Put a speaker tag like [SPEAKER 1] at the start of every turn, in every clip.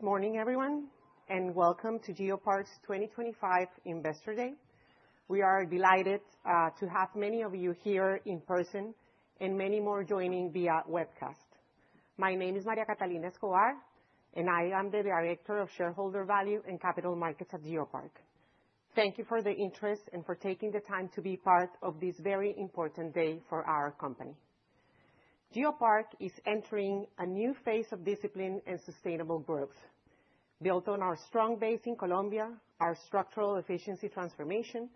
[SPEAKER 1] Good morning, everyone, and welcome to GeoPark's 2025 Investor Day. We are delighted to have many of you here in person and many more joining via webcast. My name is María Catalina Escobar, and I am the Director of Shareholder Value and Capital Markets at GeoPark. Thank you for the interest and for taking the time to be part of this very important day for our company. GeoPark is entering a new phase of discipline and sustainable growth, built on our strong base in Colombia, our structural efficiency transformation,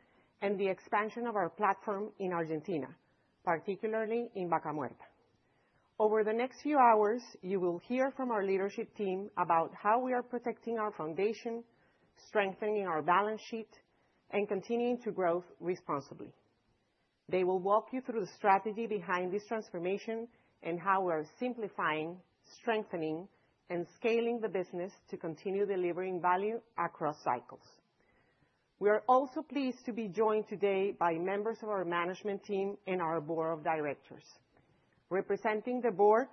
[SPEAKER 1] and the expansion of our platform in Argentina, particularly in Vaca Muerta. Over the next few hours, you will hear from our leadership team about how we are protecting our foundation, strengthening our balance sheet, and continuing to grow responsibly. They will walk you through the strategy behind this transformation and how we are simplifying, strengthening, and scaling the business to continue delivering value across cycles. We are also pleased to be joined today by members of our management team and our board of directors. Representing the board,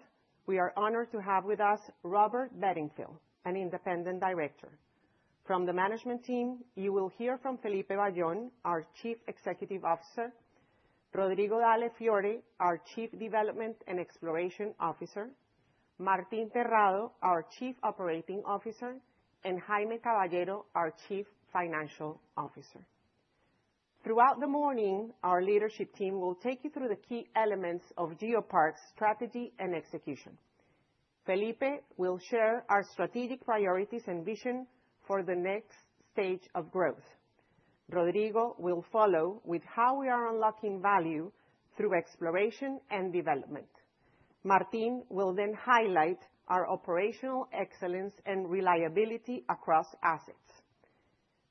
[SPEAKER 1] we are honored to have with us Robert Bedingfield, an independent director. From the management team, you will hear from Felipe Bayón, our Chief Executive Officer, Rodrigo Dalle Fiore, our Chief Development and Exploration Officer, Martín Terrado, our Chief Operating Officer, and Jaime Caballero, our Chief Financial Officer. Throughout the morning, our leadership team will take you through the key elements of GeoPark's strategy and execution. Felipe will share our strategic priorities and vision for the next stage of growth. Rodrigo will follow with how we are unlocking value through exploration and development. Martín will then highlight our operational excellence and reliability across assets.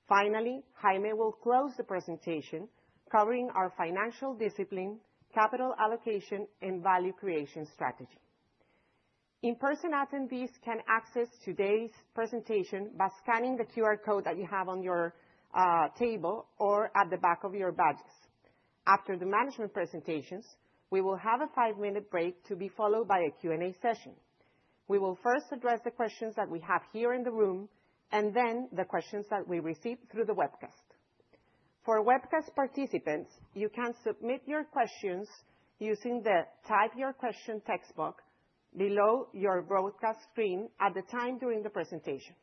[SPEAKER 1] Finally, Jaime will close the presentation covering our financial discipline, capital allocation, and value creation strategy. In-person attendees can access today's presentation by scanning the QR code that you have on your table or at the back of your badges. After the management presentations, we will have a five-minute break to be followed by a Q&A session. We will first address the questions that we have here in the room and then the questions that we receive through the webcast. For webcast participants, you can submit your questions using the Type Your Question text box below your broadcast screen at any time during the presentation.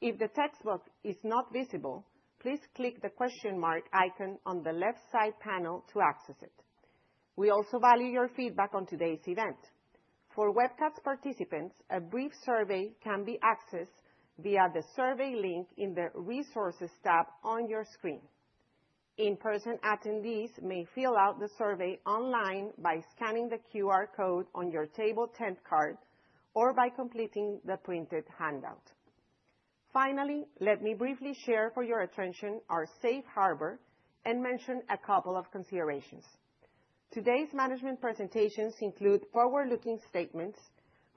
[SPEAKER 1] If the text box is not visible, please click the question mark icon on the left side panel to access it. We also value your feedback on today's event. For webcast participants, a brief survey can be accessed via the survey link in the Resources tab on your screen. In-person attendees may fill out the survey online by scanning the QR code on your table tent card or by completing the printed handout. Finally, let me briefly share for your attention our Safe Harbor and mention a couple of considerations. Today's management presentations include forward-looking statements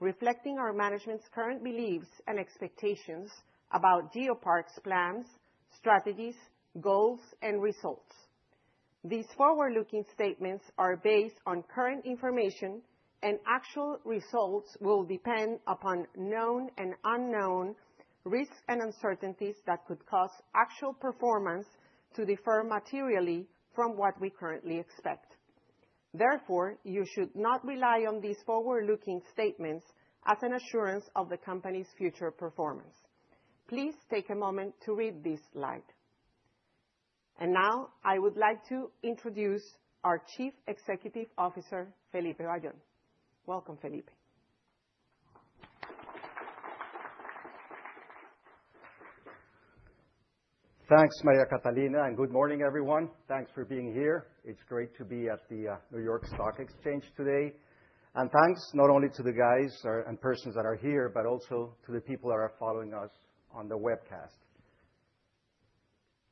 [SPEAKER 1] reflecting our management's current beliefs and expectations about GeoPark's plans, strategies, goals, and results. These forward-looking statements are based on current information, and actual results will depend upon known and unknown risks and uncertainties that could cause actual performance to differ materially from what we currently expect. Therefore, you should not rely on these forward-looking statements as an assurance of the company's future performance. Please take a moment to read this slide. Now, I would like to introduce our Chief Executive Officer, Felipe Bayón. Welcome, Felipe.
[SPEAKER 2] Thanks, María Catalina, and good morning, everyone. Thanks for being here. It's great to be at the New York Stock Exchange today, and thanks not only to the guys and persons that are here, but also to the people that are following us on the webcast.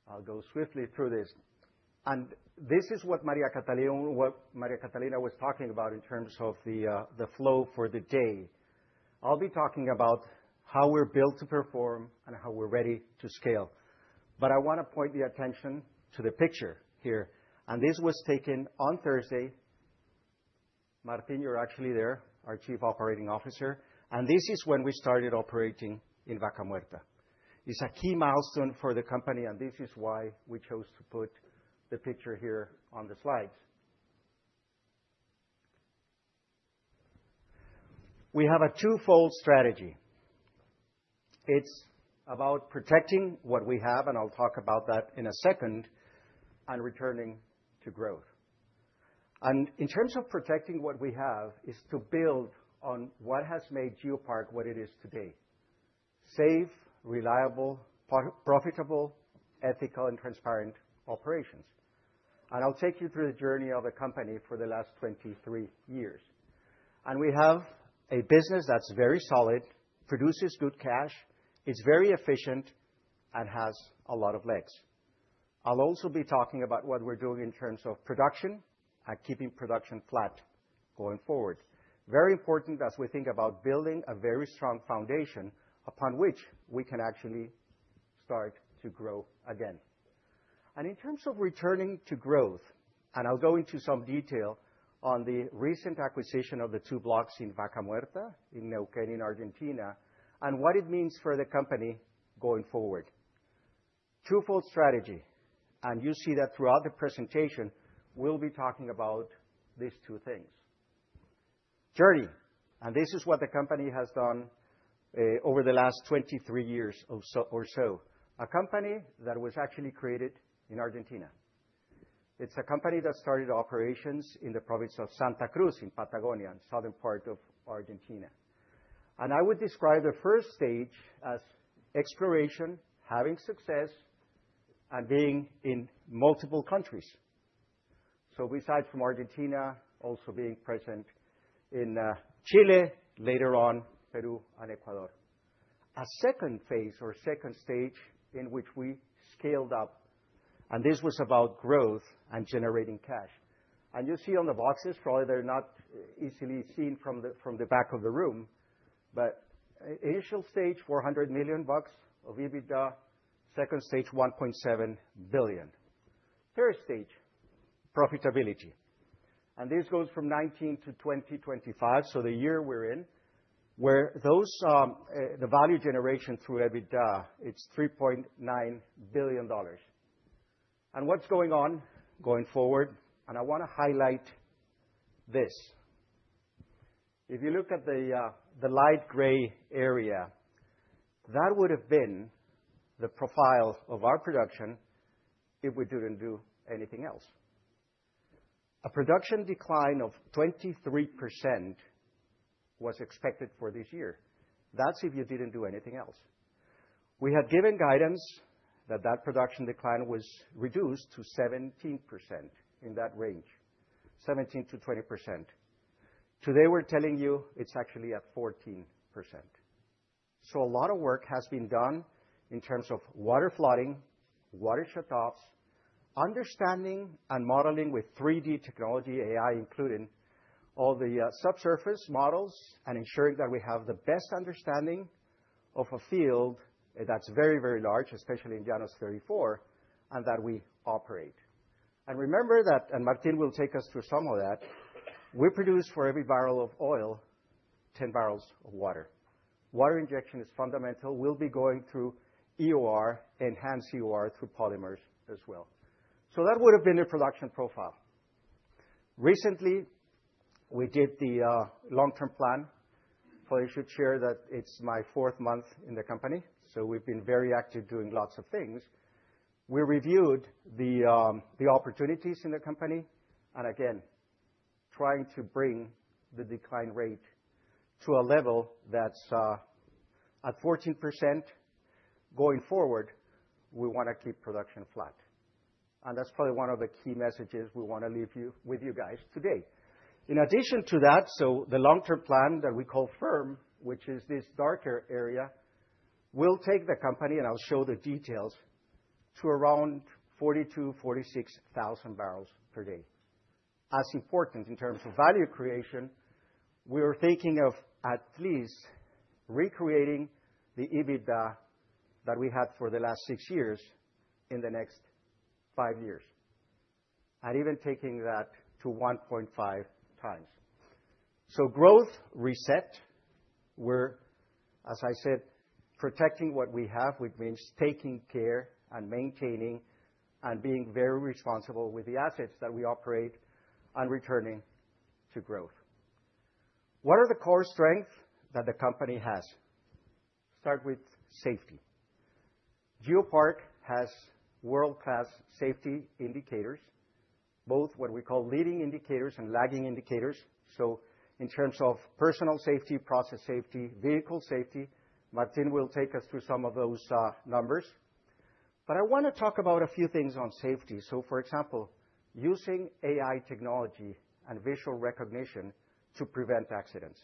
[SPEAKER 2] I'll go swiftly through this, and this is what María Catalina was talking about in terms of the flow for the day. I'll be talking about how we're built to perform and how we're ready to scale, but I want to point the attention to the picture here, and this was taken on Thursday. Martín, you're actually there, our Chief Operating Officer, and this is when we started operating in Vaca Muerta. It's a key milestone for the company, and this is why we chose to put the picture here on the slides. We have a twofold strategy. It's about protecting what we have, and I'll talk about that in a second, and returning to growth. And in terms of protecting what we have, it's to build on what has made GeoPark what it is today, safe, reliable, profitable, ethical, and transparent operations. And I'll take you through the journey of the company for the last 23 years. And we have a business that's very solid, produces good cash, is very efficient, and has a lot of legs. I'll also be talking about what we're doing in terms of production and keeping production flat going forward. Very important as we think about building a very strong foundation upon which we can actually start to grow again. And in terms of returning to growth, and I'll go into some detail on the recent acquisition of the two blocks in Vaca Muerta in Neuquén, in Argentina, and what it means for the company going forward. Twofold strategy. And you see that throughout the presentation, we'll be talking about these two things. Journey. And this is what the company has done, over the last 23 years or so. A company that was actually created in Argentina. It's a company that started operations in the province of Santa Cruz in Patagonia, southern part of Argentina. And I would describe the first stage as exploration, having success, and being in multiple countries. So besides from Argentina, also being present in Chile, later on Peru and Ecuador. A second phase or second stage in which we scaled up. And this was about growth and generating cash. And you see on the boxes, probably they're not easily seen from the back of the room, but initial stage, $400 million of EBITDA. Second stage, $1.7 billion. Third stage, profitability. And this goes from 2019 to 2025, so the year we're in, where the value generation through EBITDA, it's $3.9 billion. And what's going forward, and I want to highlight this. If you look at the light gray area, that would have been the profile of our production if we didn't do anything else. A production decline of 23% was expected for this year. That's if you didn't do anything else. We had given guidance that production decline was reduced to 17%-20%. Today, we're telling you it's actually at 14%. A lot of work has been done in terms of water flooding, water shutoffs, understanding and modeling with 3D technology, AI included, all the subsurface models, and ensuring that we have the best understanding of a field that's very, very large, especially in Llanos 34, and that we operate. Remember that, and Martín will take us through some of that, we produce for every barrel of oil, 10 barrels of water. Water injection is fundamental. We'll be going through EOR, enhanced EOR through polymers as well. That would have been the production profile. Recently, we did the long-term plan. I should share that it's my fourth month in the company, so we've been very active doing lots of things. We reviewed the opportunities in the company, and again, trying to bring the decline rate to a level that's at 14%. Going forward, we want to keep production flat. And that's probably one of the key messages we want to leave you with you guys today. In addition to that, so the long-term plan that we call firm, which is this darker area, will take the company, and I'll show the details, to around 42,000-46,000 barrels per day. As important in terms of value creation, we are thinking of at least recreating the EBITDA that we had for the last six years in the next five years, and even taking that to 1.5x. So growth reset, we're, as I said, protecting what we have, which means taking care and maintaining and being very responsible with the assets that we operate and returning to growth. What are the core strengths that the company has? Start with safety. GeoPark has world-class safety indicators, both what we call leading indicators and lagging indicators. So in terms of personal safety, process safety, vehicle safety, Martín will take us through some of those numbers. But I want to talk about a few things on safety. So for example, using AI technology and visual recognition to prevent accidents.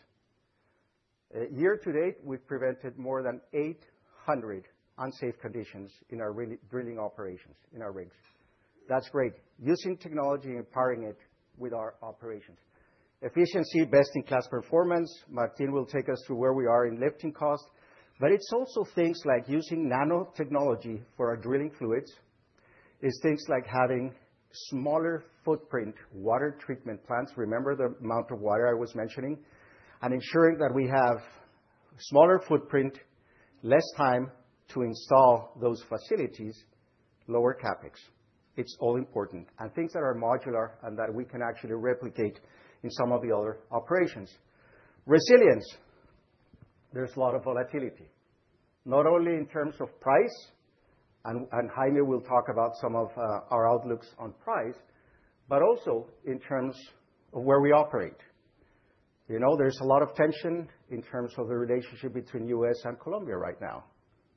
[SPEAKER 2] Year to date, we've prevented more than 800 unsafe conditions in our drilling operations, in our rigs. That's great. Using technology and powering it with our operations. Efficiency, best-in-class performance. Martín will take us through where we are in lifting cost. But it's also things like using nanotechnology for our drilling fluids. It's things like having smaller footprint water treatment plants. Remember the amount of water I was mentioning? And ensuring that we have smaller footprint, less time to install those facilities, lower CapEx. It's all important. And things that are modular and that we can actually replicate in some of the other operations. Resilience. There's a lot of volatility. Not only in terms of price, and Jaime will talk about some of, our outlooks on price, but also in terms of where we operate. You know, there's a lot of tension in terms of the relationship between the U.S. and Colombia right now,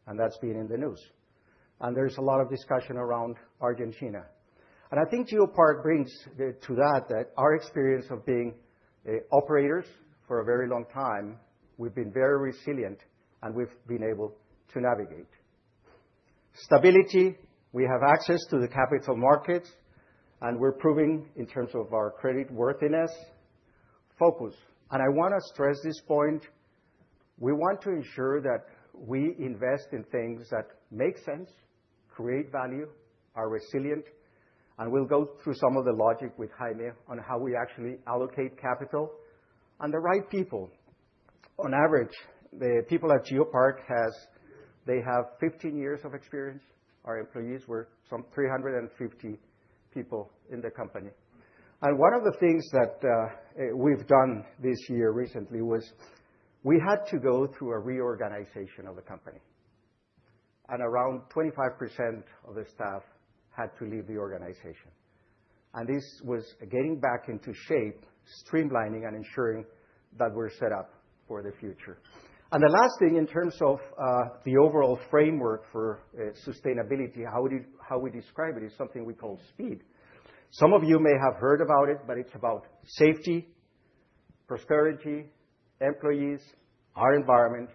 [SPEAKER 2] and that's been in the news. And there's a lot of discussion around Argentina. And I think GeoPark brings to that that our experience of being operators for a very long time, we've been very resilient, and we've been able to navigate. Stability. We have access to the capital markets, and we're proving in terms of our credit worthiness. Focus. And I want to stress this point. We want to ensure that we invest in things that make sense, create value, are resilient, and we'll go through some of the logic with Jaime on how we actually allocate capital and the right people. On average, the people at GeoPark, they have 15 years of experience. Our employees were some 350 people in the company. And one of the things that we've done this year recently was we had to go through a reorganization of the company. And around 25% of the staff had to leave the organization. And this was getting back into shape, streamlining, and ensuring that we're set up for the future. And the last thing in terms of the overall framework for sustainability, how we describe it is something we call SPEED. Some of you may have heard about it, but it's about safety, prosperity, employees, our environment,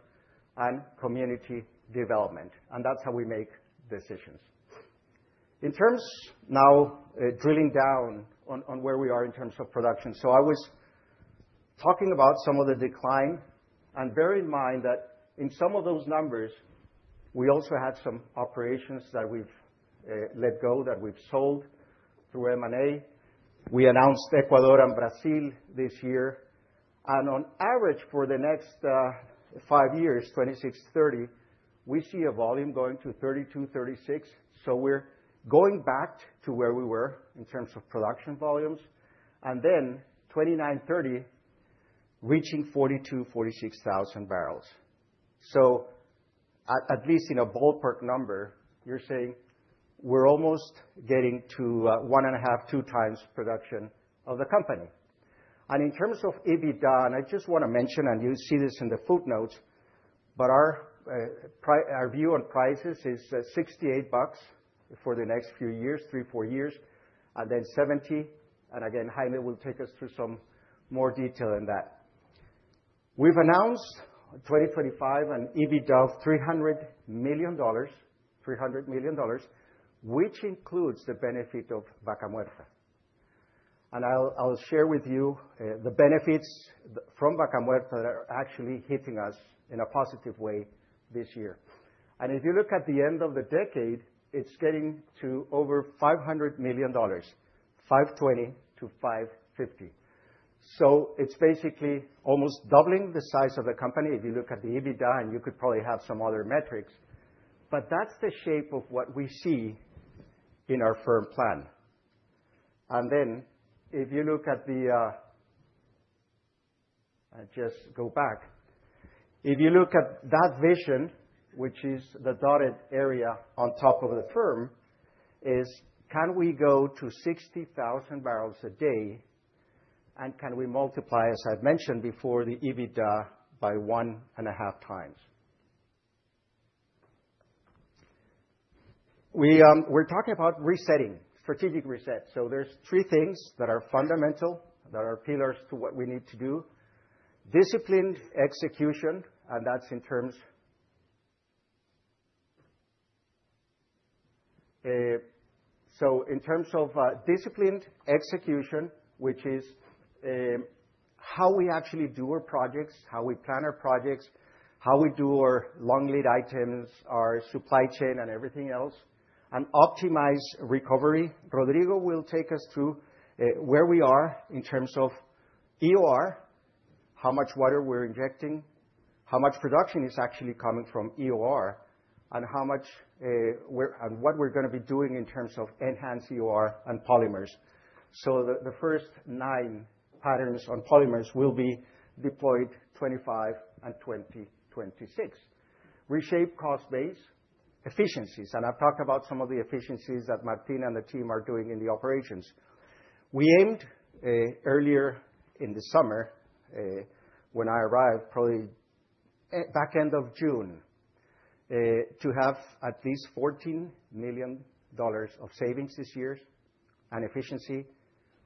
[SPEAKER 2] and community development. And that's how we make decisions. In terms now, drilling down on where we are in terms of production. So I was talking about some of the decline, and bear in mind that in some of those numbers, we also had some operations that we've let go, that we've sold through M&A. We announced Ecuador and Brazil this year. And on average, for the next five years, 26-30, we see a volume going to 32,000-36,000. So we're going back to where we were in terms of production volumes. And then 29,000-30,000, reaching 42,000-46,000 barrels. So at least in a ballpark number, you're saying we're almost getting to one and a half, two times production of the company. And in terms of EBITDA, I just want to mention, and you see this in the footnotes, but our view on prices is $68 for the next few years, three, four years, and then $70. And again, Jaime will take us through some more detail in that. We've announced 2025 an EBITDA of $300 million, $300 million, which includes the benefit of Vaca Muerta. And I'll share with you the benefits from Vaca Muerta that are actually hitting us in a positive way this year. And if you look at the end of the decade, it's getting to over $500 million, $520 million-$550 million. So it's basically almost doubling the size of the company. If you look at the EBITDA, and you could probably have some other metrics, but that's the shape of what we see in our firm plan. And then, if you look at the, I'll just go back. If you look at that vision, which is the dotted area on top of the firm, is can we go to 60,000 barrels a day, and can we multiply, as I've mentioned before, the EBITDA by one and a half times? We're talking about resetting, strategic reset. So there's three things that are fundamental, that are pillars to what we need to do. Disciplined execution, and that's in terms of disciplined execution, which is how we actually do our projects, how we plan our projects, how we do our long lead items, our supply chain, and everything else, and optimize recovery. Rodrigo will take us through where we are in terms of EOR, how much water we're injecting, how much production is actually coming from EOR, and what we're going to be doing in terms of enhanced EOR and polymers, so the first nine patterns on polymers will be deployed 2025 and 2026, reshape cost-based efficiencies, and I've talked about some of the efficiencies that Martín and the team are doing in the operations. We aimed earlier in the summer, when I arrived, probably back end of June, to have at least $14 million of savings this year and efficiency.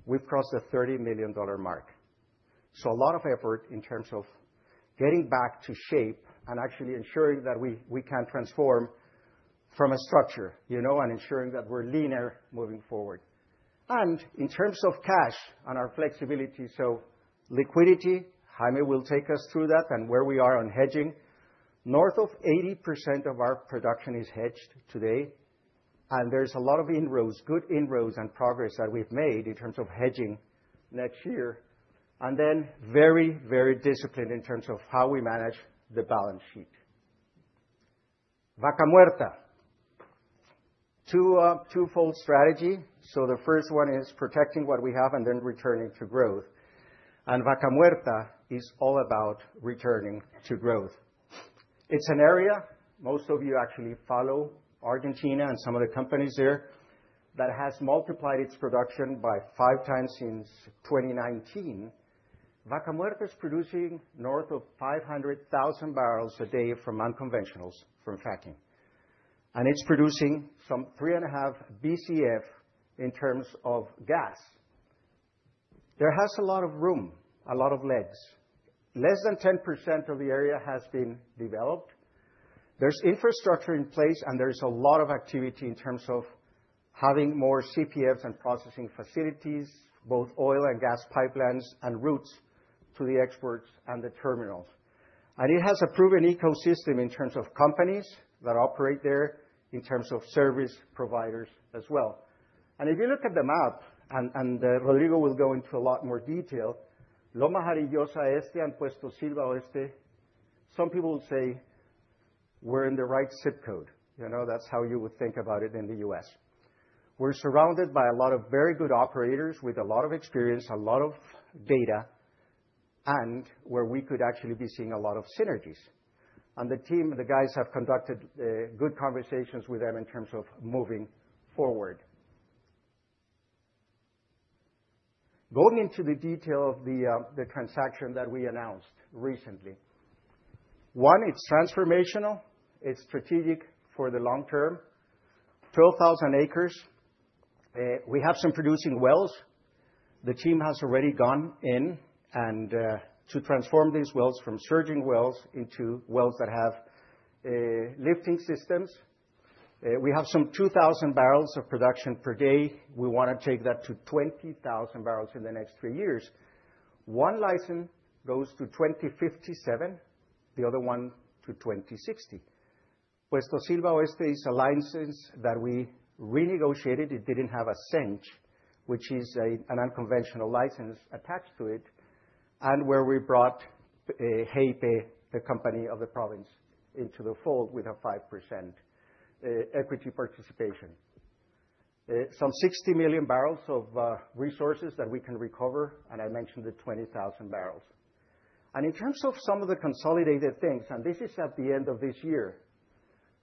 [SPEAKER 2] We've crossed the $30 million mark, so a lot of effort in terms of getting back to shape and actually ensuring that we can transform from a structure, you know, and ensuring that we're leaner moving forward. And in terms of cash and our flexibility, so liquidity, Jaime will take us through that and where we are on hedging. North of 80% of our production is hedged today, and there's a lot of inroads, good inroads and progress that we've made in terms of hedging next year. And then very, very disciplined in terms of how we manage the balance sheet. Vaca Muerta. Twofold strategy. So the first one is protecting what we have and then returning to growth. And Vaca Muerta is all about returning to growth. It's an area most of you actually follow, Argentina and some of the companies there, that has multiplied its production by five times since 2019. Vaca Muerta is producing north of 500,000 barrels a day from unconventionals, from fracking. And it's producing some 3.5 bcf in terms of gas. There's a lot of room, a lot of legs. Less than 10% of the area has been developed. There's infrastructure in place, and there's a lot of activity in terms of having more CPFs and processing facilities, both oil and gas pipelines and routes to the exports and the terminals. And it has a proven ecosystem in terms of companies that operate there in terms of service providers as well. And if you look at the map, and Rodrigo will go into a lot more detail, Loma Jarillosa Este and Puesto Silva Oeste, some people will say we're in the right zip code. You know, that's how you would think about it in the U.S. We're surrounded by a lot of very good operators with a lot of experience, a lot of data, and where we could actually be seeing a lot of synergies. And the team, the guys have conducted good conversations with them in terms of moving forward. Going into the detail of the transaction that we announced recently. One, it's transformational. It's strategic for the long-term. 12,000 acres. We have some producing wells. The team has already gone in and to transform these wells from surging wells into wells that have lifting systems. We have some 2,000 barrels of production per day. We want to take that to 20,000 barrels in the next three years. One license goes to 2057, the other one to 2060. Puesto Silva Oeste is a license that we renegotiated. It didn't have a CENCH, which is an unconventional license attached to it, and where we brought GyP, the company of the province, into the fold with a 5% equity participation. Some 60 million barrels of resources that we can recover, and I mentioned the 20,000 barrels, and in terms of some of the consolidated things, and this is at the end of this year,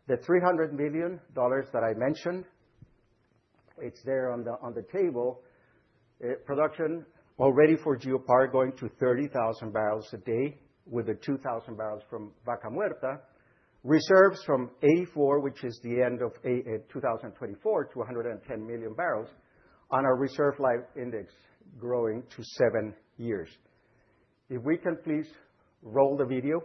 [SPEAKER 2] the $300 million that I mentioned, it's there on the table. Production already for GeoPark going to 30,000 barrels a day with the 2,000 barrels from Vaca Muerta. Reserves from 84, which is the end of 2024, to 110 million barrels on our reserve life index growing to seven years. If we can please roll the video.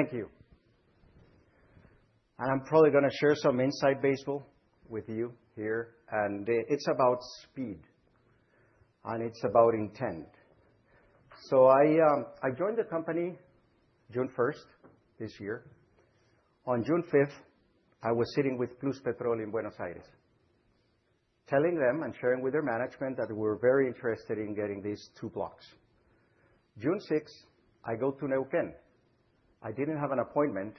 [SPEAKER 2] Thank you, and I'm probably going to share some inside baseball with you here, and it's about speed, and it's about intent, so I joined the company June 1st this year. On June 5th, I was sitting with Pluspetrol in Buenos Aires, telling them and sharing with their management that we were very interested in getting these two blocks. June 6th, I go to Neuquén. I didn't have an appointment,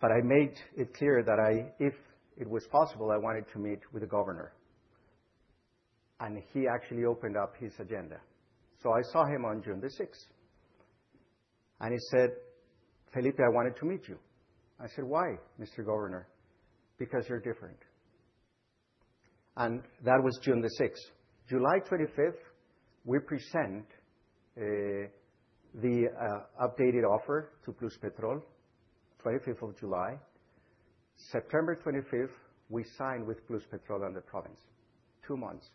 [SPEAKER 2] but I made it clear that I, if it was possible, I wanted to meet with the governor. And he actually opened up his agenda. So I saw him on June the 6th, and he said, "Felipe, I wanted to meet you." I said, "Why, Mr. Governor?" "Because you're different." And that was June the 6th. July 25th, we present the updated offer to Pluspetrol, 25th of July. September 25th, we sign with Pluspetrol and the province. Two months.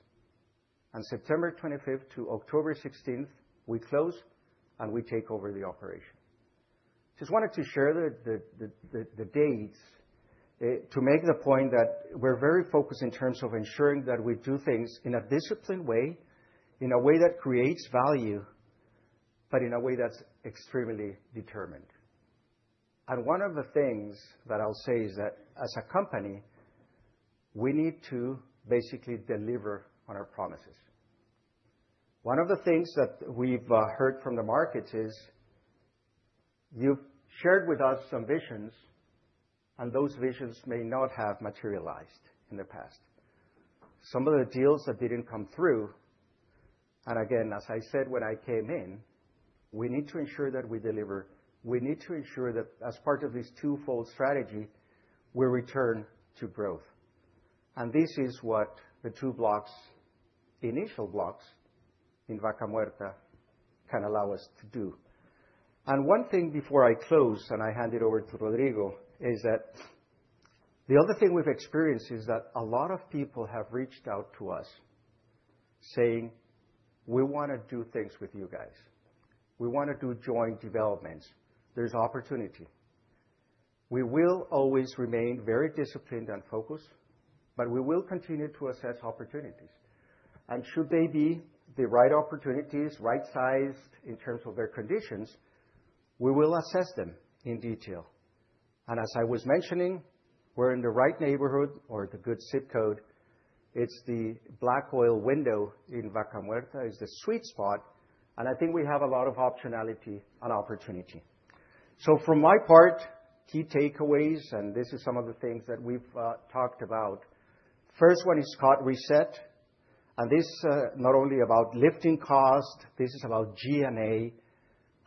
[SPEAKER 2] And September 25th to October 16th, we close and we take over the operation. Just wanted to share the dates to make the point that we're very focused in terms of ensuring that we do things in a disciplined way, in a way that creates value, but in a way that's extremely determined, and one of the things that I'll say is that as a company, we need to basically deliver on our promises. One of the things that we've heard from the markets is you've shared with us some visions, and those visions may not have materialized in the past. Some of the deals that didn't come through, and again, as I said when I came in, we need to ensure that we deliver. We need to ensure that as part of this twofold strategy, we return to growth, and this is what the two blocks, initial blocks in Vaca Muerta, can allow us to do. And one thing before I close and I hand it over to Rodrigo is that the other thing we've experienced is that a lot of people have reached out to us saying, "We want to do things with you guys. We want to do joint developments. There's opportunity. We will always remain very disciplined and focused, but we will continue to assess opportunities. And should they be the right opportunities, right-sized in terms of their conditions, we will assess them in detail." And as I was mentioning, we're in the right neighborhood or the good zip code. It's the black oil window in Vaca Muerta. It's the sweet spot. And I think we have a lot of optionality and opportunity. So from my part, key takeaways, and this is some of the things that we've talked about. First one is cost reset. And this is not only about lifting cost, this is about G&A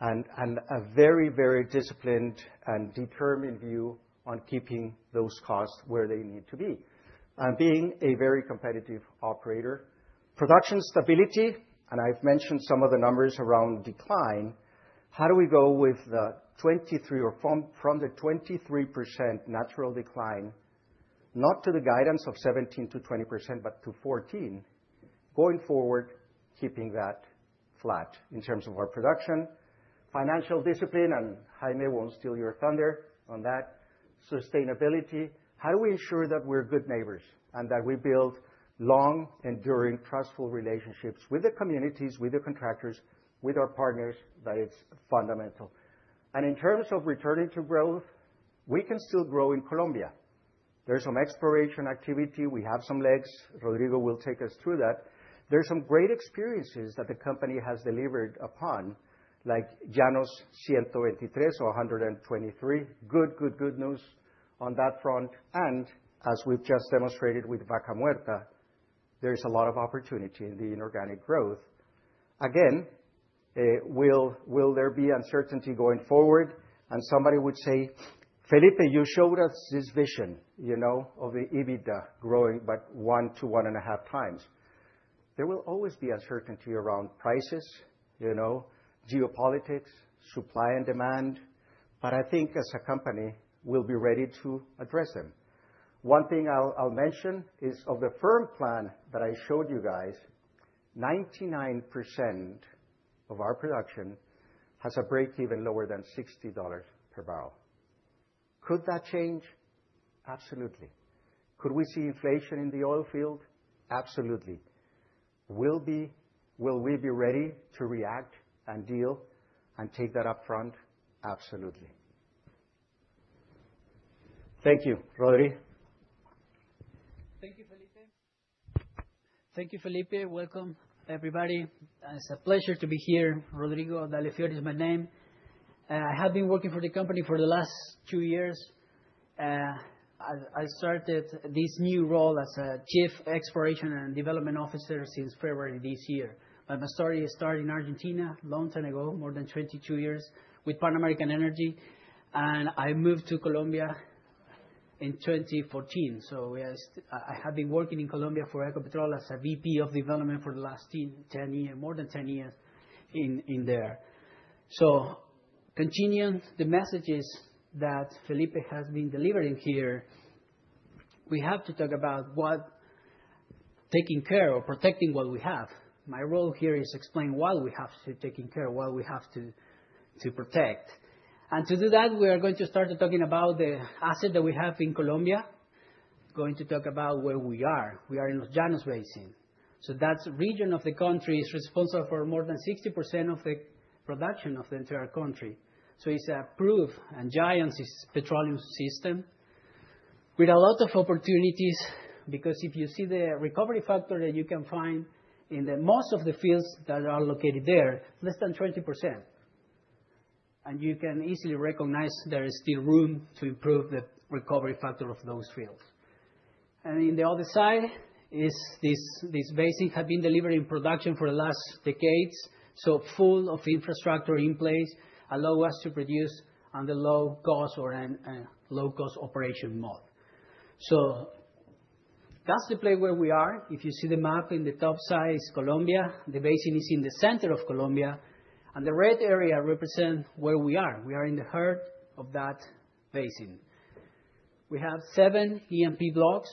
[SPEAKER 2] and a very, very disciplined and determined view on keeping those costs where they need to be and being a very competitive operator. Production stability, and I've mentioned some of the numbers around decline. How do we go with the 23 or from the 23% natural decline, not to the guidance of 17%-20%, but to 14% going forward, keeping that flat in terms of our production. Financial discipline, and Jaime won't steal your thunder on that. Sustainability. How do we ensure that we're good neighbors and that we build long, enduring, trustful relationships with the communities, with the contractors, with our partners? That it's fundamental. And in terms of returning to growth, we can still grow in Colombia. There's some exploration activity. We have some legs. Rodrigo will take us through that. There's some great experiences that the company has delivered upon, like Llanos 123 or 123. Good, good, good news on that front, and as we've just demonstrated with Vaca Muerta, there's a lot of opportunity in the inorganic growth. Again, will there be uncertainty going forward, and somebody would say, "Felipe, you showed us this vision, you know, of the EBITDA growing, but one to one and a half times"? There will always be uncertainty around prices, you know, geopolitics, supply and demand, but I think as a company, we'll be ready to address them. One thing I'll mention is of the firm plan that I showed you guys, 99% of our production has a break-even lower than $60 per barrel. Could that change? Absolutely. Could we see inflation in the oil field? Absolutely. Will we be ready to react and deal and take that upfront? Absolutely. Thank you, Rodrigo.
[SPEAKER 3] Thank you, Felipe. Thank you, Felipe. Welcome, everybody. It's a pleasure to be here. Rodrigo Dalle Fiore is my name. I have been working for the company for the last two years. I started this new role as Chief Exploration and Development Officer since February this year. My story started in Argentina a long time ago, more than 22 years with Pan American Energy, and I moved to Colombia in 2014. So I have been working in Colombia for Ecopetrol as a VP of Development for the last 10 years, more than 10 years in there. So continuing the messages that Felipe has been delivering here, we have to talk about what taking care or protecting what we have. My role here is to explain what we have to take care of, what we have to protect. To do that, we are going to start talking about the asset that we have in Colombia, going to talk about where we are. We are in Los Llanos Basin. That region of the country is responsible for more than 60% of the production of the entire country. It's a proven and giant petroleum system with a lot of opportunities because if you see the recovery factor that you can find in most of the fields that are located there, it's less than 20%. You can easily recognize there is still room to improve the recovery factor of those fields. On the other side, this basin has been delivering production for the last decades, so full of infrastructure in place, allowing us to produce under low cost or low cost operation mode. That's the place where we are. If you see the map in the top side, it's Colombia. The basin is in the center of Colombia. And the red area represents where we are. We are in the heart of that basin. We have seven E&P blocks.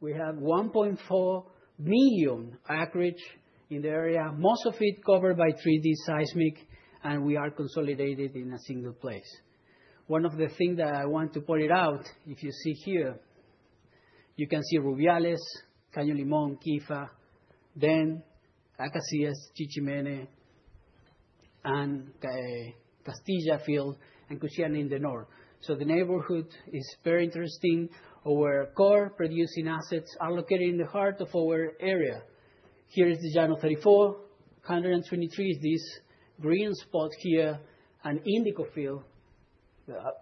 [SPEAKER 3] We have 1.4 million acreage in the area, most of it covered by 3D seismic, and we are consolidated in a single place. One of the things that I want to point out, if you see here, you can see Rubiales, Caño Limón, Quifa, then Acacías, Chichimene and Castilla field, and Cusiana in the north. So the neighborhood is very interesting. Our core producing assets are located in the heart of our area. Here is the Llanos 34. 123 is this green spot here, an Indico field.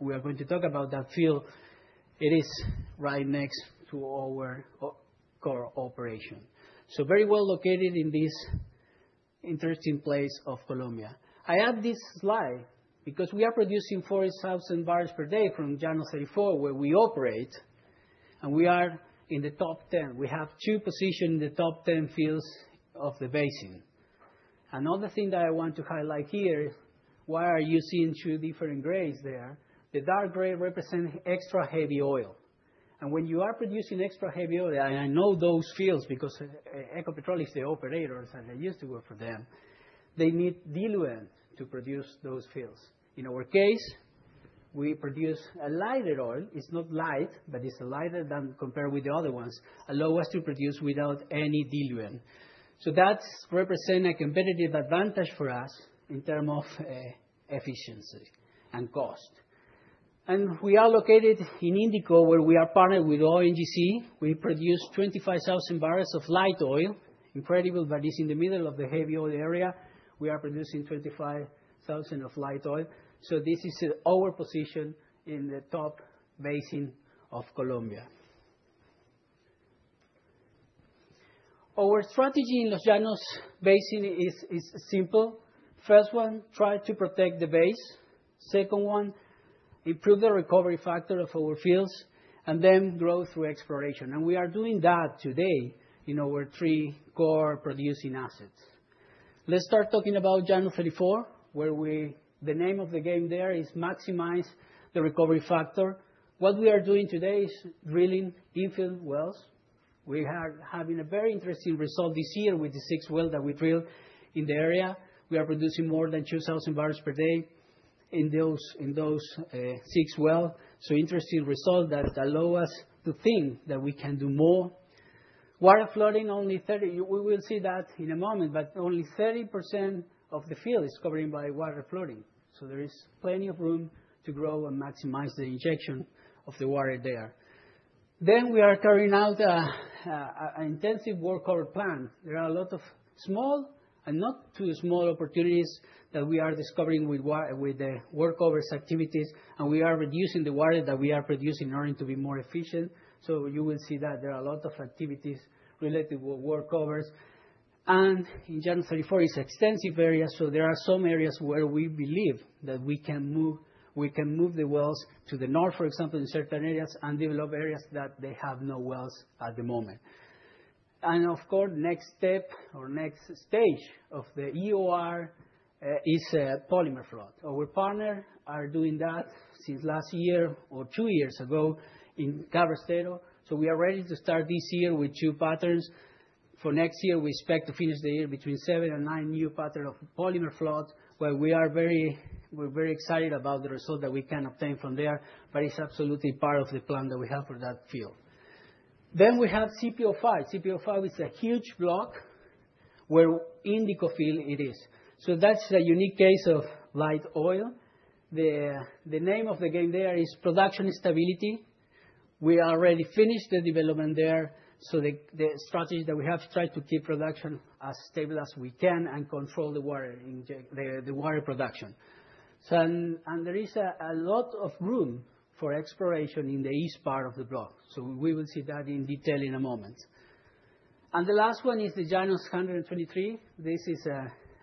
[SPEAKER 3] We are going to talk about that field. It is right next to our core operation. So very well located in this interesting place of Colombia. I add this slide because we are producing 4,000 barrels per day from Llanos 34 where we operate, and we are in the top 10. We have two positions in the top 10 fields of the basin. Another thing that I want to highlight here, why are you seeing two different grays there? The dark gray represents extra heavy oil. And when you are producing extra heavy oil, and I know those fields because Ecopetrol is the operator, as I used to work for them, they need diluent to produce those fields. In our case, we produce a lighter oil. It's not light, but it's lighter than compared with the other ones, allowing us to produce without any diluent. So that represents a competitive advantage for us in terms of efficiency and cost. We are located in Indico where we are partnered with ONGC. We produce 25,000 barrels of light oil. Incredible, but it's in the middle of the heavy oil area. We are producing 25,000 of light oil. This is our position in the top basin of Colombia. Our strategy in Los Llanos Basin is simple. First one, try to protect the base. Second one, improve the recovery factor of our fields and then grow through exploration. We are doing that today in our three core producing assets. Let's start talking about Llanos 34, where the name of the game there is maximize the recovery factor. What we are doing today is drilling infill wells. We are having a very interesting result this year with the six wells that we drilled in the area. We are producing more than 2,000 barrels per day in those six wells. So, interesting result that allows us to think that we can do more. Water flooding, only 30%, we will see that in a moment, but only 30% of the field is covered by water flooding. So there is plenty of room to grow and maximize the injection of the water there. Then we are carrying out an intensive workover plan. There are a lot of small and not too small opportunities that we are discovering with the workover activities, and we are reducing the water that we are producing in order to be more efficient. So you will see that there are a lot of activities related to workovers. And in Llanos 34, it is an extensive area, so there are some areas where we believe that we can move the wells to the north, for example, in certain areas, and develop areas that they have no wells at the moment. And of course, next step or next stage of the EOR is polymer flood. Our partners are doing that since last year or two years ago in Cabrestero. So we are ready to start this year with two patterns. For next year, we expect to finish the year between seven and nine new patterns of polymer flood, where we are very excited about the result that we can obtain from there, but it's absolutely part of the plan that we have for that field. Then we have CPO-5. CPO-5 is a huge block where Indico field it is. So that's a unique case of light oil. The name of the game there is production stability. We already finished the development there. So the strategy that we have is to try to keep production as stable as we can and control the water production. There is a lot of room for exploration in the east part of the block. We will see that in detail in a moment. The last one is the Llanos 123. This is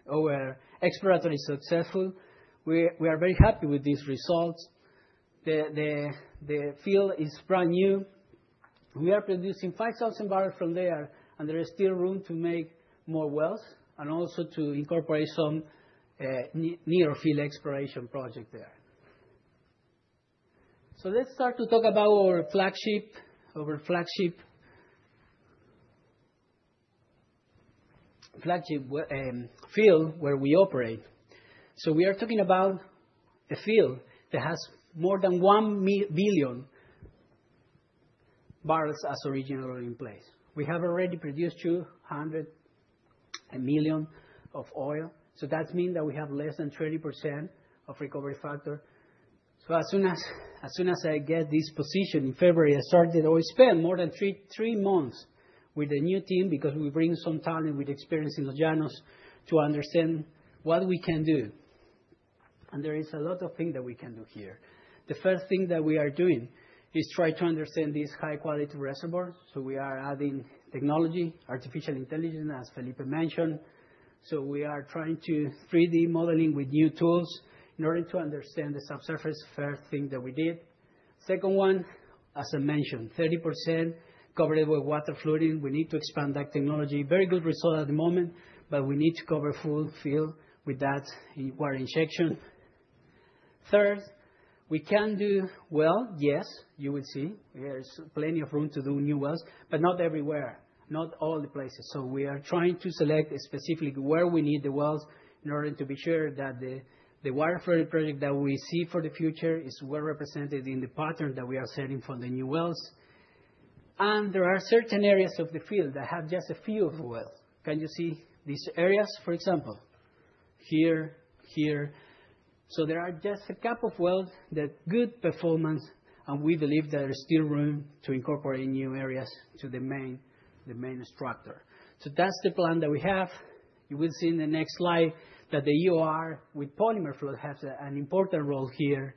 [SPEAKER 3] our exploratory successful. We are very happy with these results. The field is brand new. We are producing 5,000 barrels from there, and there is still room to make more wells and also to incorporate some near-field exploration project there. Let's start to talk about our flagship field where we operate. We are talking about a field that has more than 1 billion barrels as originally in place. We have already produced 200 million of oil. That means that we have less than 20% of recovery factor. So as soon as I get this position in February, I started or spent more than three months with the new team because we bring some talent with experience in Los Llanos to understand what we can do. And there is a lot of things that we can do here. The first thing that we are doing is try to understand these high-quality reservoirs. So we are adding technology, artificial intelligence, as Felipe mentioned. So we are trying to 3D modeling with new tools in order to understand the subsurface first thing that we did. Second one, as I mentioned, 30% covered with water flooding. We need to expand that technology. Very good result at the moment, but we need to cover full field with that water injection. Third, we can do well, yes, you will see. There's plenty of room to do new wells, but not everywhere, not all the places, so we are trying to select specifically where we need the wells in order to be sure that the water flooding project that we see for the future is well represented in the pattern that we are setting for the new wells, and there are certain areas of the field that have just a few wells. Can you see these areas, for example? Here, here, so there are just a couple of wells that good performance, and we believe there is still room to incorporate new areas to the main structure, so that's the plan that we have. You will see in the next slide that the EOR with polymer flood has an important role here,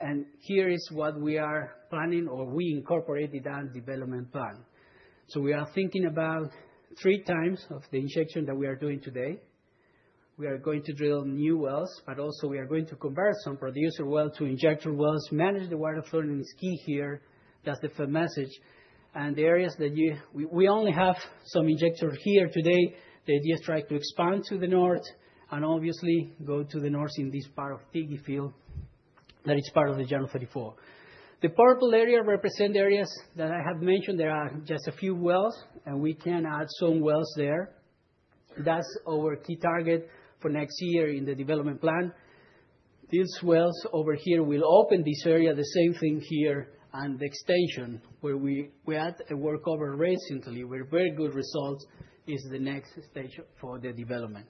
[SPEAKER 3] and here is what we are planning or we incorporated that development plan. So we are thinking about three times of the injection that we are doing today. We are going to drill new wells, but also we are going to convert some producer wells to injector wells. Manage the water flooding is key here. That's the message, and the areas that we only have some injector here today, the idea is to try to expand to the north and obviously go to the north in this part of Tigana field that is part of the Llanos 34. The purple area represents the areas that I have mentioned. There are just a few wells, and we can add some wells there. That's our key target for next year in the development plan. These wells over here will open this area, the same thing here, and the extension where we add a workover recently with very good results is the next stage for the development.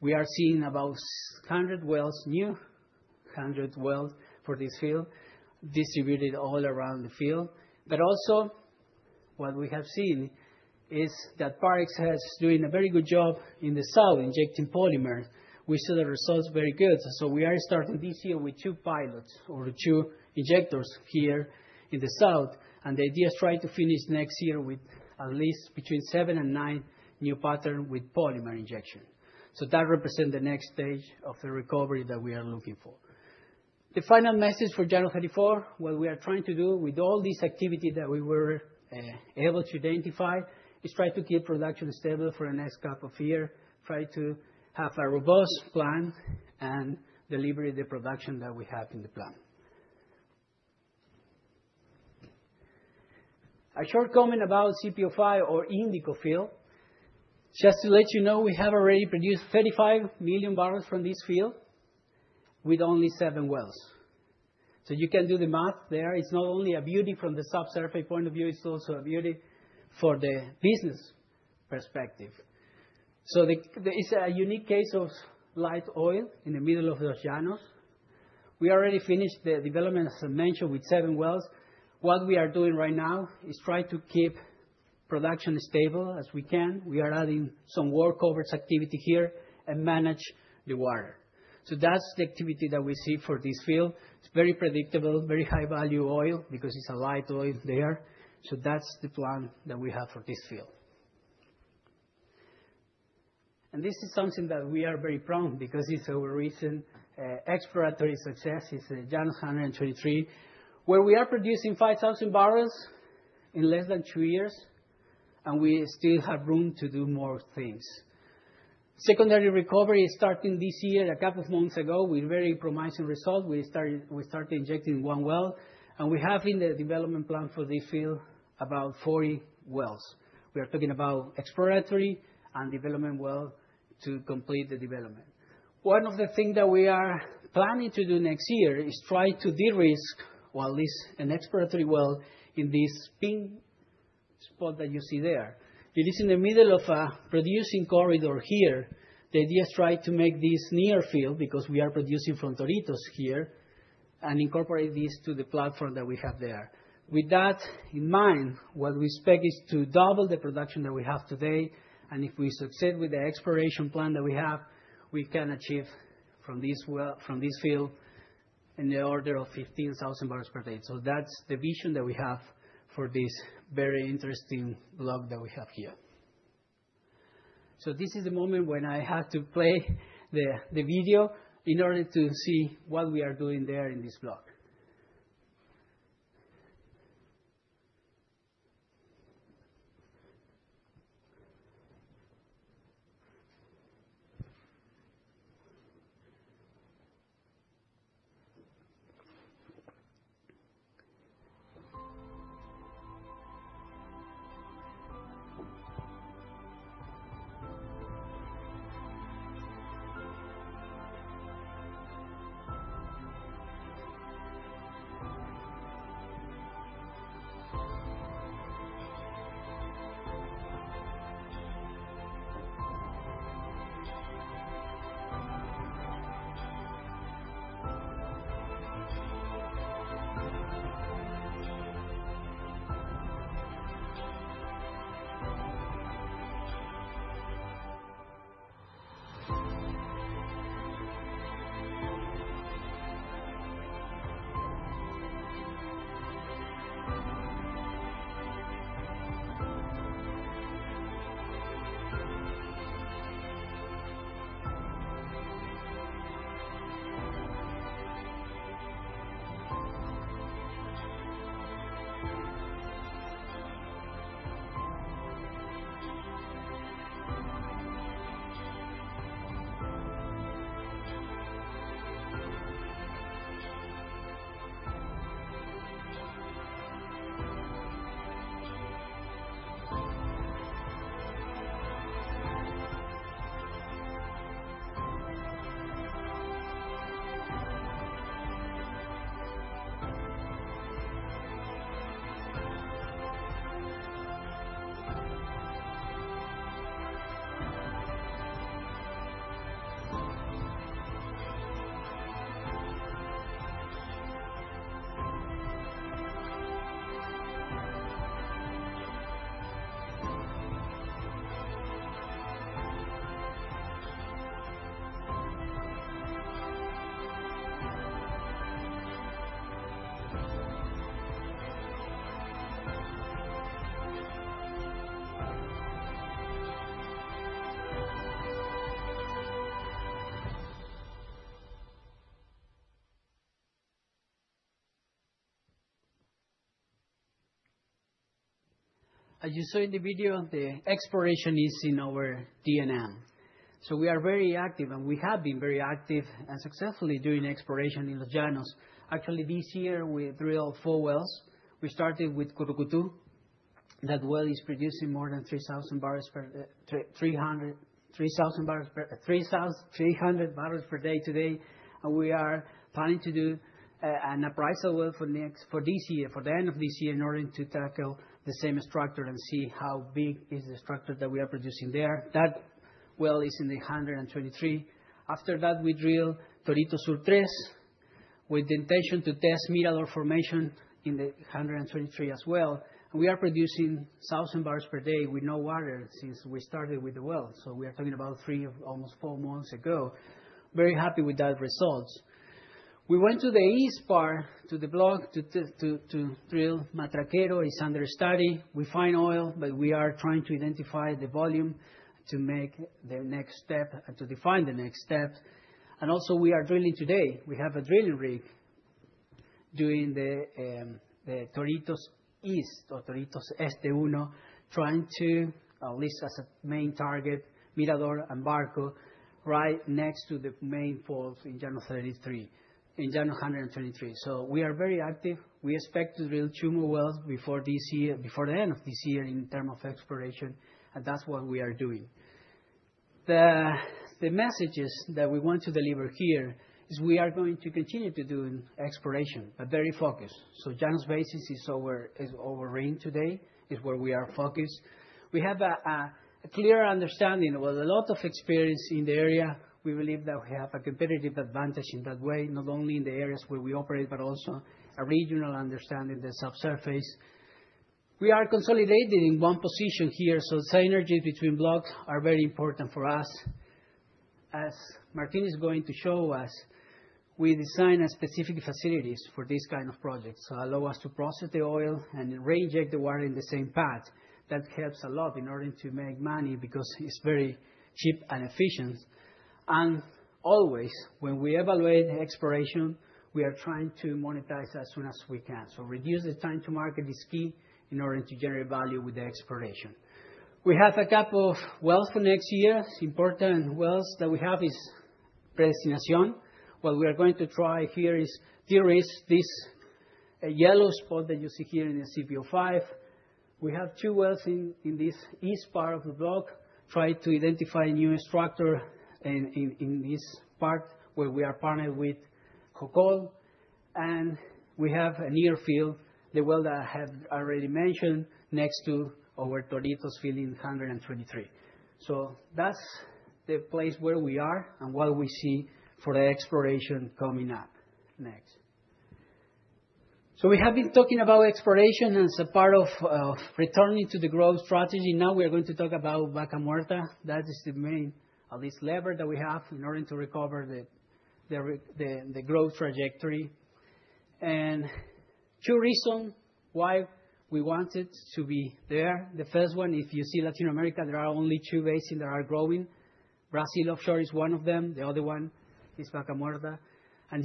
[SPEAKER 3] We are seeing about 100 wells new, 100 wells for this field distributed all around the field. But also what we have seen is that Parex has been doing a very good job in the south injecting polymer. We saw the results very good. So we are starting this year with two pilots or two injectors here in the south. And the idea is to try to finish next year with at least between seven and nine new patterns with polymer injection. So that represents the next stage of the recovery that we are looking for. The final message for Llanos 34, what we are trying to do with all this activity that we were able to identify is try to keep production stable for the next couple of years, try to have a robust plan and deliver the production that we have in the plan. A short comment about CPO-5 or Indico field. Just to let you know, we have already produced 35 million barrels from this field with only seven wells. So you can do the math there. It's not only a beauty from the subsurface point of view, it's also a beauty for the business perspective. So it's a unique case of light oil in the middle of Los Llanos. We already finished the development, as I mentioned, with seven wells. What we are doing right now is try to keep production as stable as we can. We are adding some workover activity here and manage the water. So that's the activity that we see for this field. It's very predictable, very high value oil because it's a light oil there. So that's the plan that we have for this field. And this is something that we are very proud of because it's our recent exploratory success. It's Llanos 123, where we are producing 5,000 barrels in less than two years, and we still have room to do more things. Secondary recovery is starting this year, a couple of months ago with very promising results. We started injecting one well, and we have in the development plan for this field about 40 wells. We are talking about exploratory and development well to complete the development. One of the things that we are planning to do next year is try to derisk, well, at least an exploratory well in this pink spot that you see there. It is in the middle of a producing corridor here. The idea is to try to make this near field because we are producing from Toritos here and incorporate this to the platform that we have there. With that in mind, what we expect is to double the production that we have today, and if we succeed with the exploration plan that we have, we can achieve from this field in the order of 15,000 barrels per day, so that's the vision that we have for this very interesting block that we have here, so this is the moment when I have to play the video in order to see what we are doing there in this block. As you saw in the video, the exploration is in our D&M. So we are very active, and we have been very active and successfully doing exploration in Los Llanos. Actually, this year we drilled four wells. We started with Curucucú. That well is producing more than 3,000 barrels per day today. And we are planning to do an appraisal well for this year, for the end of this year, in order to tackle the same structure and see how big is the structure that we are producing there. That well is in the 123. After that, we drilled Toritos Sur-3 with the intention to test Mirador Formation in the 123 as well. And we are producing 1,000 barrels per day with no water since we started with the well. So we are talking about three, almost four months ago. Very happy with that result. We went to the east part to the block to drill Matraquero is under study. We find oil, but we are trying to identify the volume to make the next step and to define the next step. And also, we are drilling today. We have a drilling rig doing the Toritos East or Toritos Este 1, trying to, at least as a main target, Mirador and Barco right next to the main fault in Llanos 123. So we are very active. We expect to drill two more wells before the end of this year in terms of exploration. And that's what we are doing. The messages that we want to deliver here is we are going to continue to do exploration, but very focused. So Llanos Basin is our ring today. It's where we are focused. We have a clear understanding of a lot of experience in the area. We believe that we have a competitive advantage in that way, not only in the areas where we operate, but also a regional understanding of the subsurface. We are consolidated in one position here, so synergies between blocks are very important for us. As Martín is going to show us, we designed specific facilities for this kind of project, so allow us to process the oil and re-inject the water in the same path. That helps a lot in order to make money because it's very cheap and efficient, and always, when we evaluate exploration, we are trying to monetize as soon as we can, so reduce the time to market is key in order to generate value with the exploration. We have a couple of wells for next year. Important wells that we have is Predestinación. What we are going to try here is derisk this yellow spot that you see here in the CPO-5. We have two wells in this east part of the block. Try to identify a new structure in this part where we are partnered with Hocol, and we have a near field, the well that I have already mentioned, next to our Toritos field in 123, so that's the place where we are and what we see for the exploration coming up next. So we have been talking about exploration as a part of returning to the growth strategy. Now we are going to talk about Vaca Muerta. That is the main, at least, lever that we have in order to recover the growth trajectory, and two reasons why we wanted to be there. The first one, if you see Latin America, there are only two basins that are growing. Brazil offshore is one of them. The other one is Vaca Muerta. And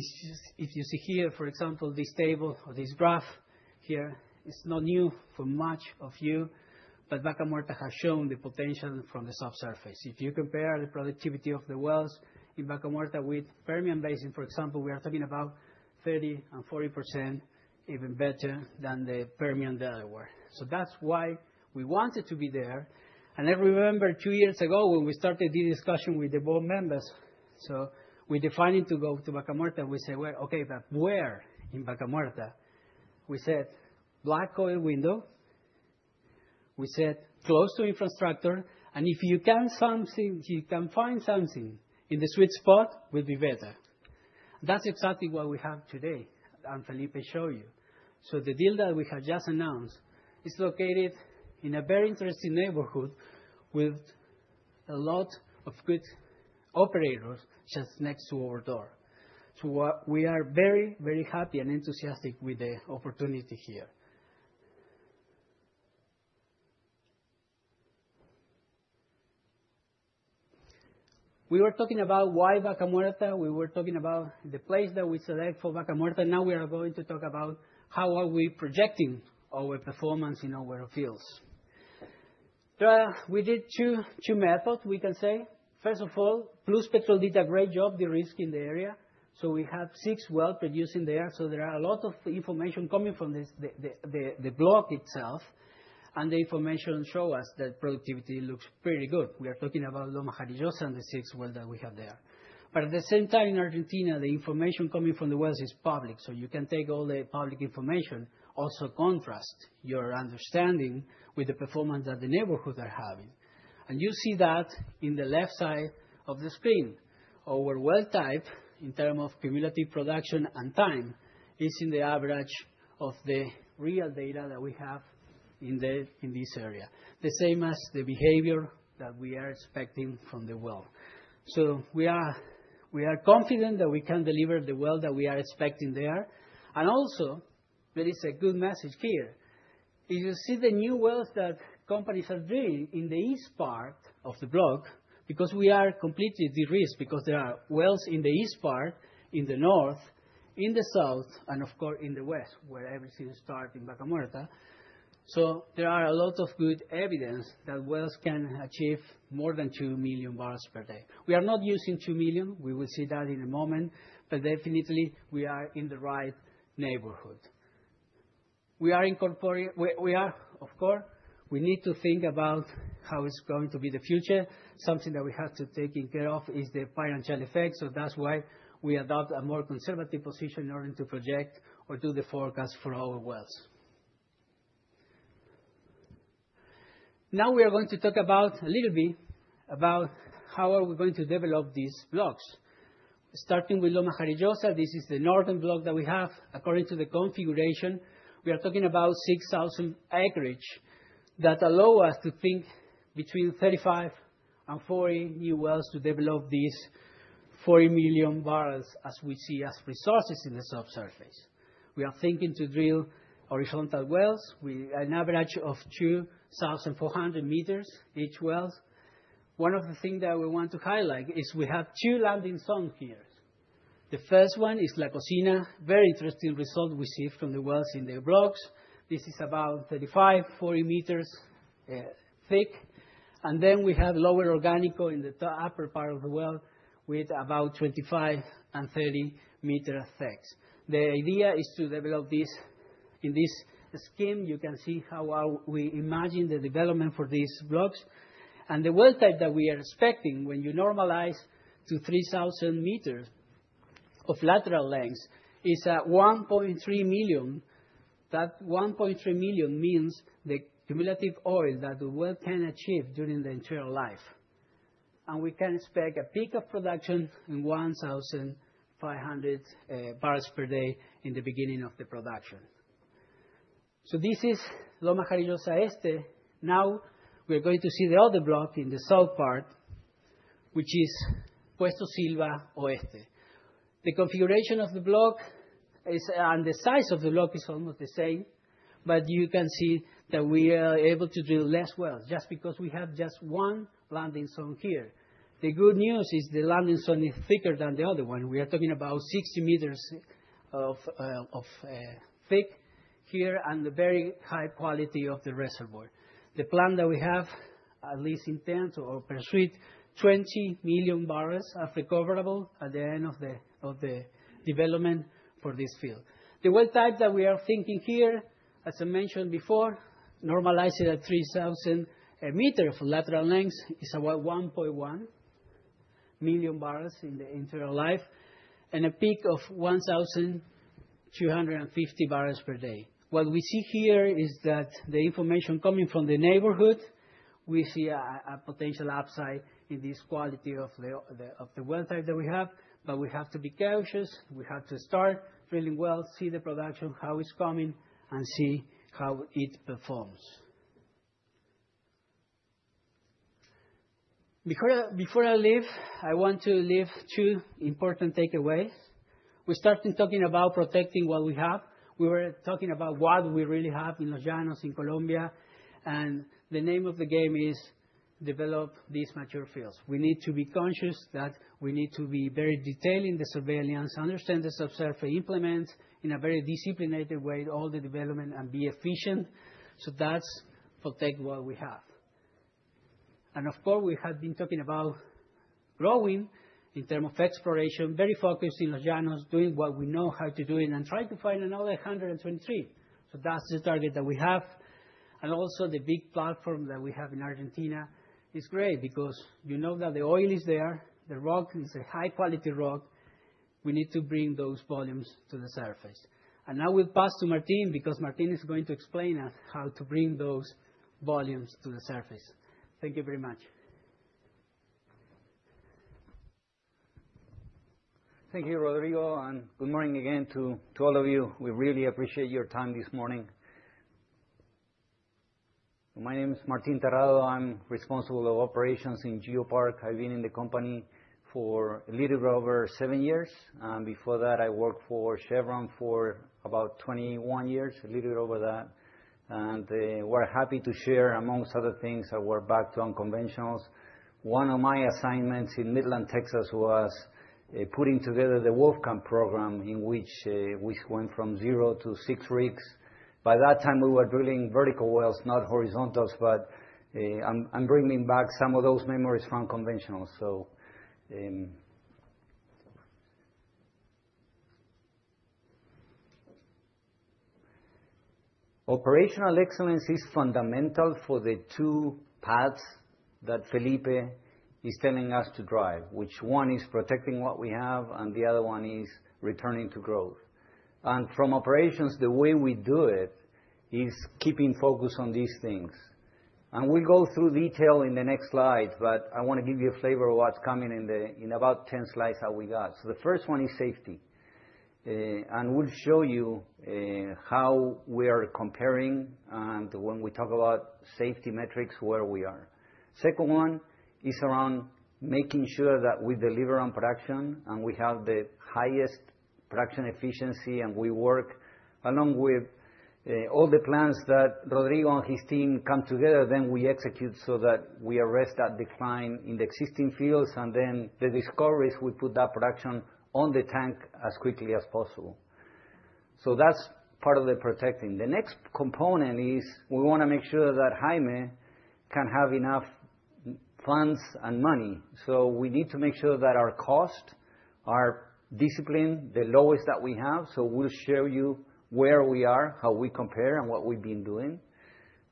[SPEAKER 3] if you see here, for example, this table or this graph here, it's not new for much of you, but Vaca Muerta has shown the potential from the subsurface. If you compare the productivity of the wells in Vaca Muerta with Permian Basin, for example, we are talking about 30%-40%, even better than the Permian Delaware. So that's why we wanted to be there. And I remember two years ago when we started the discussion with the board members. So we defined to go to Vaca Muerta. We said, "Well, okay, but where in Vaca Muerta?" We said, "Black oil window." We said, "Close to infrastructure." And if you can find something in the sweet spot, it will be better. That's exactly what we have today. And Felipe showed you. So the deal that we have just announced is located in a very interesting neighborhood with a lot of good operators just next to our door. So we are very, very happy and enthusiastic with the opportunity here. We were talking about why Vaca Muerta. We were talking about the place that we select for Vaca Muerta. Now we are going to talk about how are we projecting our performance in our fields. We did two methods, we can say. First of all, Pluspetrol did a great job derisking the area. So we have six wells producing there. So there are a lot of information coming from the block itself. And the information shows us that productivity looks pretty good. We are talking about Loma Jarillosa and the sixth well that we have there. But at the same time, in Argentina, the information coming from the wells is public. So you can take all the public information, also contrast your understanding with the performance that the neighborhood is having. And you see that in the left side of the screen. Our well type, in terms of cumulative production and time, is in the average of the real data that we have in this area. The same as the behavior that we are expecting from the well. So we are confident that we can deliver the well that we are expecting there. And also, there is a good message here. If you see the new wells that companies are drilling in the east part of the block, because we are completely derisked, because there are wells in the east part, in the north, in the south, and of course in the west, where everything starts in Vaca Muerta. So there are a lot of good evidence that wells can achieve more than two million barrels per day. We are not using two million. We will see that in a moment. But definitely, we are in the right neighborhood. Of course, we need to think about how it's going to be the future. Something that we have to take care of is the financial effects. So that's why we adopt a more conservative position in order to project or do the forecast for our wells. Now we are going to talk a little bit about how are we going to develop these blocks. Starting with Loma Jarillosa, this is the northern block that we have. According to the configuration, we are talking about 6,000 acreage that allow us to think between 35 and 40 new wells to develop these 40 million barrels as we see as resources in the subsurface. We are thinking to drill horizontal wells with an average of 2,400 meters each well. One of the things that we want to highlight is we have two landing zones here. The first one is La Cocina. Very interesting result we see from the wells in the blocks. This is about 35-40 meters thick, and then we have Lower Organic in the upper part of the well with about 25-30 meters thick. The idea is to develop this in this scheme. You can see how we imagine the development for these blocks, and the well type that we are expecting, when you normalize to 3,000 meters of lateral length, is 1.3 million. That 1.3 million means the cumulative oil that the well can achieve during the entire life. And we can expect a peak of production in 1,500 barrels per day in the beginning of the production. So this is Loma Jarillosa Este. Now we are going to see the other block in the south part, which is Puesto Silva Oeste. The configuration of the block and the size of the block is almost the same. But you can see that we are able to drill less wells just because we have just one landing zone here. The good news is the landing zone is thicker than the other one. We are talking about 60 meters of thick here and the very high quality of the reservoir. The plan that we have, at least intent or pursuit, 20 million barrels of recoverable at the end of the development for this field. The well type that we are thinking here, as I mentioned before, normalized at 3,000 meters of lateral length, is about 1.1 million barrels in the entire life, and a peak of 1,250 barrels per day. What we see here is that the information coming from the neighborhood, we see a potential upside in this quality of the well type that we have. But we have to be cautious. We have to start drilling well, see the production, how it's coming, and see how it performs. Before I leave, I want to leave two important takeaways. We started talking about protecting what we have. We were talking about what we really have in Los Llanos, in Colombia, and the name of the game is develop these mature fields. We need to be conscious that we need to be very detailed in the surveillance, understand the subsurface, implement in a very disciplined way all the development, and be efficient. So that's protect what we have. And of course, we have been talking about growing in terms of exploration, very focused in Los Llanos, doing what we know how to do it, and trying to find another 123. So that's the target that we have. And also the big platform that we have in Argentina is great because you know that the oil is there. The rock is a high-quality rock. We need to bring those volumes to the surface. And now we'll pass to Martín because Martín is going to explain us how to bring those volumes to the surface. Thank you very much.
[SPEAKER 4] Thank you, Rodrigo. And good morning again to all of you. We really appreciate your time this morning. My name is Martín Terrado. I'm responsible for operations in GeoPark. I've been in the company for a little bit over seven years. And before that, I worked for Chevron for about 21 years, a little bit over that. And we're happy to share, among other things, our background on conventionals. One of my assignments in Midland, Texas, was putting together the Wolfcamp program, in which we went from zero to six rigs. By that time, we were drilling vertical wells, not horizontals, but I'm bringing back some of those memories from conventionals. So operational excellence is fundamental for the two paths that Felipe is telling us to drive, which one is protecting what we have, and the other one is returning to growth. And from operations, the way we do it is keeping focus on these things. And we'll go through detail in the next slide, but I want to give you a flavor of what's coming in about 10 slides that we got. So the first one is safety. And we'll show you how we are comparing and when we talk about safety metrics where we are. The second one is around making sure that we deliver on production and we have the highest production efficiency. And we work along with all the plans that Rodrigo and his team come together, then we execute so that we arrest that decline in the existing fields. And then the discoveries, we put that production on the tank as quickly as possible. So that's part of the protecting. The next component is we want to make sure that Jaime can have enough funds and money. We need to make sure that our costs are disciplined, the lowest that we have. We'll show you where we are, how we compare, and what we've been doing.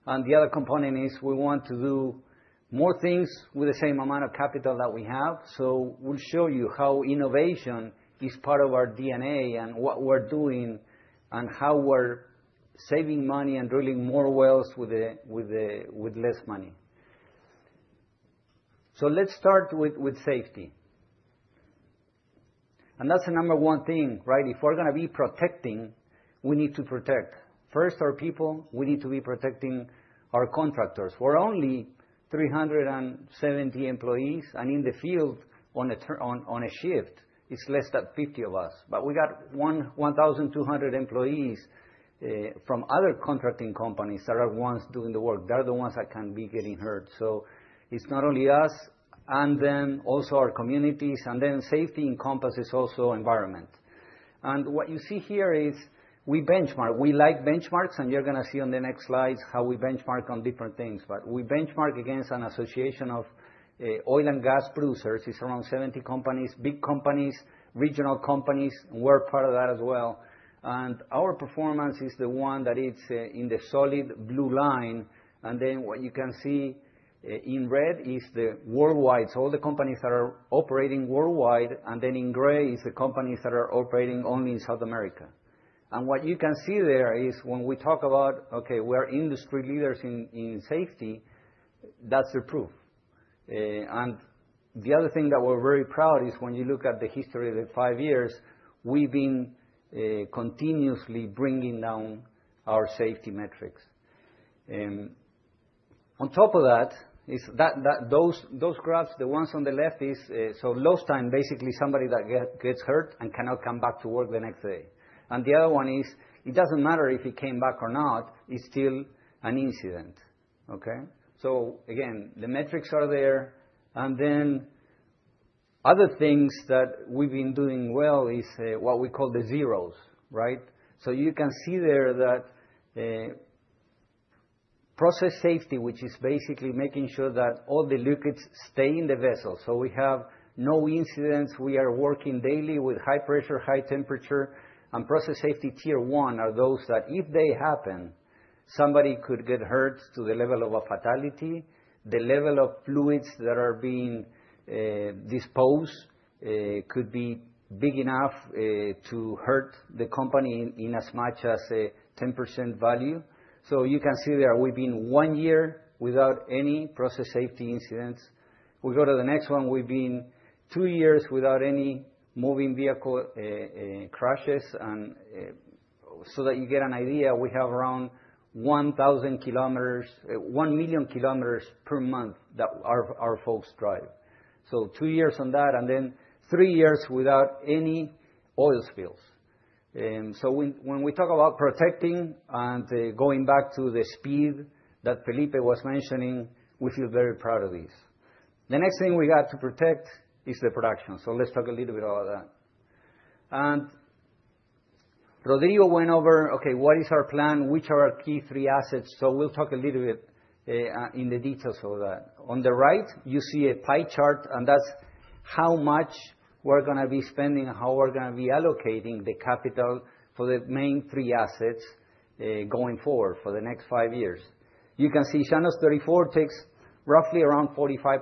[SPEAKER 4] The other component is we want to do more things with the same amount of capital that we have. We'll show you how innovation is part of our DNA and what we're doing and how we're saving money and drilling more wells with less money. Let's start with safety. That's the number one thing, right? If we're going to be protecting, we need to protect first our people. We need to be protecting our contractors. We're only 370 employees. In the field, on a shift, it's less than 50 of us. But we got 1,200 employees from other contracting companies that are the ones doing the work. They're the ones that can be getting hurt. So it's not only us and them, also our communities, and then safety encompasses also environment. And what you see here is we benchmark. We like benchmarks. And you're going to see on the next slides how we benchmark on different things. But we benchmark against an association of oil and gas producers. It's around 70 companies, big companies, regional companies. We're part of that as well. And our performance is the one that is in the solid blue line. And then what you can see in red is the worldwide, so all the companies that are operating worldwide. And then in gray is the companies that are operating only in South America. And what you can see there is when we talk about, okay, we are industry leaders in safety, that's the proof. And the other thing that we're very proud is when you look at the history of the five years, we've been continuously bringing down our safety metrics. On top of that, those graphs, the ones on the left is so lost time, basically somebody that gets hurt and cannot come back to work the next day. And the other one is it doesn't matter if he came back or not, it's still an incident, okay? So again, the metrics are there. And then other things that we've been doing well is what we call the zeros, right? So you can see there that process safety, which is basically making sure that all the liquids stay in the vessel. So we have no incidents. We are working daily with high pressure, high temperature. Process Safety Tier 1 are those that if they happen, somebody could get hurt to the level of a fatality. The level of fluids that are being disposed could be big enough to hurt the company in as much as a 10% value. You can see there we've been one year without any process safety incidents. We go to the next one. We've been two years without any Motor Vehicle Crashes, and so that you get an idea, we have around 1,000 km, 1 million km per month that our folks drive. Two years on that, and then three years without any oil spills. When we talk about protecting and going back to the speed that Felipe was mentioning, we feel very proud of this. The next thing we got to protect is the production. Let's talk a little bit about that. And Rodrigo went over, okay, what is our plan? Which are our key three assets? So we'll talk a little bit in the details of that. On the right, you see a pie chart, and that's how much we're going to be spending and how we're going to be allocating the capital for the main three assets going forward for the next five years. You can see Llanos 34 takes roughly around 45%.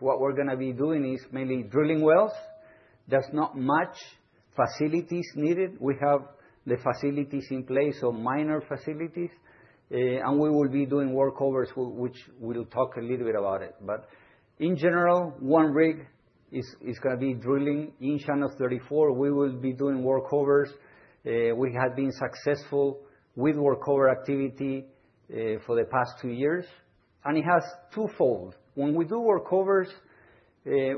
[SPEAKER 4] What we're going to be doing is mainly drilling wells. There's not much facilities needed. We have the facilities in place, so minor facilities. And we will be doing workovers, which we'll talk a little bit about. But in general, one rig is going to be drilling in Llanos 34. We will be doing workovers. We have been successful with workover activity for the past two years. And it has twofold. When we do workovers,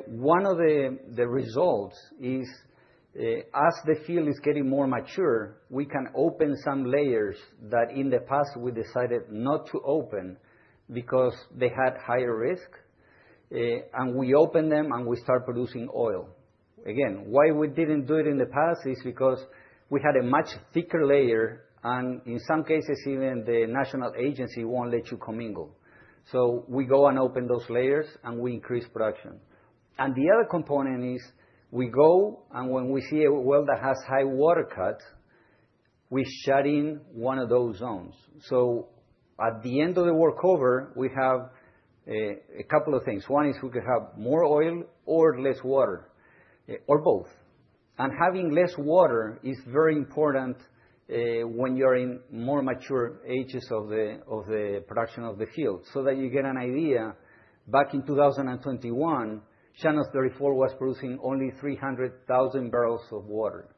[SPEAKER 4] one of the results is as the field is getting more mature, we can open some layers that in the past we decided not to open because they had higher risk, and we open them and we start producing oil. Again, why we didn't do it in the past is because we had a much thicker layer, and in some cases, even the national agency won't let you commingle, so we go and open those layers and we increase production, and the other component is we go, and when we see a well that has high water cut, we shut in one of those zones, so at the end of the workover, we have a couple of things. One is we could have more oil or less water, or both. And having less water is very important when you're in more mature ages of the production of the field. So that you get an idea, back in 2021, Llanos 34 was producing only 300,000 barrels of water.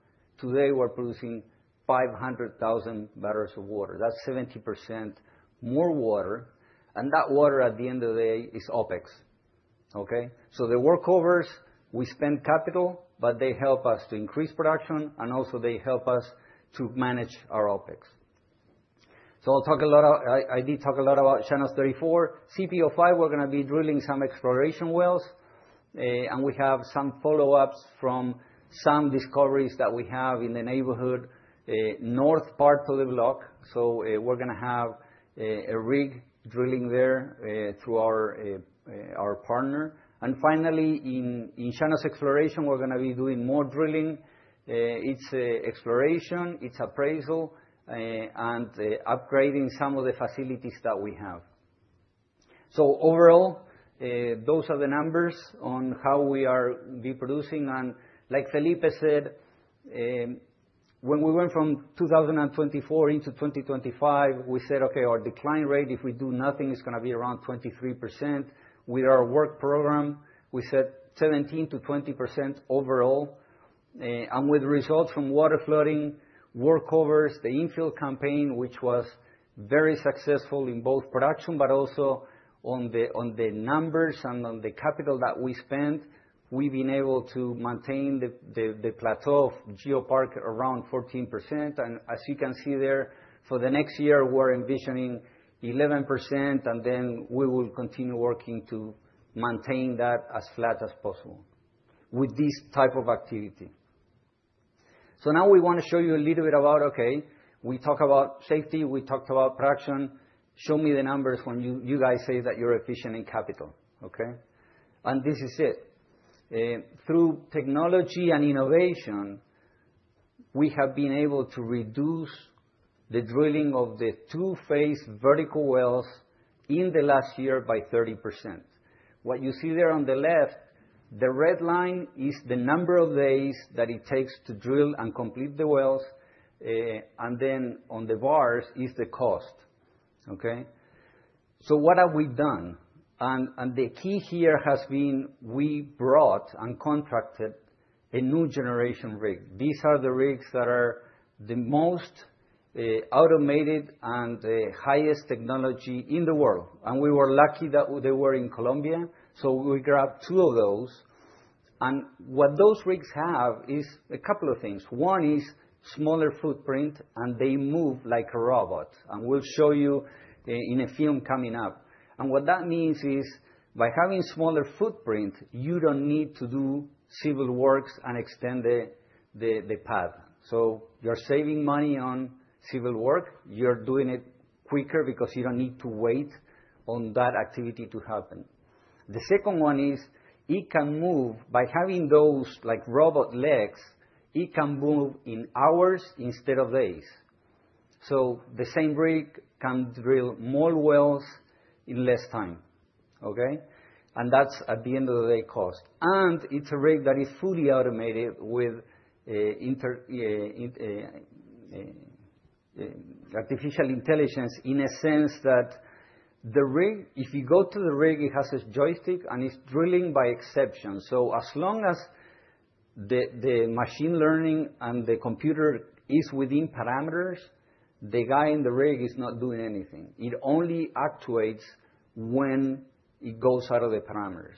[SPEAKER 4] Today, we're producing 500,000 barrels of water. That's 70% more water. And that water at the end of the day is OpEx, okay? So the workovers, we spend capital, but they help us to increase production. And also they help us to manage our OpEx. So I did talk a lot about Llanos 34. CPO-5, we're going to be drilling some exploration wells. And we have some follow-ups from some discoveries that we have in the neighborhood north part of the block. So we're going to have a rig drilling there through our partner. And finally, in Llanos Exploration, we're going to be doing more drilling. It's exploration, it's appraisal, and upgrading some of the facilities that we have, so overall, those are the numbers on how we are producing, and like Felipe said, when we went from 2024 into 2025, we said, okay, our decline rate, if we do nothing, is going to be around 23%. With our work program, we said 17%-20% overall, and with results from water flooding, workovers, the infill campaign, which was very successful in both production, but also on the numbers and on the capital that we spent, we've been able to maintain the plateau of GeoPark around 14%, and as you can see there, for the next year, we're envisioning 11%, and then we will continue working to maintain that as flat as possible with this type of activity. So now we want to show you a little bit about, okay, we talk about safety, we talked about production. Show me the numbers when you guys say that you're efficient in capital, okay? And this is it. Through technology and innovation, we have been able to reduce the drilling of the two-phase vertical wells in the last year by 30%. What you see there on the left, the red line, is the number of days that it takes to drill and complete the wells. And then on the bars is the cost, okay? So what have we done? And the key here has been we brought and contracted a new generation rig. These are the rigs that are the most automated and the highest technology in the world. And we were lucky that they were in Colombia. So we grabbed two of those. And what those rigs have is a couple of things. One is smaller footprint, and they move like a robot. And we'll show you in a film coming up. And what that means is by having smaller footprint, you don't need to do civil works and extend the path. So you're saving money on civil work. You're doing it quicker because you don't need to wait on that activity to happen. The second one is it can move by having those robot legs, it can move in hours instead of days. So the same rig can drill more wells in less time, okay? And that's at the end of the day cost. And it's a rig that is fully automated with artificial intelligence in a sense that the rig, if you go to the rig, it has a joystick and it's drilling by exception. So as long as the machine learning and the computer is within parameters, the guy in the rig is not doing anything. It only actuates when it goes out of the parameters.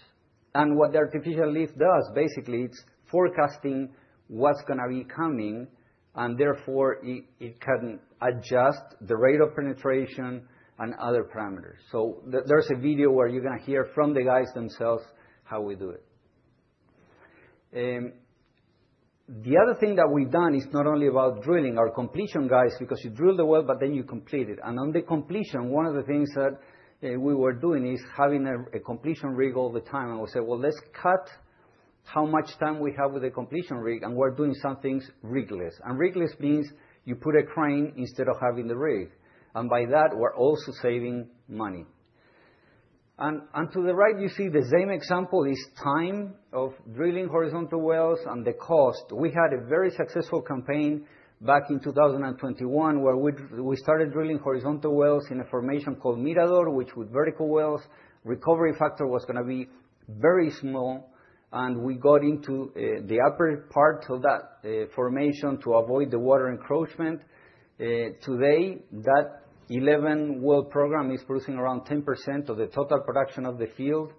[SPEAKER 4] And what the artificial lift does, basically, it's forecasting what's going to be coming. And therefore, it can adjust the rate of penetration and other parameters. So there's a video where you're going to hear from the guys themselves how we do it. The other thing that we've done is not only about drilling, our completion guys, because you drill the well, but then you complete it. And on the completion, one of the things that we were doing is having a completion rig all the time. And we said, well, let's cut how much time we have with the completion rig. And we're doing some things rigless. And rigless means you put a crane instead of having the rig. And by that, we're also saving money. And to the right, you see the same example is time of drilling horizontal wells and the cost. We had a very successful campaign back in 2021 where we started drilling horizontal wells in a formation called Mirador, which, with vertical wells, recovery factor was going to be very small. And we got into the upper part of that formation to avoid the water encroachment. Today, that 11-well program is producing around 10% of the total production of the field.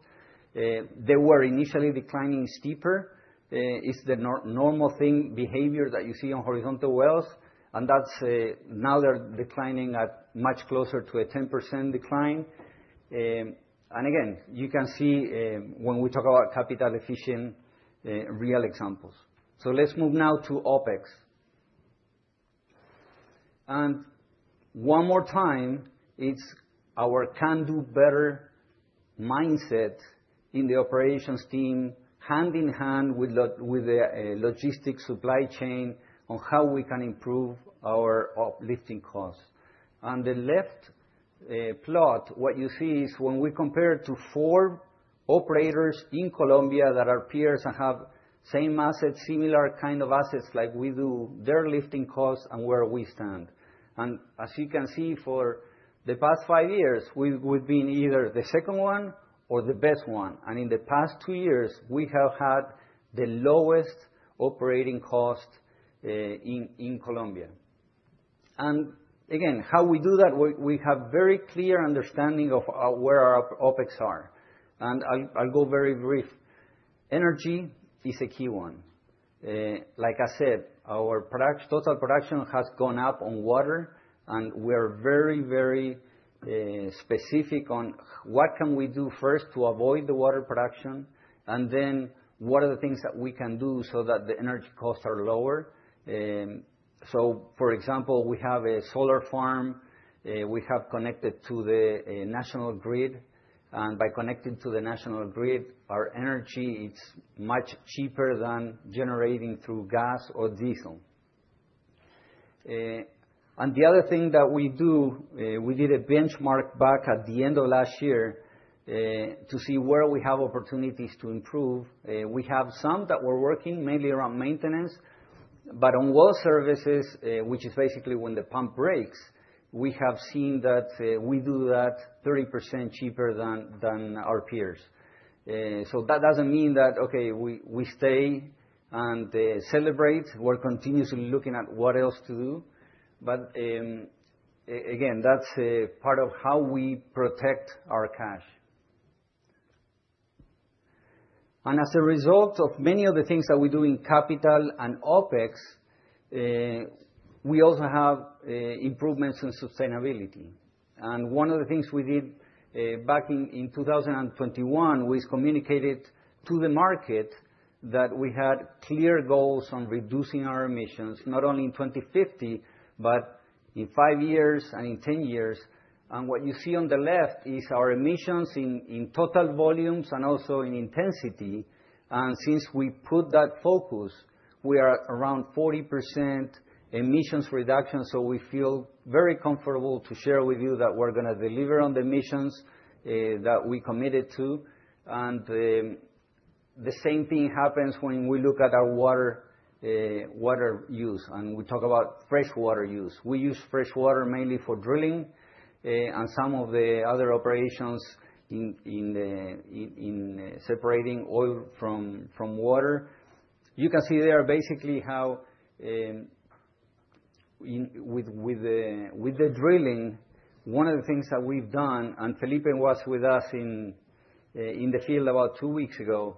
[SPEAKER 4] They were initially declining steeper. It's the normal thing, behavior that you see on horizontal wells. And now they're declining at much closer to a 10% decline. And again, you can see when we talk about capital-efficient real examples. So let's move now to OpEx. And one more time, it's our can-do-better mindset in the operations team, hand in hand with the logistics supply chain on how we can improve our lifting costs. On the left plot, what you see is when we compare to four operators in Colombia that are peers and have same assets, similar kind of assets like we do, their lifting costs and where we stand. And as you can see, for the past five years, we've been either the second one or the best one. And in the past two years, we have had the lowest operating cost in Colombia. And again, how we do that, we have very clear understanding of where our OpEx are. And I'll go very brief. Energy is a key one. Like I said, our total production has gone up on water. And we are very, very specific on what can we do first to avoid the water production. And then what are the things that we can do so that the energy costs are lower. So for example, we have a solar farm we have connected to the national grid. And by connecting to the national grid, our energy, it's much cheaper than generating through gas or diesel. And the other thing that we do, we did a benchmark back at the end of last year to see where we have opportunities to improve. We have some that were working mainly around maintenance. But on well services, which is basically when the pump breaks, we have seen that we do that 30% cheaper than our peers. So that doesn't mean that, okay, we stay and celebrate. We're continuously looking at what else to do. But again, that's part of how we protect our cash. And as a result of many of the things that we do in capital and OpEx, we also have improvements in sustainability. And one of the things we did back in 2021, we communicated to the market that we had clear goals on reducing our emissions, not only in 2050, but in five years and in ten years. And what you see on the left is our emissions in total volumes and also in intensity. And since we put that focus, we are around 40% emissions reduction. So we feel very comfortable to share with you that we're going to deliver on the emissions that we committed to. And the same thing happens when we look at our water use. And we talk about fresh water use. We use fresh water mainly for drilling and some of the other operations in separating oil from water. You can see there basically how, with the drilling, one of the things that we've done, and Felipe was with us in the field about two weeks ago,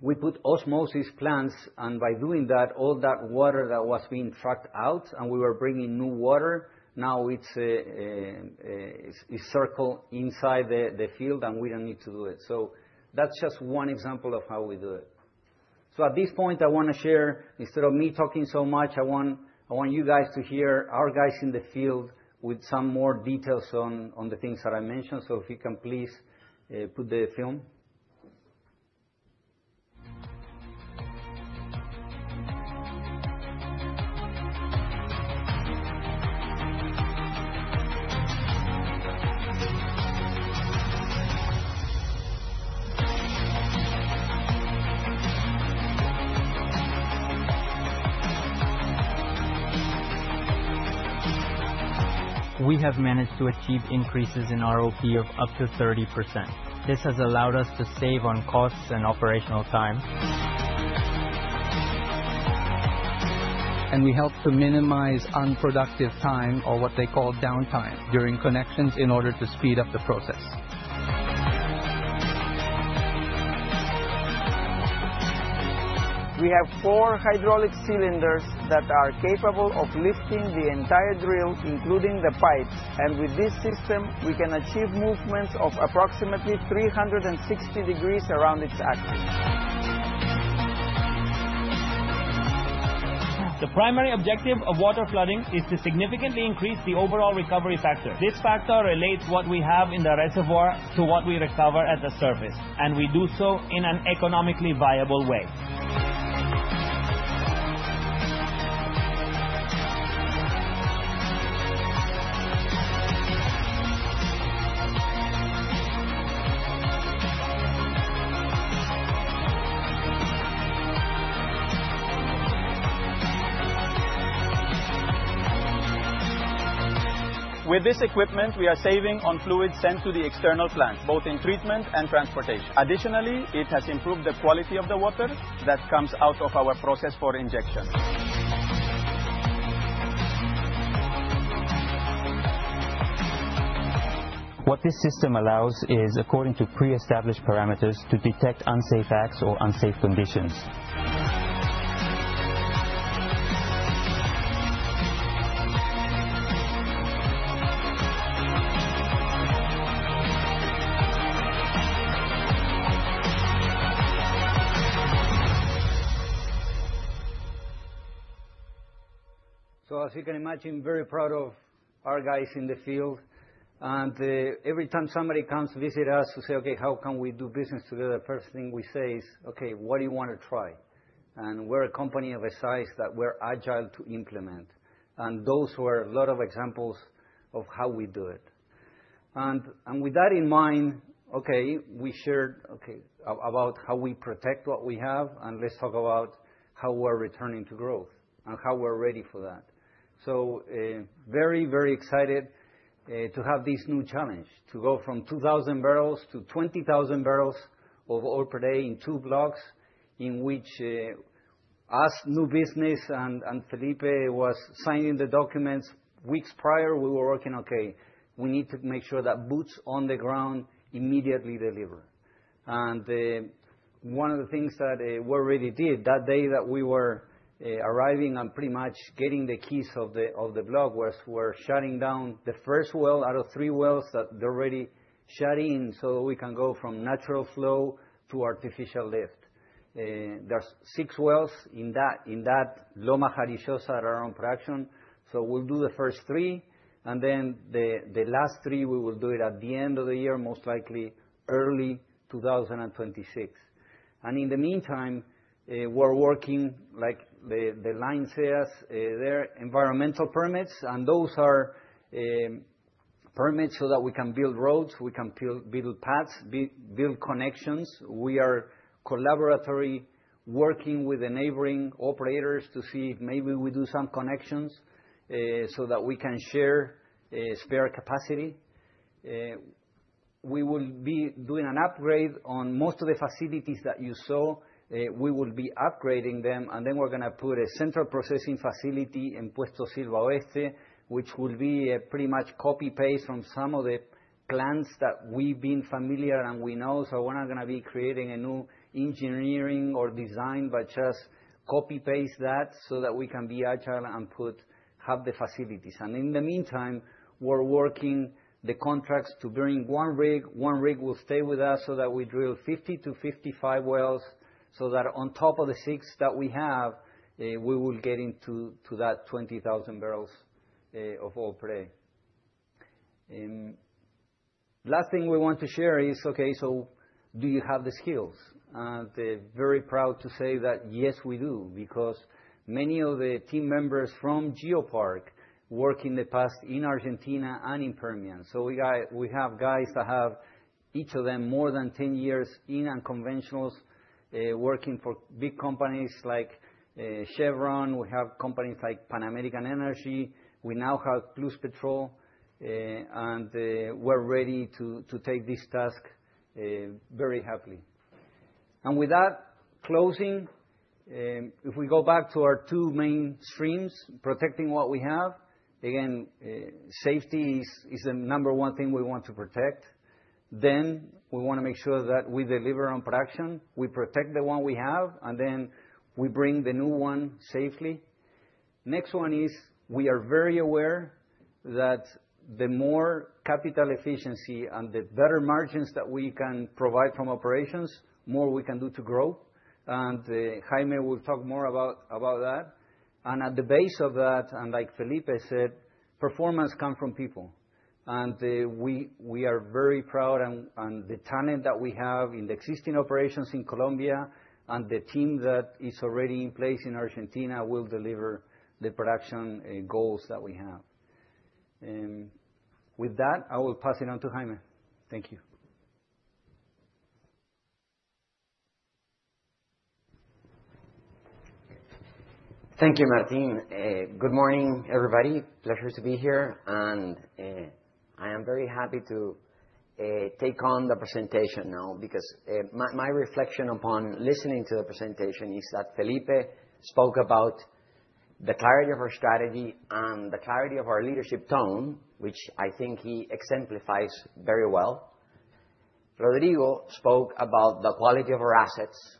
[SPEAKER 4] we put osmosis plants, and by doing that, all that water that was being trucked out and we were bringing new water, now it's recycled inside the field and we don't need to do it, so that's just one example of how we do it, so at this point, I want to share, instead of me talking so much, I want you guys to hear our guys in the field with some more details on the things that I mentioned, so if you can please put the film.
[SPEAKER 5] We have managed to achieve increases in ROP of up to 30%. This has allowed us to save on costs and operational time, and we help to minimize unproductive time or what they call downtime during connections in order to speed up the process. We have four hydraulic cylinders that are capable of lifting the entire drill, including the pipes, and with this system, we can achieve movements of approximately 360 degrees around its axis. The primary objective of water flooding is to significantly increase the overall recovery factor. This factor relates what we have in the reservoir to what we recover at the surface, and we do so in an economically viable way. With this equipment, we are saving on fluids sent to the external plants, both in treatment and transportation. Additionally, it has improved the quality of the water that comes out of our process for injection.
[SPEAKER 4] What this system allows is, according to pre-established parameters, to detect unsafe acts or unsafe conditions. So as you can imagine, very proud of our guys in the field. And every time somebody comes to visit us to say, okay, how can we do business together, the first thing we say is, okay, what do you want to try? And we're a company of a size that we're agile to implement. And those were a lot of examples of how we do it. And with that in mind, okay, we shared about how we protect what we have. And let's talk about how we're returning to growth and how we're ready for that. So very, very excited to have this new challenge to go from 2,000 barrels to 20,000 barrels of oil per day in two blocks, in which us, new business, and Felipe was signing the documents weeks prior. We were working, okay, we need to make sure that boots on the ground immediately deliver. And one of the things that we already did that day that we were arriving and pretty much getting the keys of the block was we're shutting down the first well out of three wells that they're already shutting in so that we can go from natural flow to artificial lift. There's six wells in that Loma Jarillosa that are on production. So we'll do the first three. And then the last three, we will do it at the end of the year, most likely early 2026. And in the meantime, we're working like the line says, their environmental permits. And those are permits so that we can build roads, we can build paths, build connections. We are collaboratively working with the neighboring operators to see if maybe we do some connections so that we can share spare capacity. We will be doing an upgrade on most of the facilities that you saw. We will be upgrading them, and then we're going to put a central processing facility in Puesto Silva Oeste, which will be pretty much copy-paste from some of the plants that we've been familiar and we know, so we're not going to be creating a new engineering or design, but just copy-paste that so that we can be agile and have the facilities, and in the meantime, we're working the contracts to bring one rig. One rig will stay with us so that we drill 50-55 wells so that on top of the six that we have, we will get into that 20,000 barrels of oil per day. Last thing we want to share is, okay, so do you have the skills? And very proud to say that yes, we do, because many of the team members from GeoPark work in the past in Argentina and in Permian. So we have guys that have each of them more than 10 years in unconventionals working for big companies like Chevron. We have companies like Pan American Energy. We now have Pluspetrol. And we're ready to take this task very happily. And with that closing, if we go back to our two main streams, protecting what we have, again, safety is the number one thing we want to protect. Then we want to make sure that we deliver on production, we protect the one we have, and then we bring the new one safely. Next one is we are very aware that the more capital efficiency and the better margins that we can provide from operations, more we can do to grow. And Jaime will talk more about that. And at the base of that, and like Felipe said, performance comes from people. And we are very proud and the talent that we have in the existing operations in Colombia and the team that is already in place in Argentina will deliver the production goals that we have. With that, I will pass it on to Jaime. Thank you.
[SPEAKER 6] Thank you, Martín. Good morning, everybody. Pleasure to be here. And I am very happy to take on the presentation now because my reflection upon listening to the presentation is that Felipe spoke about the clarity of our strategy and the clarity of our leadership tone, which I think he exemplifies very well. Rodrigo spoke about the quality of our assets.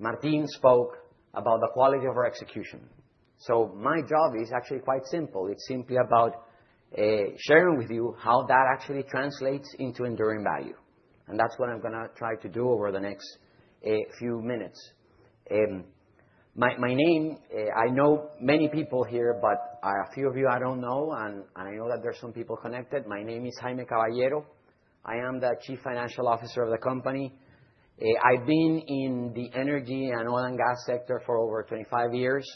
[SPEAKER 6] Martín spoke about the quality of our execution. So my job is actually quite simple. It's simply about sharing with you how that actually translates into enduring value. And that's what I'm going to try to do over the next few minutes. My name, I know many people here, but a few of you I don't know. And I know that there are some people connected. My name is Jaime Caballero. I am the Chief Financial Officer of the company. I've been in the energy and oil and gas sector for over 25 years.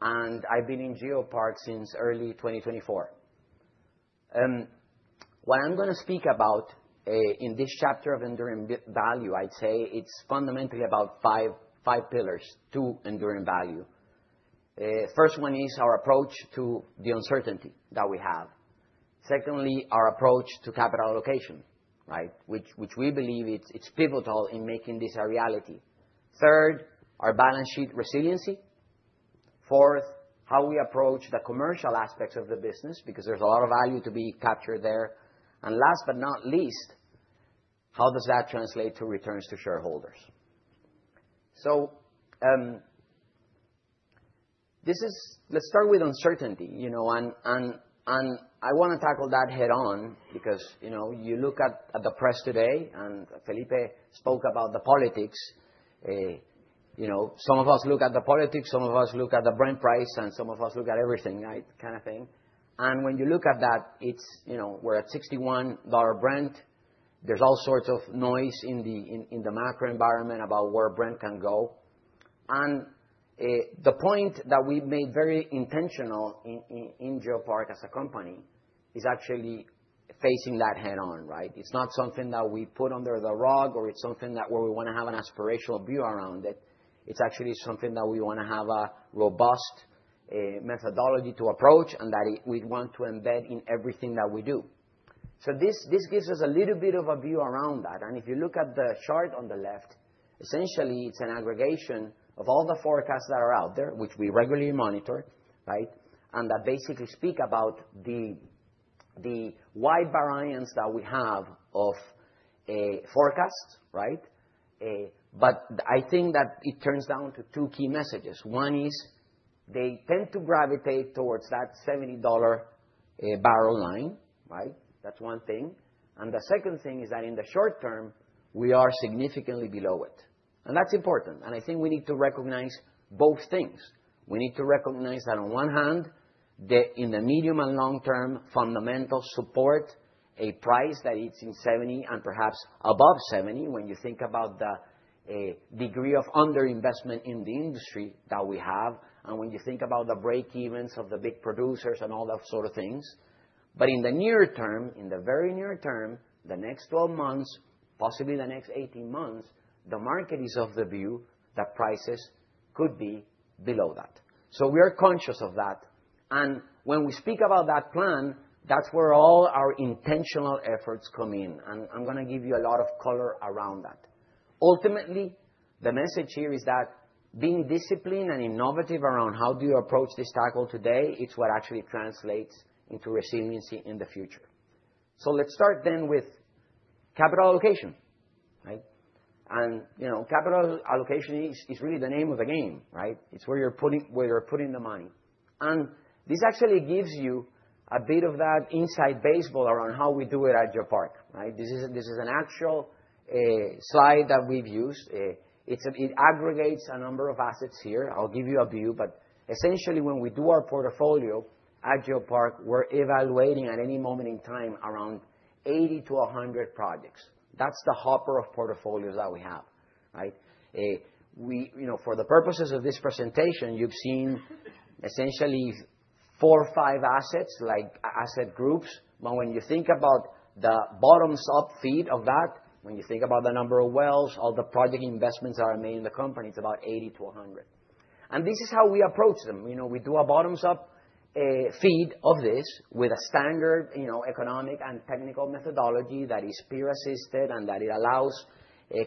[SPEAKER 6] And I've been in GeoPark since early 2024. What I'm going to speak about in this chapter of enduring value, I'd say it's fundamentally about five pillars to enduring value. First one is our approach to the uncertainty that we have. Secondly, our approach to capital allocation, right, which we believe it's pivotal in making this a reality. Third, our balance sheet resiliency. Fourth, how we approach the commercial aspects of the business because there's a lot of value to be captured there. And last but not least, how does that translate to returns to shareholders? So let's start with uncertainty. And I want to tackle that head-on because you look at the press today and Felipe spoke about the politics. Some of us look at the politics, some of us look at the Brent price, and some of us look at everything, right, kind of thing. And when you look at that, we're at $61 Brent. There's all sorts of noise in the macro environment about where Brent can go. And the point that we made very intentional in GeoPark as a company is actually facing that head-on, right? It's not something that we put under the rug or it's something that where we want to have an aspirational view around it. It's actually something that we want to have a robust methodology to approach and that we want to embed in everything that we do, so this gives us a little bit of a view around that, and if you look at the chart on the left, essentially, it's an aggregation of all the forecasts that are out there, which we regularly monitor, right, and that basically speak about the wide variance that we have of forecasts, right, but I think that it turns down to two key messages. One is they tend to gravitate towards that $70 barrel line, right? That's one thing, and the second thing is that in the short-term, we are significantly below it, and that's important. I think we need to recognize both things. We need to recognize that on one hand, in the medium and long-term, fundamental support a price that it's in 70 and perhaps above 70 when you think about the degree of underinvestment in the industry that we have. And when you think about the breakevens of the big producers and all that sort of things. But in the near term, in the very near term, the next 12 months, possibly the next 18 months, the market is of the view that prices could be below that. So we are conscious of that. And when we speak about that plan, that's where all our intentional efforts come in. And I'm going to give you a lot of color around that. Ultimately, the message here is that being disciplined and innovative around how do you approach this tackle today, it's what actually translates into resiliency in the future. So let's start then with capital allocation, right? And capital allocation is really the name of the game, right? It's where you're putting the money. And this actually gives you a bit of that inside baseball around how we do it at GeoPark, right? This is an actual slide that we've used. It aggregates a number of assets here. I'll give you a view. But essentially, when we do our portfolio at GeoPark, we're evaluating at any moment in time around 80-100 projects. That's the hopper of portfolios that we have, right? For the purposes of this presentation, you've seen essentially four or five assets like asset groups. But when you think about the bottoms-up feed of that, when you think about the number of wells, all the project investments that are made in the company, it's about 80-100. And this is how we approach them. We do a bottoms-up feed of this with a standard economic and technical methodology that is peer-assisted and that it allows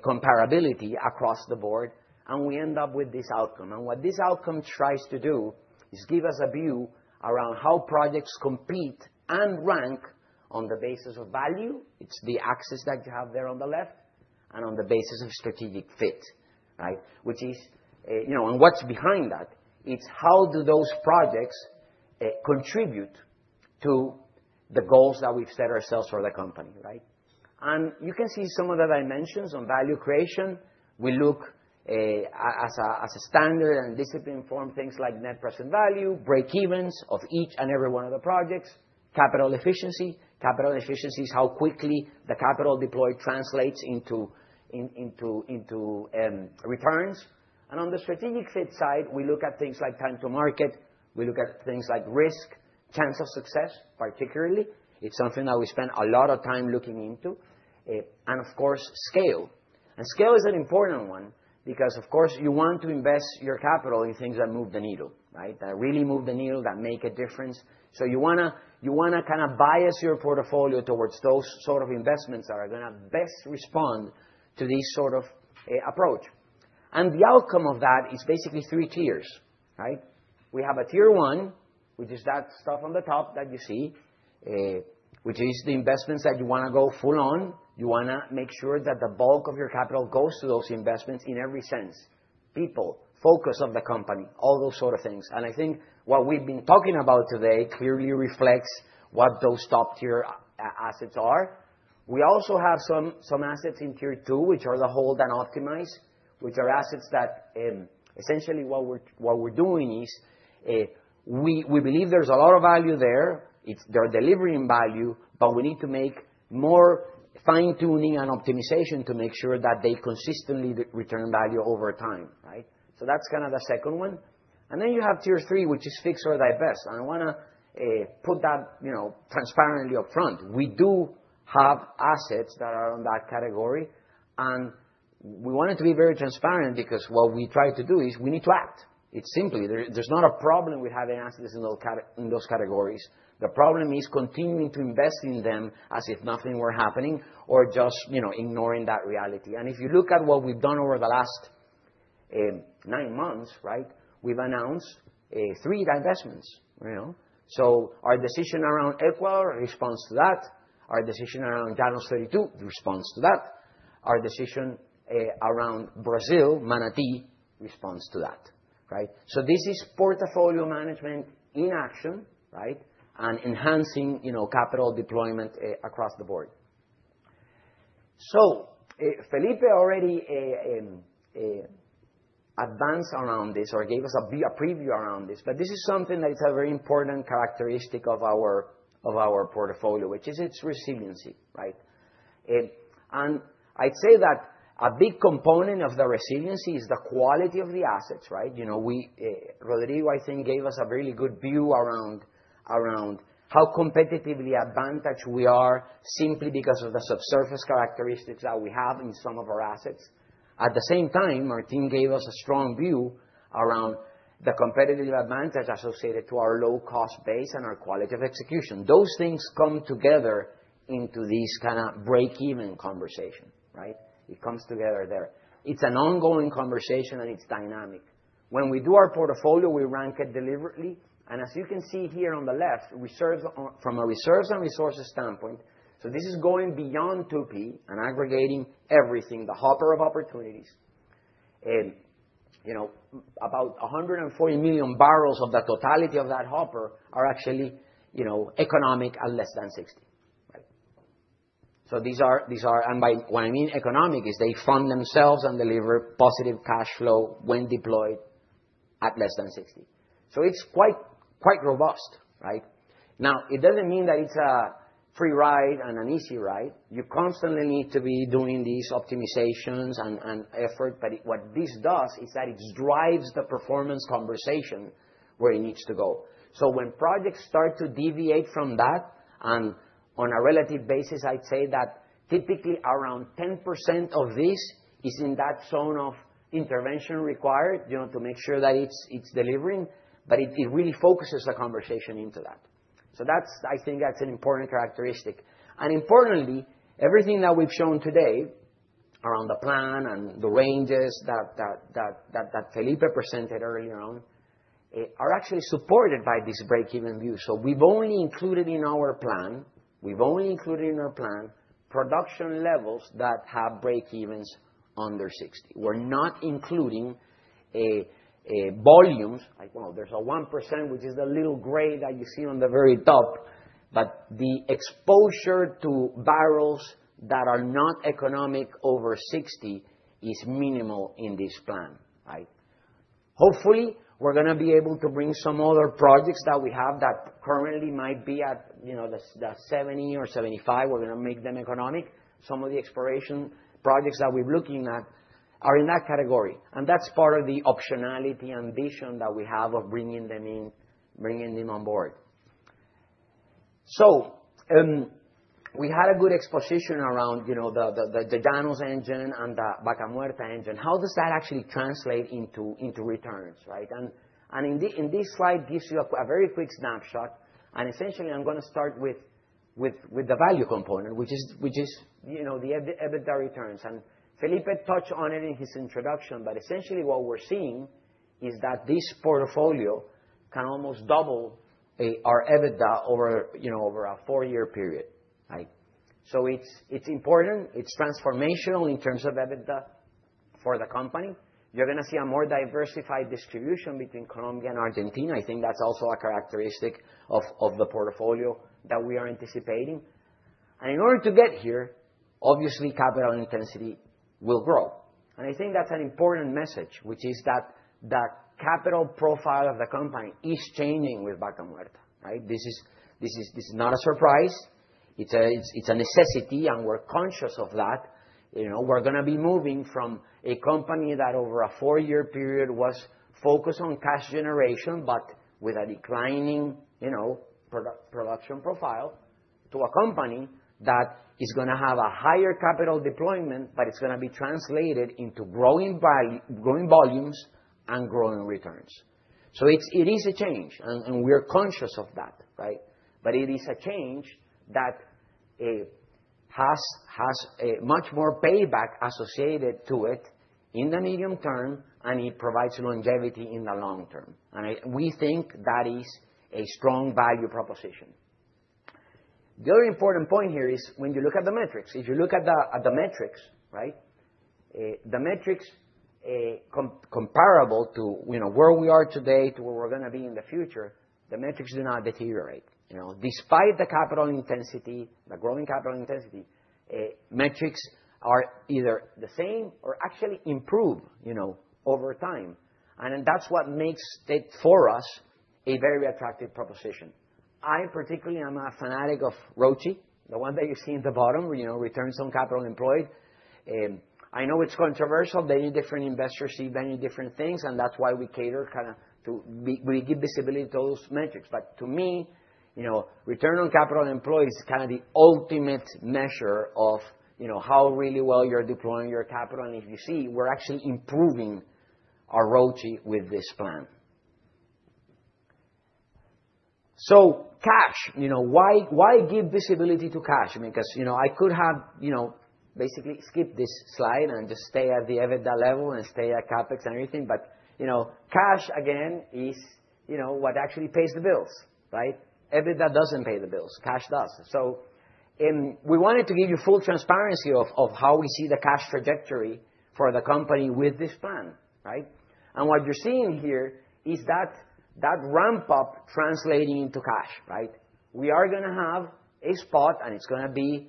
[SPEAKER 6] comparability across the board. And we end up with this outcome. And what this outcome tries to do is give us a view around how projects compete and rank on the basis of value. It's the axis that you have there on the left and on the basis of strategic fit, right? Which is, and what's behind that, it's how do those projects contribute to the goals that we've set ourselves for the company, right? And you can see some of the dimensions on value creation. We look as a standard and discipline form things like net present value, breakevens of each and every one of the projects, capital efficiency. Capital efficiency is how quickly the capital deployed translates into returns, and on the strategic fit side, we look at things like time to market. We look at things like risk, chance of success, particularly. It's something that we spend a lot of time looking into, and of course, scale, and scale is an important one because, of course, you want to invest your capital in things that move the needle, right? That really move the needle, that make a difference, so you want to kind of bias your portfolio towards those sort of investments that are going to best respond to this sort of approach, and the outcome of that is basically three tiers, right? We have a Tier 1, which is that stuff on the top that you see, which is the investments that you want to go full on. You want to make sure that the bulk of your capital goes to those investments in every sense. People, focus of the company, all those sort of things. And I think what we've been talking about today clearly reflects what those top-tier assets are. We also have some assets in Tier 2, which are the hold and optimize, which are assets that essentially what we're doing is we believe there's a lot of value there. They're delivering value, but we need to make more fine-tuning and optimization to make sure that they consistently return value over time, right? So that's kind of the second one. And then you have Tier 3, which is fix or divest. And I want to put that transparently upfront. We do have assets that are in that category, and we wanted to be very transparent because what we try to do is we need to act. It's simply, there's not a problem with having assets in those categories. The problem is continuing to invest in them as if nothing were happening or just ignoring that reality, and if you look at what we've done over the last nine months, right, we've announced three divestments, so our decision around Ecuador responds to that. Our decision around Llanos 32 responds to that. Our decision around Brazil, Manati responds to that, right, so this is portfolio management in action, right, and enhancing capital deployment across the board, so Felipe already advanced around this or gave us a preview around this, but this is something that is a very important characteristic of our portfolio, which is its resiliency, right? And I'd say that a big component of the resiliency is the quality of the assets, right? Rodrigo, I think, gave us a really good view around how competitively advantaged we are simply because of the subsurface characteristics that we have in some of our assets. At the same time, Martín gave us a strong view around the competitive advantage associated to our low-cost base and our quality of execution. Those things come together into this kind of break-even conversation, right? It comes together there. It's an ongoing conversation and it's dynamic. When we do our portfolio, we rank it deliberately. And as you can see here on the left, from a reserves and resources standpoint, so this is going beyond 2P and aggregating everything, the hopper of opportunities. About 140 million barrels of the totality of that hopper are actually economic at less than $60, right? So these are, and by what I mean economic is they fund themselves and deliver positive cash flow when deployed at less than $60. So it's quite robust, right? Now, it doesn't mean that it's a free ride and an easy ride. You constantly need to be doing these optimizations and effort. But what this does is that it drives the performance conversation where it needs to go. So when projects start to deviate from that, and on a relative basis, I'd say that typically around 10% of this is in that zone of intervention required to make sure that it's delivering. But it really focuses the conversation into that. So I think that's an important characteristic. And importantly, everything that we've shown today around the plan and the ranges that Felipe presented earlier on are actually supported by this break-even view. So we've only included in our plan production levels that have breakevens under $60. We're not including volumes. Well, there's a 1%, which is the little gray that you see on the very top. But the exposure to barrels that are not economic over $60 is minimal in this plan, right? Hopefully, we're going to be able to bring some other projects that we have that currently might be at the $70 or $75. We're going to make them economic. Some of the exploration projects that we're looking at are in that category. And that's part of the optionality ambition that we have of bringing them in, bringing them on board. So we had a good exposition around the Llanos engine and the Vaca Muerta engine. How does that actually translate into returns, right? And in this slide, it gives you a very quick snapshot. Essentially, I'm going to start with the value component, which is the EBITDA returns. Felipe touched on it in his introduction. Essentially, what we're seeing is that this portfolio can almost double our EBITDA over a four-year period, right? It's important. It's transformational in terms of EBITDA for the company. You're going to see a more diversified distribution between Colombia and Argentina. I think that's also a characteristic of the portfolio that we are anticipating. In order to get here, obviously, capital intensity will grow. I think that's an important message, which is that the capital profile of the company is changing with Vaca Muerta, right? This is not a surprise. It's a necessity, and we're conscious of that. We're going to be moving from a company that over a four-year period was focused on cash generation, but with a declining production profile, to a company that is going to have a higher capital deployment, but it's going to be translated into growing volumes and growing returns. So it is a change, and we're conscious of that, right? But it is a change that has much more payback associated to it in the medium term, and it provides longevity in the long-term. And we think that is a strong value proposition. The other important point here is when you look at the metrics. If you look at the metrics, right, the metrics comparable to where we are today to where we're going to be in the future, the metrics do not deteriorate. Despite the capital intensity, the growing capital intensity, metrics are either the same or actually improve over time. That's what makes it for us a very attractive proposition. I particularly am a fanatic of ROCE, the one that you see at the bottom, Return on Capital Employed. I know it's controversial. Many different investors see many different things. That's why we cater kind of to give visibility to those metrics. To me, return on capital employed is kind of the ultimate measure of how really well you're deploying your capital. If you see, we're actually improving our ROCE with this plan. Cash. Why give visibility to cash? Because I could have basically skipped this slide and just stay at the EBITDA level and stay at CapEx and everything. Cash, again, is what actually pays the bills, right? EBITDA doesn't pay the bills. Cash does. So we wanted to give you full transparency of how we see the cash trajectory for the company with this plan, right? And what you're seeing here is that ramp-up translating into cash, right? We are going to have a spot, and it's going to be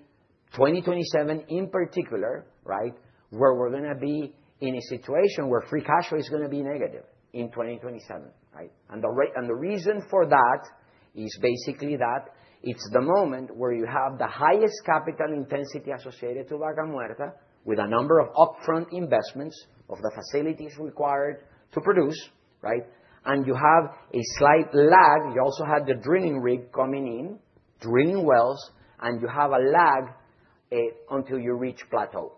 [SPEAKER 6] 2027 in particular, right, where we're going to be in a situation where free cash flow is going to be negative in 2027, right? And the reason for that is basically that it's the moment where you have the highest capital intensity associated to Vaca Muerta with a number of upfront investments of the facilities required to produce, right? And you have a slight lag. You also have the drilling rig coming in, drilling wells, and you have a lag until you reach plateau.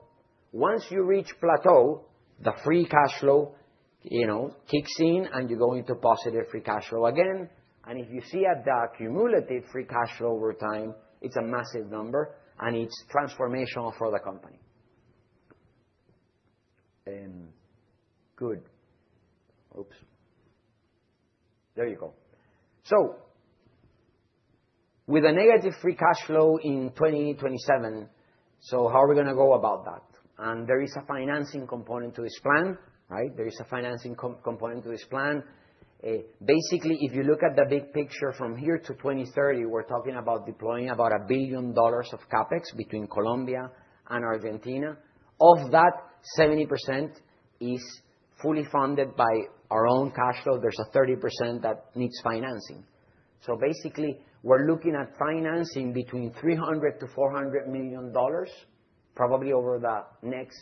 [SPEAKER 6] Once you reach plateau, the free cash flow kicks in, and you go into positive free cash flow again. And if you see a cumulative free cash flow over time, it's a massive number, and it's transformational for the company. Good. Oops. There you go. So with a negative free cash flow in 2027, so how are we going to go about that? And there is a financing component to this plan, right? There is a financing component to this plan. Basically, if you look at the big picture from here to 2030, we're talking about deploying about $1 billion of CapEx between Colombia and Argentina. Of that, 70% is fully funded by our own cash flow. There's a 30% that needs financing. So basically, we're looking at financing between $300-$400 million, probably over the next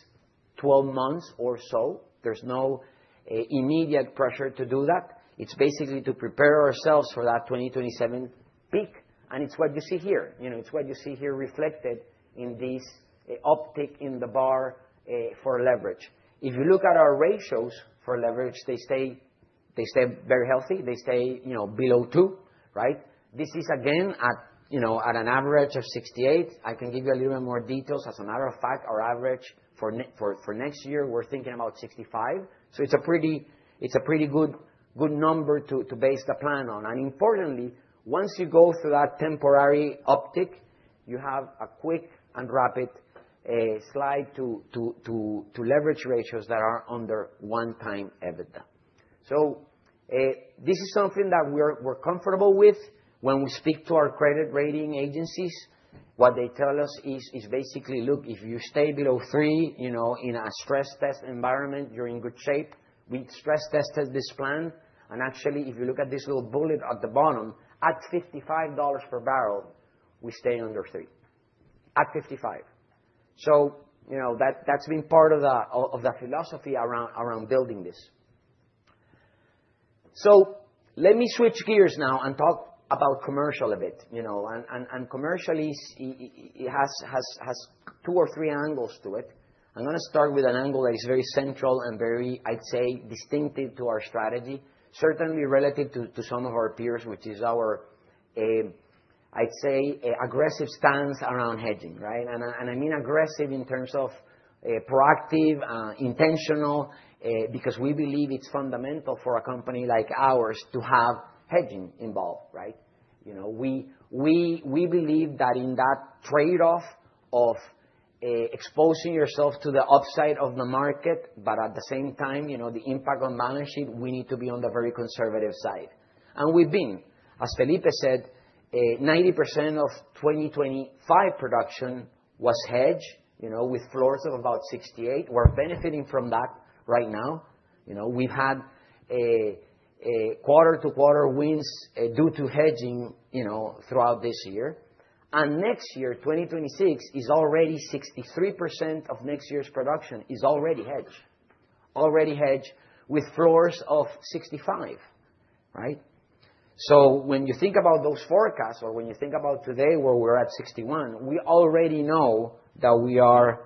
[SPEAKER 6] 12 months or so. There's no immediate pressure to do that. It's basically to prepare ourselves for that 2027 peak. And it's what you see here. It's what you see here reflected in this uptick in the bar for leverage. If you look at our ratios for leverage, they stay very healthy. They stay below two, right? This is, again, at an average of 68. I can give you a little bit more details. As a matter of fact, our average for next year, we're thinking about 65. So it's a pretty good number to base the plan on. And importantly, once you go through that temporary uptick, you have a quick and rapid slide to leverage ratios that are under one-time EBITDA. So this is something that we're comfortable with. When we speak to our credit rating agencies, what they tell us is basically, "Look, if you stay below three in a stress test environment, you're in good shape." We stress tested this plan. Actually, if you look at this little bullet at the bottom, at $55 per barrel, we stay under $3. At $55. That's been part of the philosophy around building this. Let me switch gears now and talk about commercial a bit. Commercial has two or three angles to it. I'm going to start with an angle that is very central and very, I'd say, distinctive to our strategy, certainly relative to some of our peers, which is our, I'd say, aggressive stance around hedging, right? I mean aggressive in terms of proactive, intentional, because we believe it's fundamental for a company like ours to have hedging involved, right? We believe that in that trade-off of exposing yourself to the upside of the market, but at the same time, the impact on balance sheet, we need to be on the very conservative side. And we've been, as Felipe said, 90% of 2025 production was hedged with floors of about $68. We're benefiting from that right now. We've had quarter-to-quarter wins due to hedging throughout this year. And next year, 2026, is already 63% of next year's production is already hedged, already hedged with floors of $65, right? So when you think about those forecasts or when you think about today where we're at $61, we already know that we are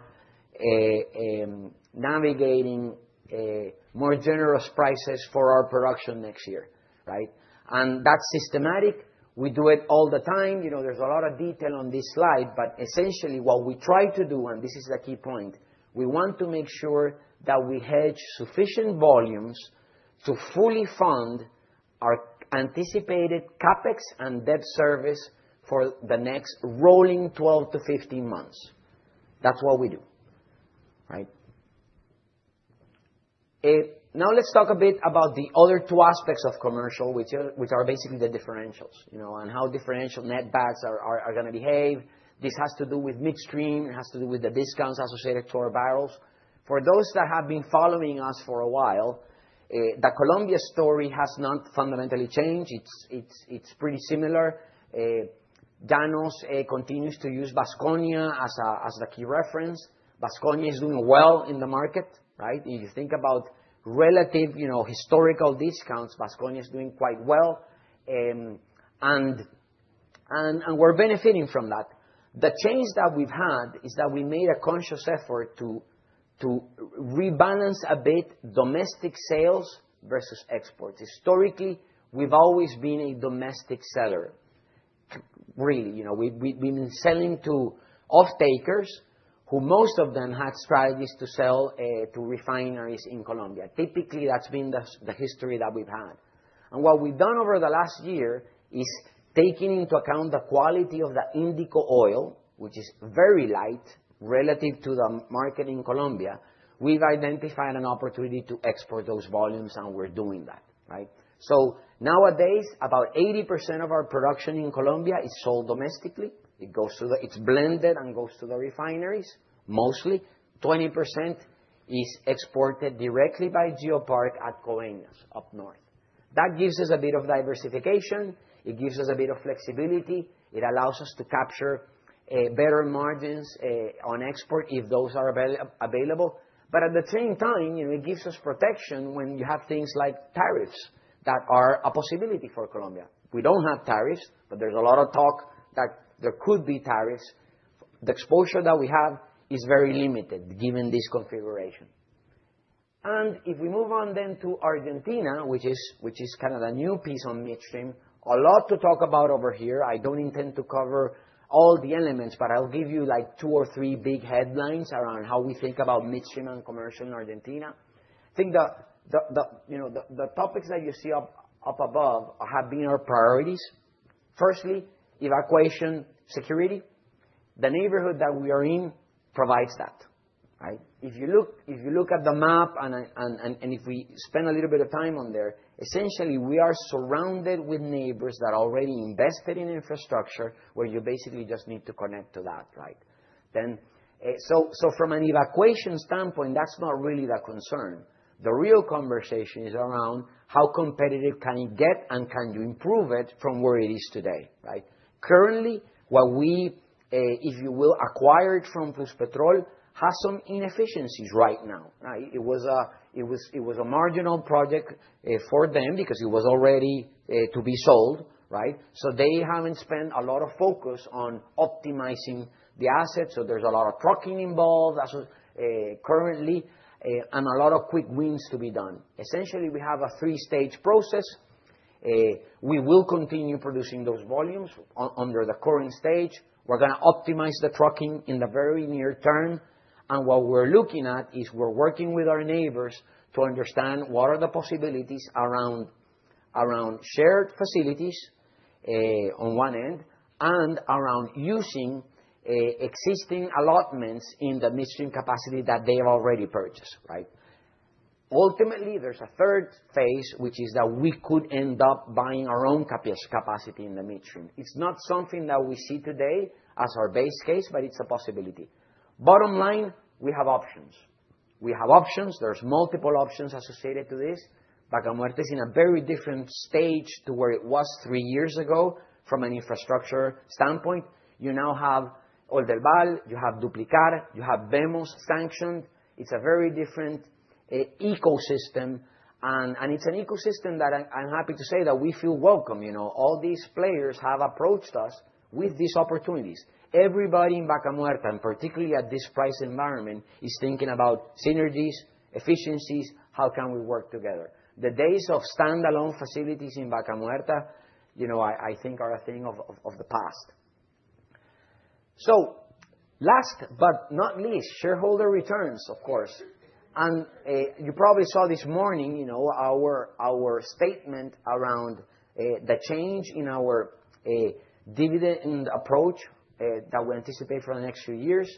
[SPEAKER 6] navigating more generous prices for our production next year, right? And that's systematic. We do it all the time. There's a lot of detail on this slide. But essentially, what we try to do, and this is the key point, we want to make sure that we hedge sufficient volumes to fully fund our anticipated CapEx and debt service for the next rolling 12-15 months. That's what we do, right? Now, let's talk a bit about the other two aspects of commercial, which are basically the differentials and how differential netbacks are going to behave. This has to do with midstream. It has to do with the discounts associated to our barrels. For those that have been following us for a while, the Colombia story has not fundamentally changed. It's pretty similar. Llanos continues to use Vasconia as the key reference. Vasconia is doing well in the market, right? If you think about relative historical discounts, Vasconia is doing quite well. And we're benefiting from that. The change that we've had is that we made a conscious effort to rebalance a bit domestic sales versus exports. Historically, we've always been a domestic seller, really. We've been selling to off-takers who most of them had strategies to sell to refineries in Colombia. Typically, that's been the history that we've had. What we've done over the last year is taking into account the quality of the Indico oil, which is very light relative to the market in Colombia. We've identified an opportunity to export those volumes, and we're doing that, right? So nowadays, about 80% of our production in Colombia is sold domestically. It's blended and goes to the refineries, mostly. 20% is exported directly by GeoPark at Coveñas, up north. That gives us a bit of diversification. It gives us a bit of flexibility. It allows us to capture better margins on export if those are available. But at the same time, it gives us protection when you have things like tariffs that are a possibility for Colombia. We don't have tariffs, but there's a lot of talk that there could be tariffs. The exposure that we have is very limited given this configuration. And if we move on then to Argentina, which is kind of the new piece on midstream, a lot to talk about over here. I don't intend to cover all the elements, but I'll give you two or three big headlines around how we think about midstream and commercial in Argentina. I think the topics that you see up above have been our priorities. Firstly, evacuation security. The neighborhood that we are in provides that, right? If you look at the map and if we spend a little bit of time on there, essentially, we are surrounded with neighbors that are already invested in infrastructure where you basically just need to connect to that, right? So from an evacuation standpoint, that's not really the concern. The real conversation is around how competitive can it get and can you improve it from where it is today, right? Currently, what we, if you will, acquired from Pluspetrol has some inefficiencies right now. It was a marginal project for them because it was already to be sold, right? So they haven't spent a lot of focus on optimizing the assets. So there's a lot of trucking involved currently and a lot of quick wins to be done. Essentially, we have a three-stage process. We will continue producing those volumes under the current stage. We're going to optimize the trucking in the very near term. And what we're looking at is we're working with our neighbors to understand what are the possibilities around shared facilities on one end and around using existing allotments in the midstream capacity that they have already purchased, right? Ultimately, there's a third phase, which is that we could end up buying our own capacity in the midstream. It's not something that we see today as our base case, but it's a possibility. Bottom line, we have options. We have options. There's multiple options associated to this. Vaca Muerta is in a very different stage to where it was three years ago from an infrastructure standpoint. You now have Oldelval. You have Duplicar. You have VMOS sanctioned. It's a very different ecosystem. And it's an ecosystem that I'm happy to say that we feel welcome. All these players have approached us with these opportunities. Everybody in Vaca Muerta, and particularly at this price environment, is thinking about synergies, efficiencies, how can we work together. The days of standalone facilities in Vaca Muerta, I think, are a thing of the past. So last but not least, shareholder returns, of course. You probably saw this morning our statement around the change in our dividend approach that we anticipate for the next few years.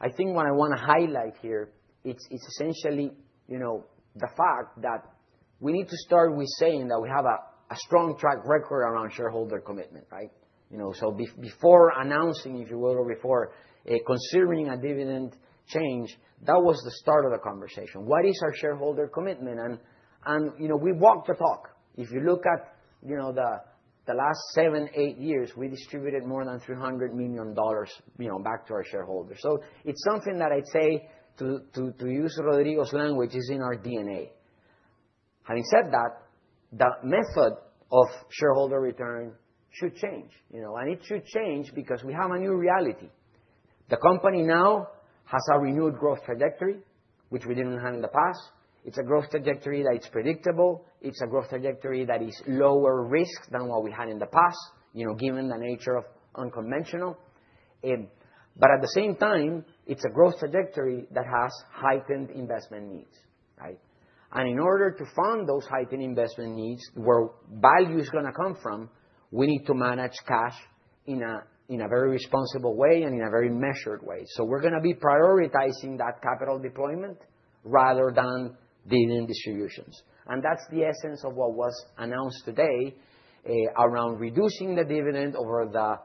[SPEAKER 6] I think what I want to highlight here is essentially the fact that we need to start with saying that we have a strong track record around shareholder commitment, right? So before announcing, if you will, or before considering a dividend change, that was the start of the conversation. What is our shareholder commitment? And we walk the talk. If you look at the last seven, eight years, we distributed more than $300 million back to our shareholders. So it's something that I'd say, to use Rodrigo's language, is in our DNA. Having said that, the method of shareholder return should change. And it should change because we have a new reality. The company now has a renewed growth trajectory, which we didn't have in the past. It's a growth trajectory that is predictable. It's a growth trajectory that is lower risk than what we had in the past, given the nature of unconventional. But at the same time, it's a growth trajectory that has heightened investment needs, right? And in order to fund those heightened investment needs, where value is going to come from, we need to manage cash in a very responsible way and in a very measured way. So we're going to be prioritizing that capital deployment rather than dividend distributions. And that's the essence of what was announced today around reducing the dividend over the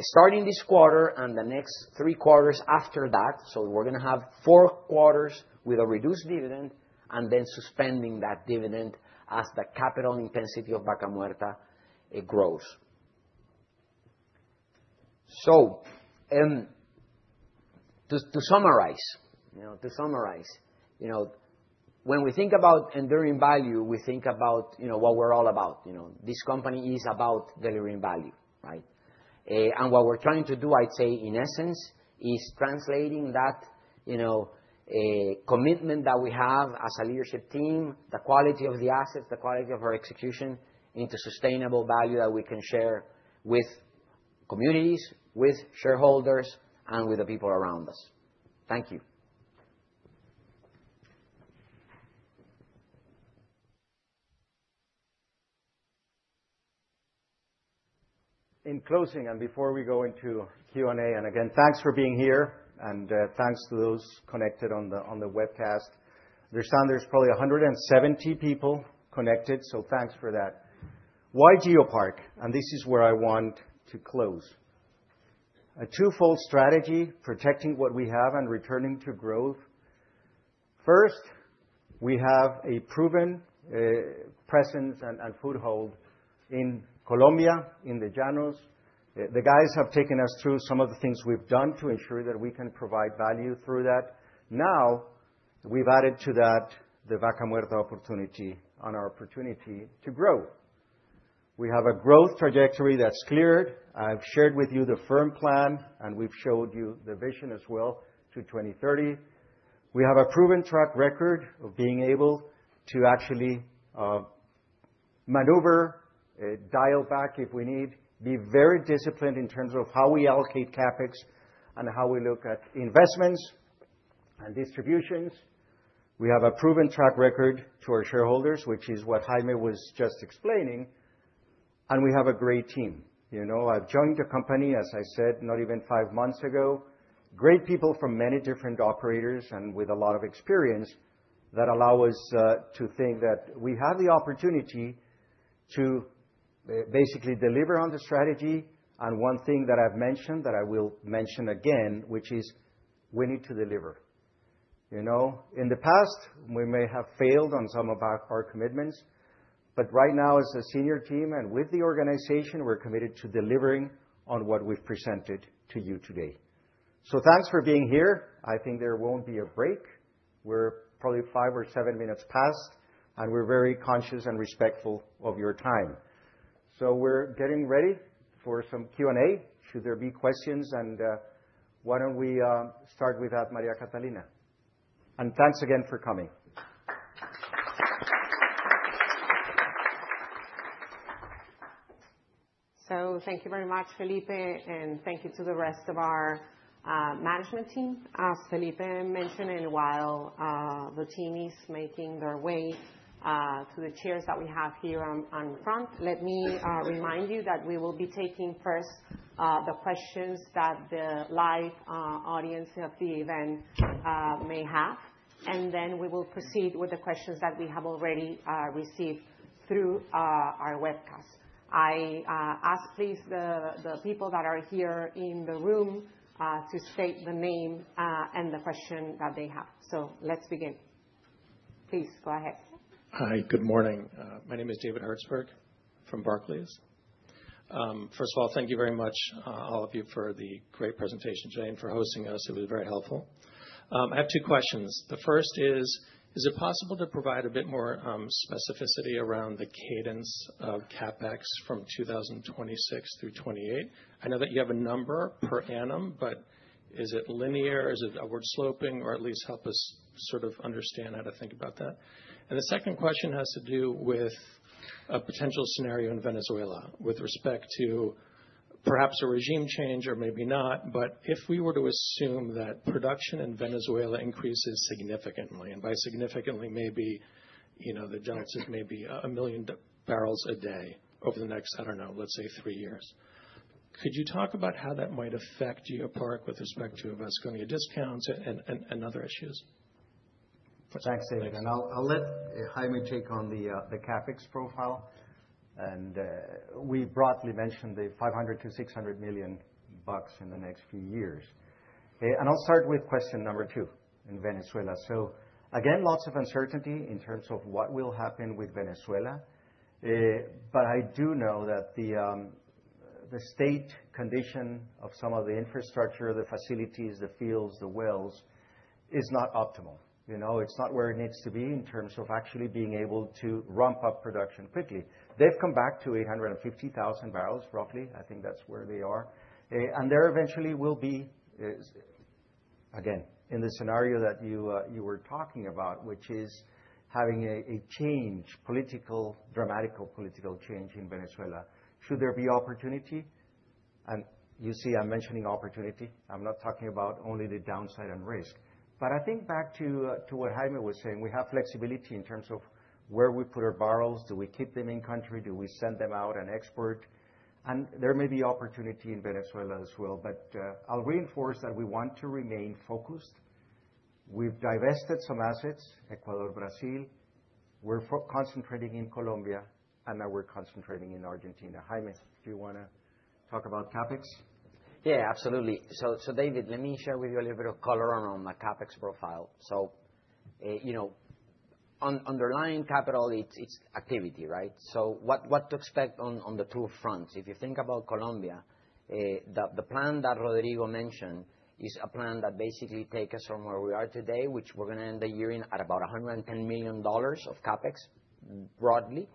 [SPEAKER 6] starting this quarter and the next three quarters after that. So we're going to have four quarters with a reduced dividend and then suspending that dividend as the capital intensity of Vaca Muerta grows. So to summarize, when we think about enduring value, we think about what we're all about. This company is about delivering value, right? And what we're trying to do, I'd say, in essence, is translating that commitment that we have as a leadership team, the quality of the assets, the quality of our execution into sustainable value that we can share with communities, with shareholders, and with the people around us. Thank you.
[SPEAKER 2] In closing, and before we go into Q&A, and again, thanks for being here. And thanks to those connected on the webcast. There's probably 170 people connected, so thanks for that. Why GeoPark? And this is where I want to close. A twofold strategy, protecting what we have and returning to growth. First, we have a proven presence and foothold in Colombia, in the Llanos. The guys have taken us through some of the things we've done to ensure that we can provide value through that. Now, we've added to that the Vaca Muerta opportunity and our opportunity to grow. We have a growth trajectory that's cleared. I've shared with you the firm plan, and we've showed you the vision as well to 2030. We have a proven track record of being able to actually maneuver, dial back if we need, be very disciplined in terms of how we allocate CapEx and how we look at investments and distributions. We have a proven track record to our shareholders, which is what Jaime was just explaining. And we have a great team. I've joined the company, as I said, not even five months ago. Great people from many different operators and with a lot of experience that allow us to think that we have the opportunity to basically deliver on the strategy. And one thing that I've mentioned that I will mention again, which is we need to deliver. In the past, we may have failed on some of our commitments, but right now, as a senior team and with the organization, we're committed to delivering on what we've presented to you today. So thanks for being here. I think there won't be a break. We're probably five or seven minutes past, and we're very conscious and respectful of your time. So we're getting ready for some Q&A. Should there be questions, and why don't we start with that, María Catalina? And thanks again for coming.
[SPEAKER 1] So thank you very much, Felipe, and thank you to the rest of our management team. As Felipe mentioned, while the team is making their way to the chairs that we have here in front, let me remind you that we will be taking first the questions that the live audience of the event may have. And then we will proceed with the questions that we have already received through our webcast. I ask, please, the people that are here in the room to state the name and the question that they have. So let's begin. Please go ahead.
[SPEAKER 7] Hi, good morning. My name is David Herzberg from Barclays. First of all, thank you very much, all of you, for the great presentation today and for hosting us. It was very helpful. I have two questions. The first is, is it possible to provide a bit more specificity around the cadence of CapEx from 2026 through 2028? I know that you have a number per annum, but is it linear? Is it upward sloping? Or at least help us sort of understand how to think about that? And the second question has to do with a potential scenario in Venezuela with respect to perhaps a regime change or maybe not. But if we were to assume that production in Venezuela increases significantly, and by significantly, maybe the deltas may be a million barrels a day over the next, I don't know, let's say, three years, could you talk about how that might affect GeoPark with respect to Vasconia discounts and other issues?
[SPEAKER 2] Thanks, David. And I'll let Jaime take on the CapEx profile. And we broadly mentioned the $500 million-$600 million in the next few years. And I'll start with question number two in Venezuela. So again, lots of uncertainty in terms of what will happen with Venezuela. But I do know that the state condition of some of the infrastructure, the facilities, the fields, the wells is not optimal. It's not where it needs to be in terms of actually being able to ramp-up production quickly. They've come back to 850,000 barrels, roughly. I think that's where they are. And there eventually will be, again, in the scenario that you were talking about, which is having a change, dramatic political change in Venezuela. Should there be opportunity? And you see I'm mentioning opportunity. I'm not talking about only the downside and risk. But I think back to what Jaime was saying, we have flexibility in terms of where we put our barrels. Do we keep them in country? Do we send them out and export? And there may be opportunity in Venezuela as well. But I'll reinforce that we want to remain focused. We've divested some assets, Ecuador, Brazil. We're concentrating in Colombia, and now we're concentrating in Argentina. Jaime, do you want to talk about CapEx?
[SPEAKER 6] Yeah, absolutely. So David, let me share with you a little bit of color around the CapEx profile. So underlying capital, it's activity, right? So what to expect on the two fronts? If you think about Colombia, the plan that Rodrigo mentioned is a plan that basically takes us from where we are today, which we're going to end the year in at about $110 million of CapEx broadly.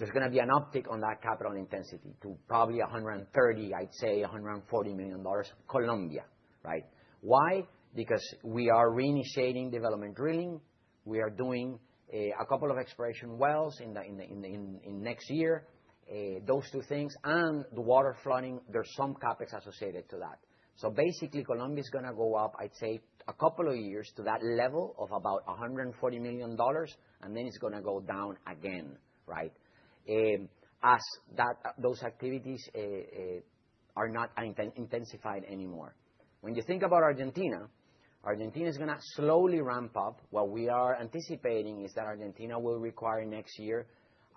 [SPEAKER 6] There's going to be an uptick on that capital intensity to probably $130, I'd say $140 million Colombia, right? Why? Because we are reinitiating development drilling. We are doing a couple of exploration wells in next year, those two things. And the water flooding, there's some CapEx associated to that. So basically, Colombia is going to go up, I'd say, a couple of years to that level of about $140 million, and then it's going to go down again, right, as those activities are not intensified anymore. When you think about Argentina, Argentina is going to slowly ramp up. What we are anticipating is that Argentina will require next year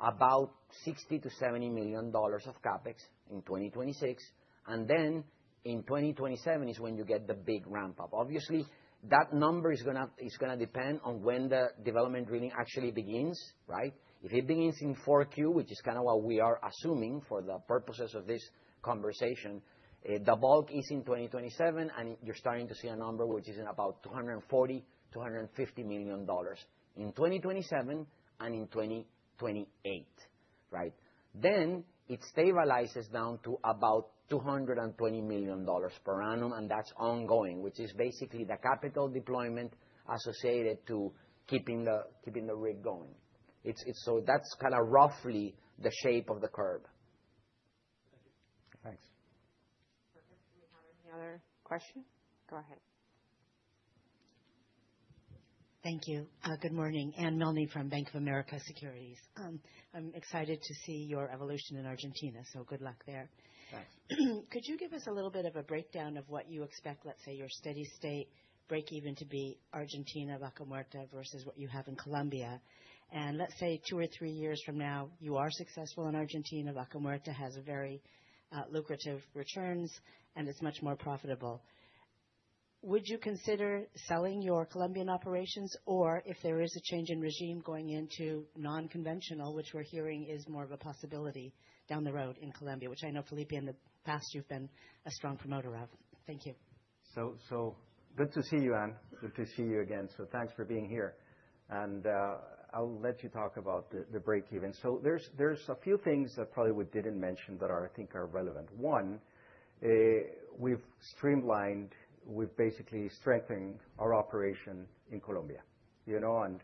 [SPEAKER 6] about $60 million-$70 million of CapEx in 2026. And then in 2027 is when you get the big ramp-up. Obviously, that number is going to depend on when the development drilling actually begins, right? If it begins in 4Q, which is kind of what we are assuming for the purposes of this conversation, the bulk is in 2027, and you're starting to see a number which is about $240 million-$250 million in 2027 and in 2028, right? Then it stabilizes down to about $220 million per annum, and that's ongoing, which is basically the capital deployment associated to keeping the rig going. So that's kind of roughly the shape of the curve.
[SPEAKER 7] Thanks.
[SPEAKER 1] Perfect. Do we have any other questions? Go ahead.
[SPEAKER 8] Thank you. Good morning. Anne Milne from Bank of America Securities. I'm excited to see your evolution in Argentina, so good luck there.
[SPEAKER 2] Thanks.
[SPEAKER 8] Could you give us a little bit of a breakdown of what you expect, let's say, your steady state break-even to be Argentina, Vaca Muerta, versus what you have in Colombia? And let's say two or three years from now, you are successful in Argentina, Vaca Muerta has very lucrative returns, and it's much more profitable. Would you consider selling your Colombian operations? Or if there is a change in regime going into non-conventional, which we're hearing is more of a possibility down the road in Colombia, which I know, Felipe, in the past, you've been a strong promoter of. Thank you.
[SPEAKER 2] So good to see you, Anne. Good to see you again. So thanks for being here. And I'll let you talk about the break-even. So there's a few things that probably we didn't mention that I think are relevant. One, we've streamlined, we've basically strengthened our operation in Colombia. And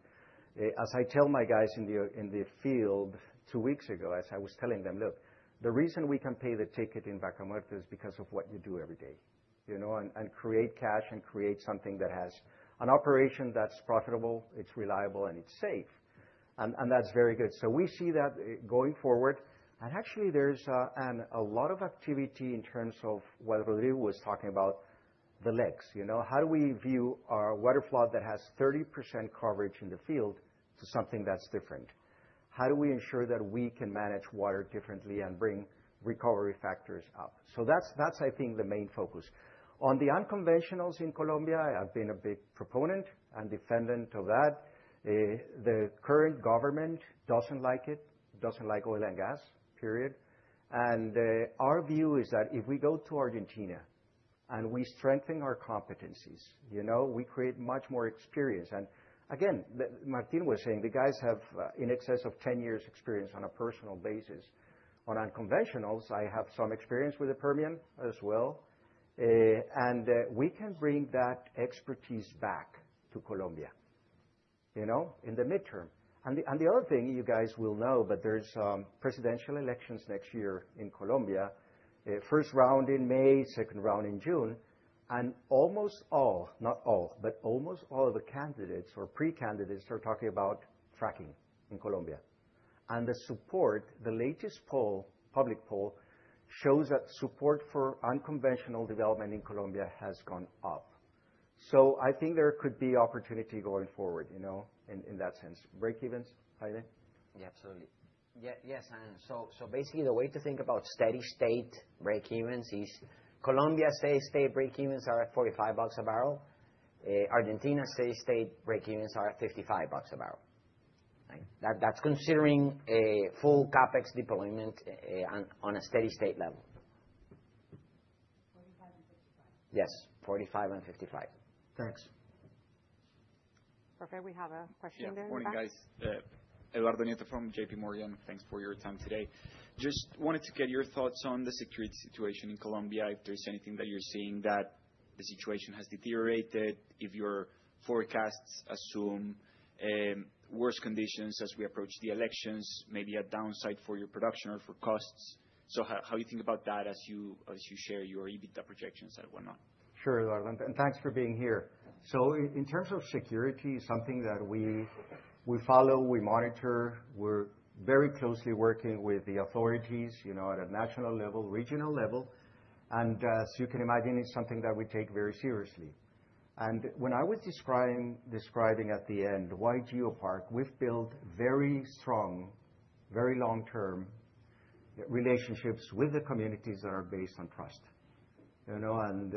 [SPEAKER 2] as I tell my guys in the field two weeks ago, as I was telling them, look, the reason we can pay the ticket in Vaca Muerta is because of what you do every day and create cash and create something that has an operation that's profitable, it's reliable, and it's safe. And that's very good. So we see that going forward. And actually, there's a lot of activity in terms of what Rodrigo was talking about, the legs. How do we view our water flood that has 30% coverage in the field to something that's different? How do we ensure that we can manage water differently and bring recovery factors up? So that's, I think, the main focus. On the unconventionals in Colombia, I've been a big proponent and defender of that. The current government doesn't like it, doesn't like oil and gas, period. And our view is that if we go to Argentina and we strengthen our competencies, we create much more experience. And again, Martín was saying the guys have in excess of 10 years experience on a personal basis on unconventionals. I have some experience with the Permian as well. And we can bring that expertise back to Colombia in the mid-term. And the other thing you guys will know, but there's presidential elections next year in Colombia, first round in May, second round in June. And almost all, not all, but almost all the candidates or pre-candidates are talking about fracking in Colombia. And the support, the latest poll, public poll shows that support for unconventional development in Colombia has gone up. So I think there could be opportunity going forward in that sense. Break-evens, Jaime?
[SPEAKER 6] Yeah, absolutely. Yes, Anne. So basically, the way to think about steady state break-evens is Colombia's steady state break-evens are at $45 a barrel. Argentina's steady state break-evens are at $55 a barrel. That's considering full CapEx deployment on a steady state level.
[SPEAKER 8] $45-$55.
[SPEAKER 6] Yes, $45 and $55. Thanks.
[SPEAKER 1] Perfect. We have a question there.
[SPEAKER 9] Good morning, guys. Eduardo Nieto from JPMorgan. Thanks for your time today. Just wanted to get your thoughts on the security situation in Colombia, if there's anything that you're seeing that the situation has deteriorated, if your forecasts assume worse conditions as we approach the elections, maybe a downside for your production or for costs, so how do you think about that as you share your EBITDA projections and whatnot?
[SPEAKER 2] Sure, Eduardo. And thanks for being here. So in terms of security, it's something that we follow, we monitor. We're very closely working with the authorities at a national level, regional level. And as you can imagine, it's something that we take very seriously. And when I was describing at the end, why GeoPark, we've built very strong, very long-term relationships with the communities that are based on trust. And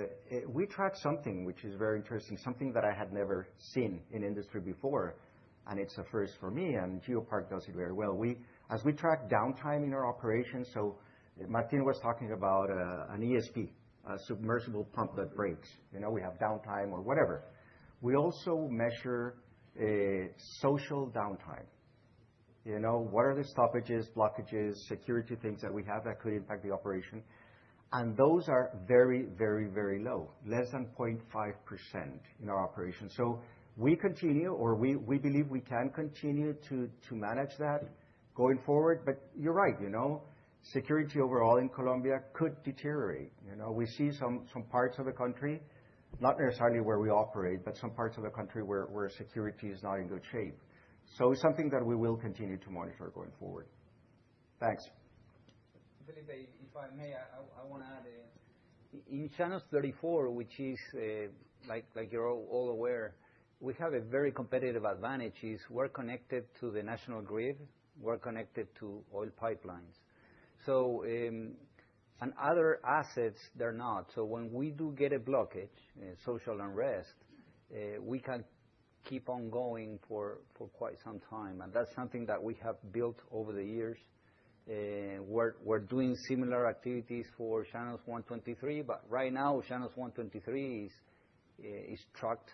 [SPEAKER 2] we track something which is very interesting, something that I had never seen in industry before. And it's a first for me, and GeoPark does it very well. As we track downtime in our operations, so Martín was talking about an ESP, a submersible pump that breaks. We have downtime or whatever. We also measure social downtime. What are the stoppages, blockages, security things that we have that could impact the operation? And those are very, very, very low, less than 0.5% in our operation. So we continue, or we believe we can continue to manage that going forward. But you're right. Security overall in Colombia could deteriorate. We see some parts of the country, not necessarily where we operate, but some parts of the country where security is not in good shape. So it's something that we will continue to monitor going forward.
[SPEAKER 9] Thanks.
[SPEAKER 4] Felipe, if I may, I want to add in. In Llanos 34, which is, like you're all aware, we have a very competitive advantage. We're connected to the national grid. We're connected to oil pipelines. So on other assets, they're not. So when we do get a blockage, social unrest, we can keep on going for quite some time. And that's something that we have built over the years. We're doing similar activities for Llanos 123. But right now, Llanos 123 is trucked.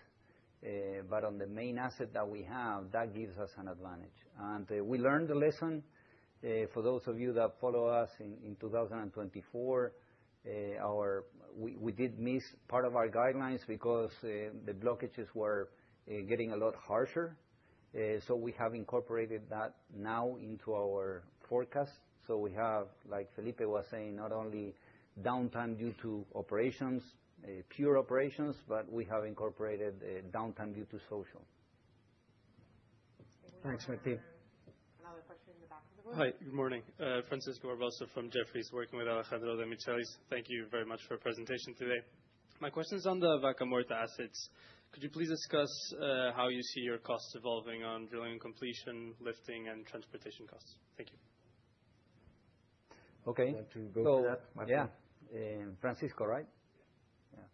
[SPEAKER 4] But on the main asset that we have, that gives us an advantage. And we learned the lesson. For those of you that follow us in 2024, we did miss part of our guidelines because the blockages were getting a lot harsher. So we have incorporated that now into our forecast. So we have, like Felipe was saying, not only downtime due to operations, pure operations, but we have incorporated downtime due to social.
[SPEAKER 2] Thanks, Martin.
[SPEAKER 1] Another question in the back of the room.
[SPEAKER 10] Hi, good morning. Francisco Barbosa from Jefferies working with Alejandro Demichelis. Thank you very much for your presentation today. My question is on the Vaca Muerta assets. Could you please discuss how you see your costs evolving on drilling and completion, lifting, and transportation costs? Thank you.
[SPEAKER 4] Okay.
[SPEAKER 2] To go to that, Martín.
[SPEAKER 4] Yeah. Francisco, right?
[SPEAKER 10] Yeah.
[SPEAKER 4] Yeah.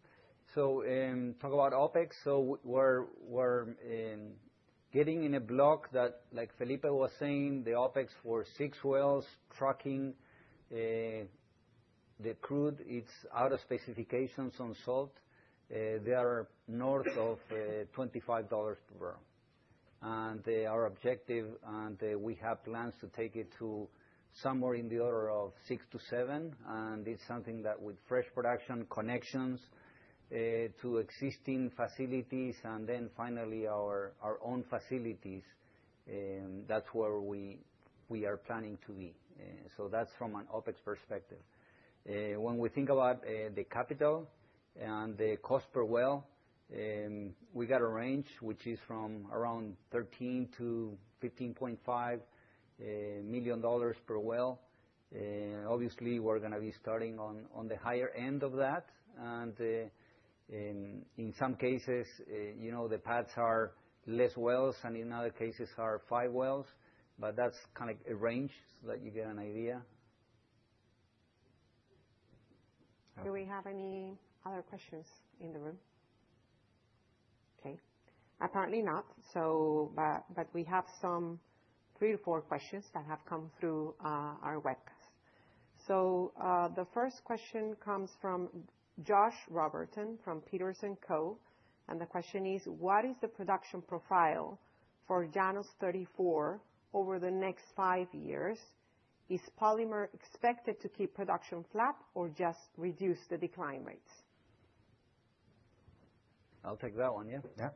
[SPEAKER 4] So talk about OpEx. So we're getting in a block that, like Felipe was saying, the OpEx for six wells, trucking, the crude, it's out of specifications on salt. They are north of $25 per barrel, and our objective, and we have plans to take it to somewhere in the order of $6-$7. And it's something that with fresh production connections to existing facilities and then finally our own facilities, that's where we are planning to be. So that's from an OpEx perspective. When we think about the capital and the cost per well, we got a range, which is from around $13 million-$15.5 million per well. Obviously, we're going to be starting on the higher end of that. And in some cases, the pads are less wells, and in other cases, are five wells. But that's kind of a range so that you get an idea.
[SPEAKER 1] Do we have any other questions in the room? Okay. Apparently not. But we have some three or four questions that have come through our webcast. So the first question comes from Josh Robertson from Peters & Co. And the question is, what is the production profile for Llanos 34 over the next five years? Is polymer expected to keep production flat or just reduce the decline rates?
[SPEAKER 4] I'll take that one, yeah?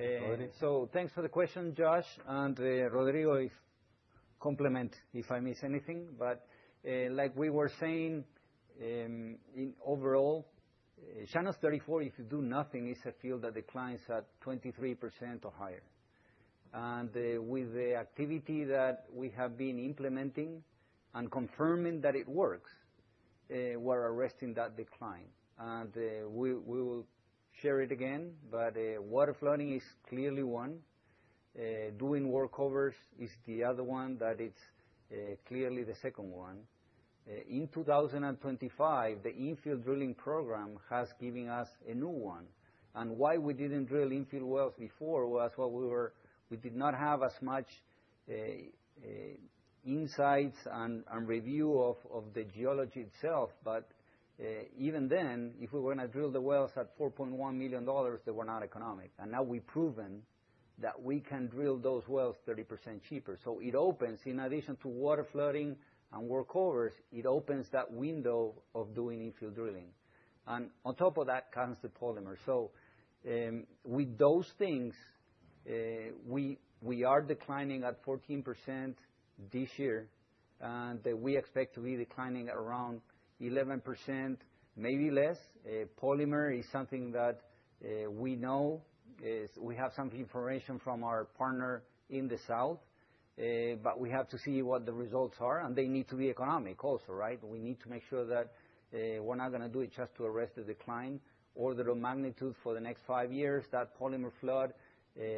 [SPEAKER 4] Yeah. So thanks for the question, Josh. And Rodrigo will complement if I miss anything. But like we were saying, overall, Llanos 34, if you do nothing, is a field that declines at 23% or higher. And with the activity that we have been implementing and confirming that it works, we're arresting that decline. And we will share it again. But water flooding is clearly one. Doing workovers is the other one, that it's clearly the second one. In 2025, the infill drilling program has given us a new one. And why we didn't drill infill wells before was we did not have as much insights and review of the geology itself. But even then, if we were going to drill the wells at $4.1 million, they were not economic. And now we've proven that we can drill those wells 30% cheaper. So, it opens, in addition to water flooding and workovers, it opens that window of doing infill drilling. And on top of that comes the polymer. So with those things, we are declining at 14% this year. And we expect to be declining around 11%, maybe less. Polymer is something that we know. We have some information from our partner in the south. But we have to see what the results are. And they need to be economic also, right? We need to make sure that we're not going to do it just to arrest the decline. Order of magnitude for the next five years, that polymer flood,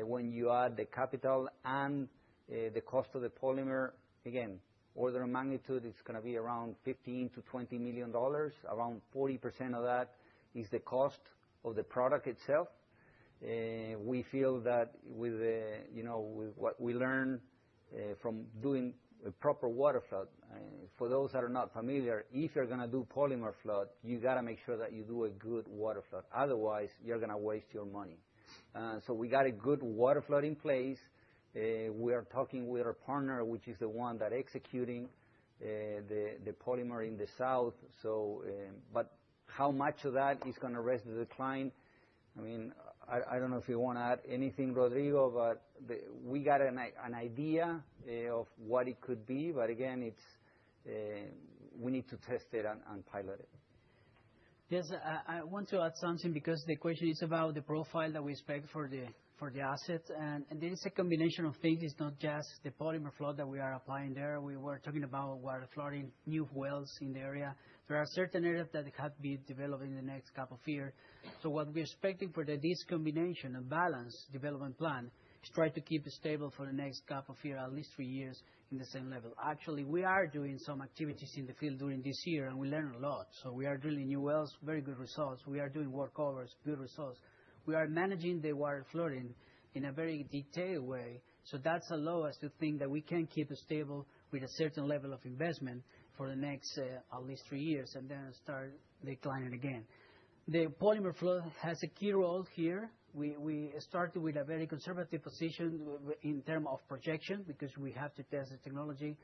[SPEAKER 4] when you add the capital and the cost of the polymer, again, order of magnitude, it's going to be around $15 million-$20 million. Around 40% of that is the cost of the product itself. We feel that with what we learned from doing proper water flood, for those that are not familiar, if you're going to do polymer flood, you got to make sure that you do a good water flood. Otherwise, you're going to waste your money. So we got a good water flood in place. We are talking with our partner, which is the one that's executing the polymer in the south. But how much of that is going to arrest the decline? I mean, I don't know if you want to add anything, Rodrigo, but we got an idea of what it could be. But again, we need to test it and pilot it.
[SPEAKER 3] I want to add something because the question is about the profile that we expect for the asset. There is a combination of things. It's not just the polymer flood that we are applying there. We were talking about water flooding, new wells in the area. There are certain areas that have been developed in the next couple of years. What we're expecting for this combination and balance development plan is to try to keep it stable for the next couple of years, at least three years, in the same level. Actually, we are doing some activities in the field during this year, and we learned a lot. We are drilling new wells, very good results. We are doing workovers, good results. We are managing the water flooding in a very detailed way. So that's allowed us to think that we can keep it stable with a certain level of investment for the next at least three years and then start declining again. The polymer flood has a key role here. We started with a very conservative position in terms of projection because we have to test the technology.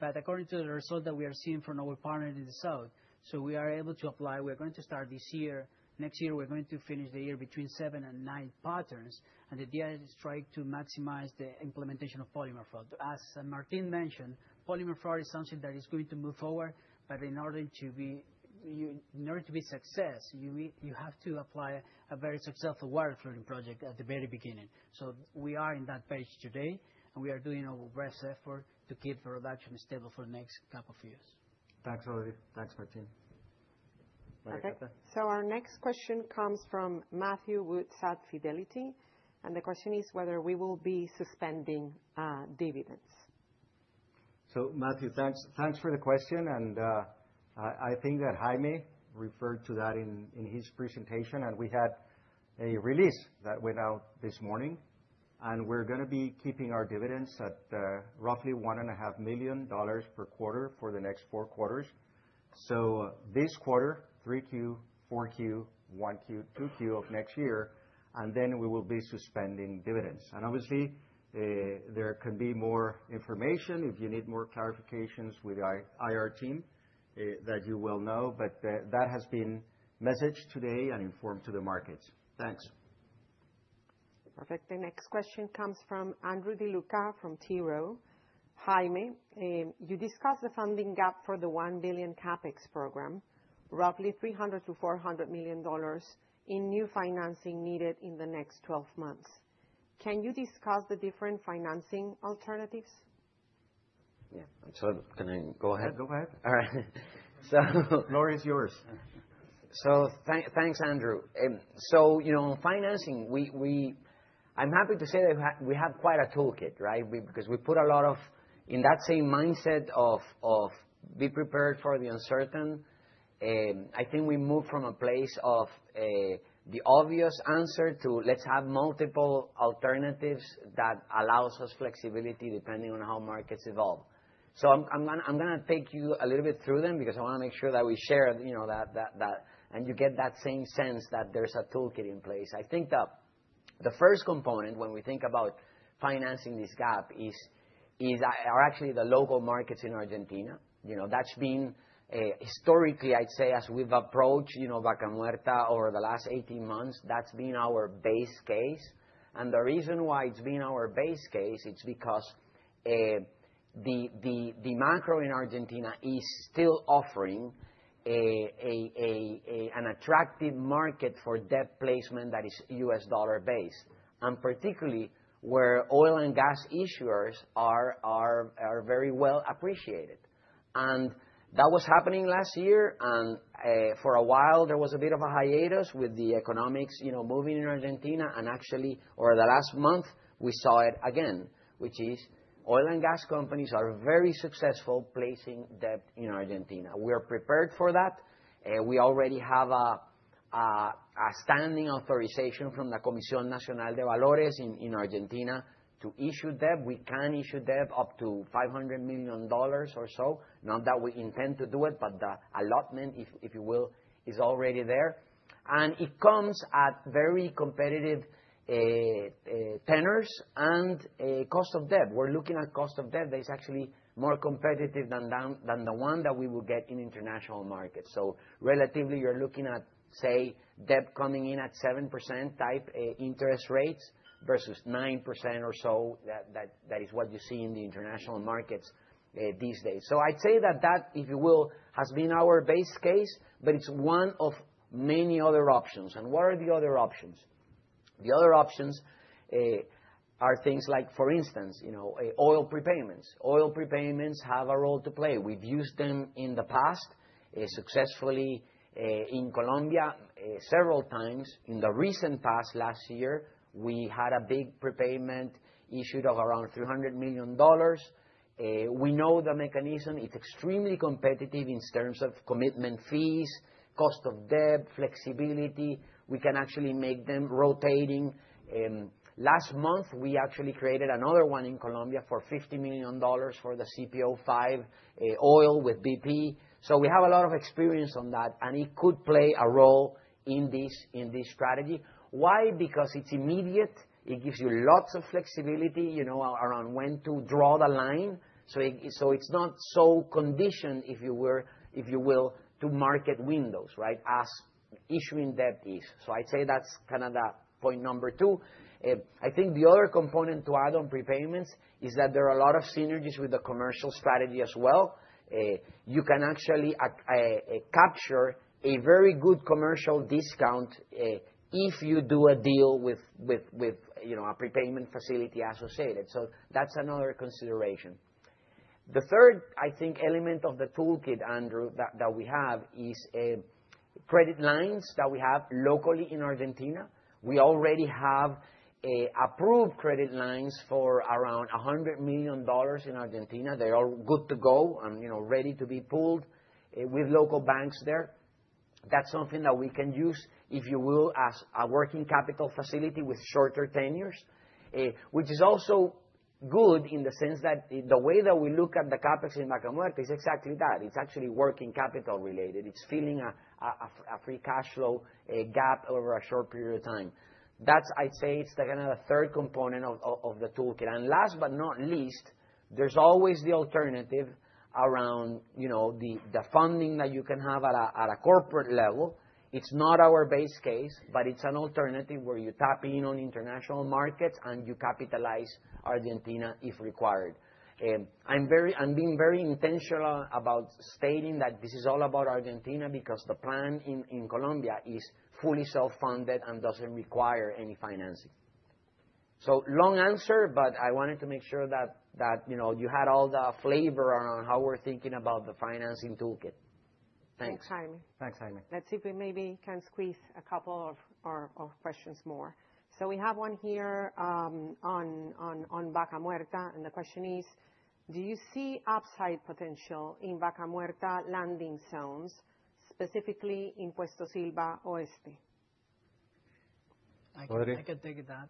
[SPEAKER 3] But according to the result that we are seeing from our partner in the south, so we are able to apply. We are going to start this year. Next year, we're going to finish the year between seven and nine patterns. And the idea is to try to maximize the implementation of polymer flood. As Martin mentioned, polymer flood is something that is going to move forward. But in order to be success, you have to apply a very successful water flooding project at the very beginning. So we are in that phase today. We are doing our best effort to keep the production stable for the next couple of years.
[SPEAKER 4] Thanks, Rody.
[SPEAKER 3] Thanks, Martín.
[SPEAKER 1] Okay. Our next question comes from Matthew Woods at Fidelity. The question is whether we will be suspending dividends.
[SPEAKER 2] Matthew, thanks for the question. I think that Jaime referred to that in his presentation. We had a release that went out this morning. We're going to be keeping our dividends at roughly $1.5 million per quarter for the next four quarters. This quarter, 3Q, 4Q, 1Q, 2Q of next year, and then we will be suspending dividends. Obviously, there can be more information. If you need more clarifications with the IR team, that you will know. That has been messaged today and informed to the markets. Thanks.
[SPEAKER 1] Perfect. The next question comes from Andrew De Luca from T. Rowe. Jaime, you discussed the funding gap for the $1 billion CapEx program, roughly $300 million-$400 million in new financing needed in the next 12 months. Can you discuss the different financing alternatives?
[SPEAKER 6] So can I go ahead?
[SPEAKER 2] Yeah, go ahead.
[SPEAKER 6] All right. So.
[SPEAKER 2] The floor is yours.
[SPEAKER 6] So thanks, Andrew. So financing, I'm happy to say that we have quite a toolkit, right? Because we put a lot of in that same mindset of be prepared for the uncertain. I think we moved from a place of the obvious answer to let's have multiple alternatives that allows us flexibility depending on how markets evolve. So I'm going to take you a little bit through them because I want to make sure that we share that and you get that same sense that there's a toolkit in place. I think that the first component when we think about financing this gap are actually the local markets in Argentina. That's been historically, I'd say, as we've approached Vaca Muerta over the last 18 months, that's been our base case. And the reason why it's been our base case, it's because the macro in Argentina is still offering an attractive market for debt placement that is US dollar-based. And particularly, where oil and gas issuers are very well appreciated. And that was happening last year. And for a while, there was a bit of a hiatus with the economics moving in Argentina. And actually, over the last month, we saw it again, which is oil and gas companies are very successful placing debt in Argentina. We are prepared for that. We already have a standing authorization from the Comisión Nacional de Valores in Argentina to issue debt. We can issue debt up to $500 million or so. Not that we intend to do it, but the allotment, if you will, is already there. And it comes at very competitive tenors and cost of debt. We're looking at cost of debt that is actually more competitive than the one that we would get in international markets. So relatively, you're looking at, say, debt coming in at 7% type interest rates versus 9% or so. That is what you see in the international markets these days. So I'd say that that, if you will, has been our base case, but it's one of many other options. And what are the other options? The other options are things like, for instance, oil prepayments. Oil prepayments have a role to play. We've used them in the past, successfully in Colombia several times. In the recent past, last year, we had a big prepayment issued of around $300 million. We know the mechanism. It's extremely competitive in terms of commitment fees, cost of debt, flexibility. We can actually make them rotating. Last month, we actually created another one in Colombia for $50 million for the CPO-5 oil with BP. So we have a lot of experience on that. And it could play a role in this strategy. Why? Because it's immediate. It gives you lots of flexibility around when to draw the line. So it's not so conditioned, if you will, to market windows, right, as issuing debt is. So I'd say that's kind of the point number two. I think the other component to add on prepayments is that there are a lot of synergies with the commercial strategy as well. You can actually capture a very good commercial discount if you do a deal with a prepayment facility associated. So that's another consideration. The third, I think, element of the toolkit, Andrew, that we have is credit lines that we have locally in Argentina. We already have approved credit lines for around $100 million in Argentina. They're all good to go and ready to be pulled with local banks there. That's something that we can use, if you will, as a working capital facility with shorter tenures, which is also good in the sense that the way that we look at the CapEx in Vaca Muerta is exactly that. It's actually working capital related. It's filling a free cash flow gap over a short period of time. That's, I'd say, it's kind of the third component of the toolkit. And last but not least, there's always the alternative around the funding that you can have at a corporate level. It's not our base case, but it's an alternative where you tap in on international markets and you capitalize Argentina if required. I'm being very intentional about stating that this is all about Argentina because the plan in Colombia is fully self-funded and doesn't require any financing. So long answer, but I wanted to make sure that you had all the flavor around how we're thinking about the financing toolkit. Thanks.
[SPEAKER 1] Thanks, Jaime. Let's see if we maybe can squeeze a couple of questions more, so we have one here on Vaca Muerta, and the question is, do you see upside potential in Vaca Muerta landing zones, specifically in Puesto Silva Oeste?
[SPEAKER 3] I can take that.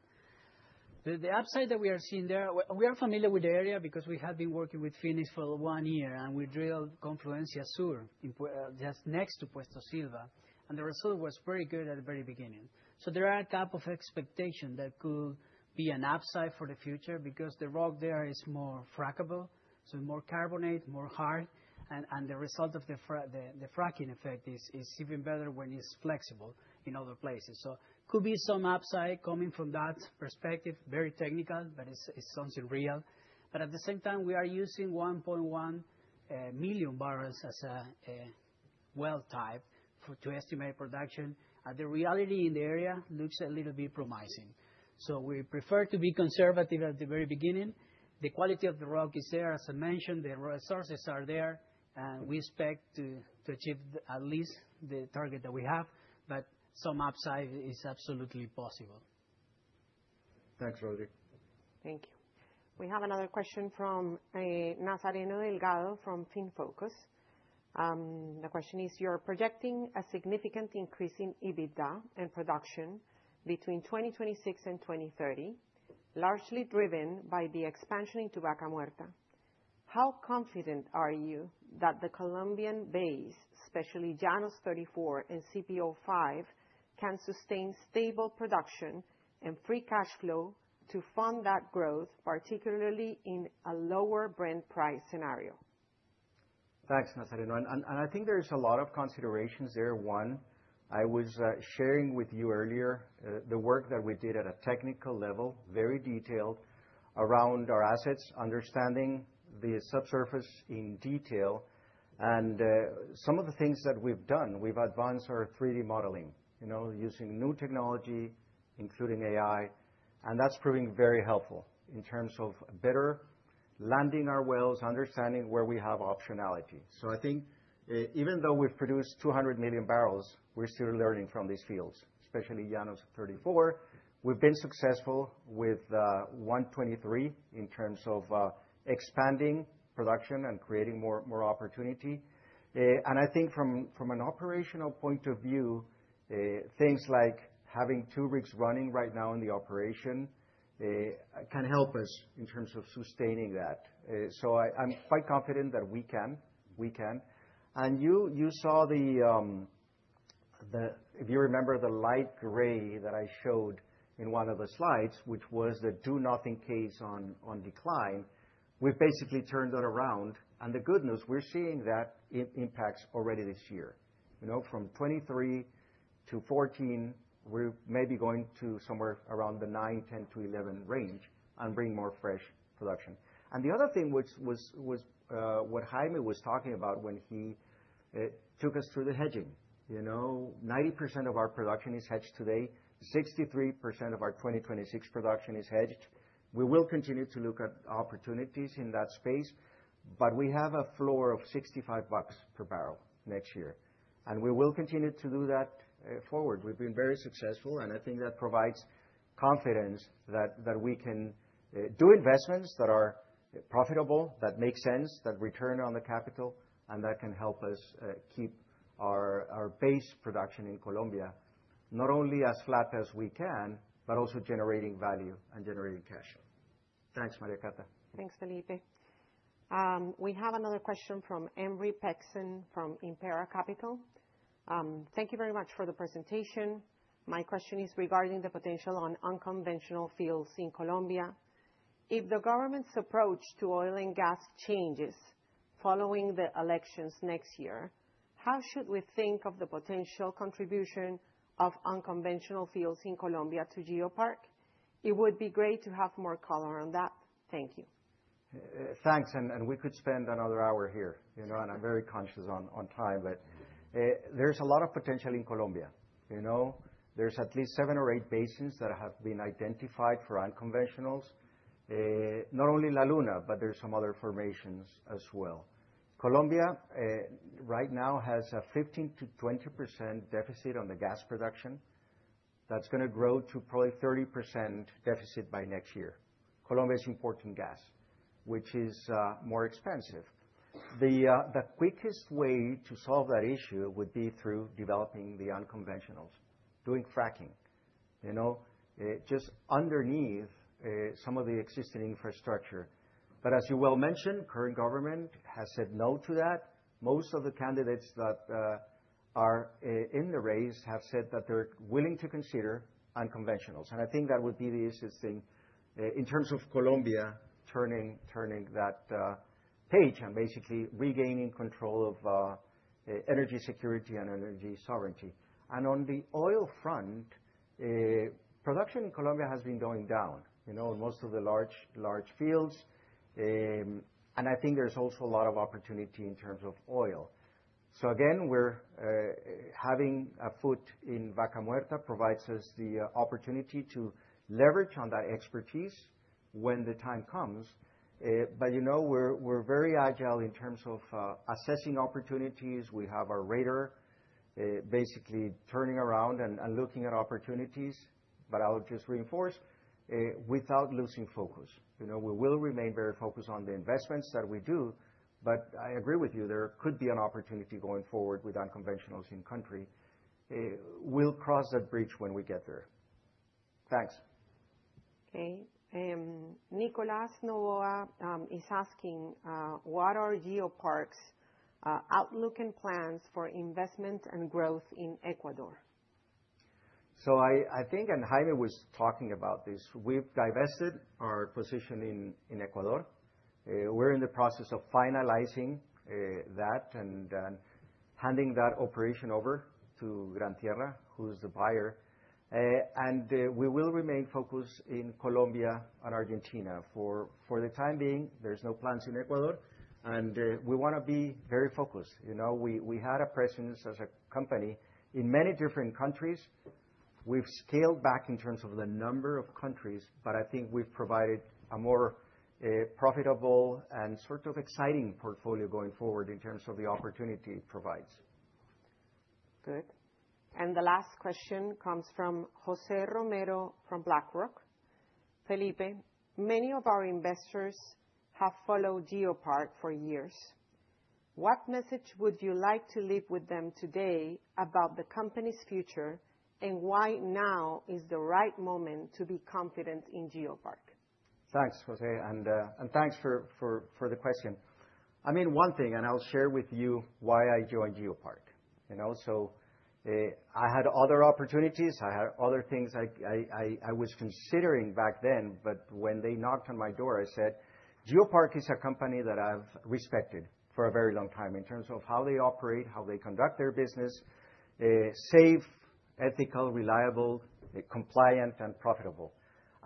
[SPEAKER 3] The upside that we are seeing there, we are familiar with the area because we have been working with Phoenix for one year. And we drilled Confluencia Sur just next to Puesto Silva. And the result was very good at the very beginning. So there are a couple of expectations that could be an upside for the future because the rock there is more frackable. So more carbonate, more hard. And the result of the fracking effect is even better when it's flexible in other places. So it could be some upside coming from that perspective, very technical, but it's something real. But at the same time, we are using 1.1 million barrels as a well type to estimate production. And the reality in the area looks a little bit promising. So we prefer to be conservative at the very beginning. The quality of the rock is there, as I mentioned. The resources are there. And we expect to achieve at least the target that we have. But some upside is absolutely possible.
[SPEAKER 2] Thanks, Rody.
[SPEAKER 1] Thank you. We have another question from Nazareno Delgado from Finfocus The question is, you're projecting a significant increase in EBITDA and production between 2026 and 2030, largely driven by the expansion into Vaca Muerta. How confident are you that the Colombian base, especially Llanos 34 and CPO-5, can sustain stable production and free cash flow to fund that growth, particularly in a lower Brent price scenario?
[SPEAKER 2] Thanks, Nazareno. And I think there's a lot of considerations there. One, I was sharing with you earlier the work that we did at a technical level, very detailed around our assets, understanding the subsurface in detail. And some of the things that we've done, we've advanced our 3D modeling using new technology, including AI. And that's proving very helpful in terms of better landing our wells, understanding where we have optionality. So I think even though we've produced 200 million barrels, we're still learning from these fields, especially Llanos 34. We've been successful with 123 in terms of expanding production and creating more opportunity. And I think from an operational point of view, things like having two rigs running right now in the operation can help us in terms of sustaining that. So I'm quite confident that we can. We can. And you saw the, if you remember, the light gray that I showed in one of the slides, which was the do-nothing case on decline. We've basically turned it around, and the good news, we're seeing that impacts already this year. From 23 to 14, we're maybe going to somewhere around the nine, 10-11 range and bring more fresh production, and the other thing was what Jaime was talking about when he took us through the hedging. 90% of our production is hedged today. 63% of our 2026 production is hedged. We will continue to look at opportunities in that space, but we have a floor of $65 per barrel next year, and we will continue to do that forward. We've been very successful. And I think that provides confidence that we can do investments that are profitable, that make sense, that return on the capital, and that can help us keep our base production in Colombia not only as flat as we can, but also generating value and generating cash. Thanks, María Cata.
[SPEAKER 1] Thanks, Felipe. We have another question from Emre Peksen from Impera Capital. Thank you very much for the presentation. My question is regarding the potential on unconventional fields in Colombia. If the government's approach to oil and gas changes following the elections next year, how should we think of the potential contribution of unconventional fields in Colombia to GeoPark? It would be great to have more color on that. Thank you.
[SPEAKER 2] Thanks. And we could spend another hour here. And I'm very conscious on time. But there's a lot of potential in Colombia. There's at least seven or eight basins that have been identified for unconventionals, not only La Luna, but there's some other formations as well. Colombia right now has a 15%-20% deficit on the gas production. That's going to grow to probably 30% deficit by next year. Colombia is importing gas, which is more expensive. The quickest way to solve that issue would be through developing the unconventionals, doing fracking just underneath some of the existing infrastructure. But as you well mentioned, the current government has said no to that. Most of the candidates that are in the race have said that they're willing to consider unconventionals. And I think that would be the easiest thing in terms of Colombia turning that page and basically regaining control of energy security and energy sovereignty. And on the oil front, production in Colombia has been going down in most of the large fields. And I think there's also a lot of opportunity in terms of oil. So again, having a foot in Vaca Muerta provides us the opportunity to leverage on that expertise when the time comes. But we're very agile in terms of assessing opportunities. We have our radar basically turning around and looking at opportunities. But I'll just reinforce without losing focus. We will remain very focused on the investments that we do. But I agree with you, there could be an opportunity going forward with unconventionals in country. We'll cross that bridge when we get there. Thanks.
[SPEAKER 1] Okay. Nicolas Novoa is asking, what are GeoPark's outlook and plans for investment and growth in Ecuador?
[SPEAKER 2] So I think, and Jaime was talking about this, we've divested our position in Ecuador. We're in the process of finalizing that and handing that operation over to Gran Tierra, who's the buyer. And we will remain focused in Colombia and Argentina. For the time being, there's no plans in Ecuador. And we want to be very focused. We had a presence as a company in many different countries. We've scaled back in terms of the number of countries. But I think we've provided a more profitable and sort of exciting portfolio going forward in terms of the opportunity it provides.
[SPEAKER 1] Good. And the last question comes from Jose Romero from BlackRock. Felipe, many of our investors have followed GeoPark for years. What message would you like to leave with them today about the company's future and why now is the right moment to be confident in GeoPark?
[SPEAKER 2] Thanks, Jose. And thanks for the question. I mean, one thing, and I'll share with you why I joined GeoPark. So I had other opportunities. I had other things I was considering back then. But when they knocked on my door, I said, GeoPark is a company that I've respected for a very long time in terms of how they operate, how they conduct their business, safe, ethical, reliable, compliant, and profitable,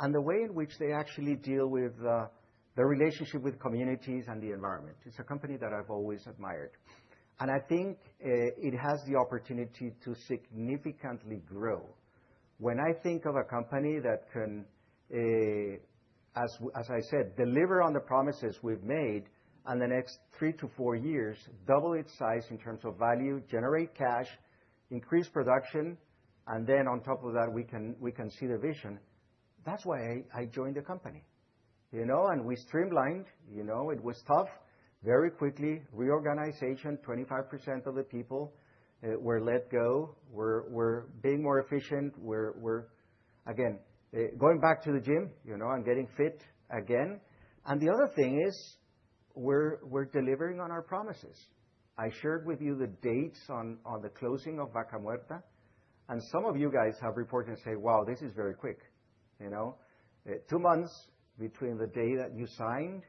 [SPEAKER 2] and the way in which they actually deal with the relationship with communities and the environment. It's a company that I've always admired. And I think it has the opportunity to significantly grow. When I think of a company that can, as I said, deliver on the promises we've made in the next three to four years, double its size in terms of value, generate cash, increase production, and then on top of that, we can see the vision, that's why I joined the company, and we streamlined. It was tough. Very quickly, reorganization, 25% of the people were let go. We're being more efficient. Again, going back to the gym and getting fit again, and the other thing is we're delivering on our promises. I shared with you the dates on the closing of Vaca Muerta, and some of you guys have reported and said, wow, this is very quick. Two months between the day that you signed,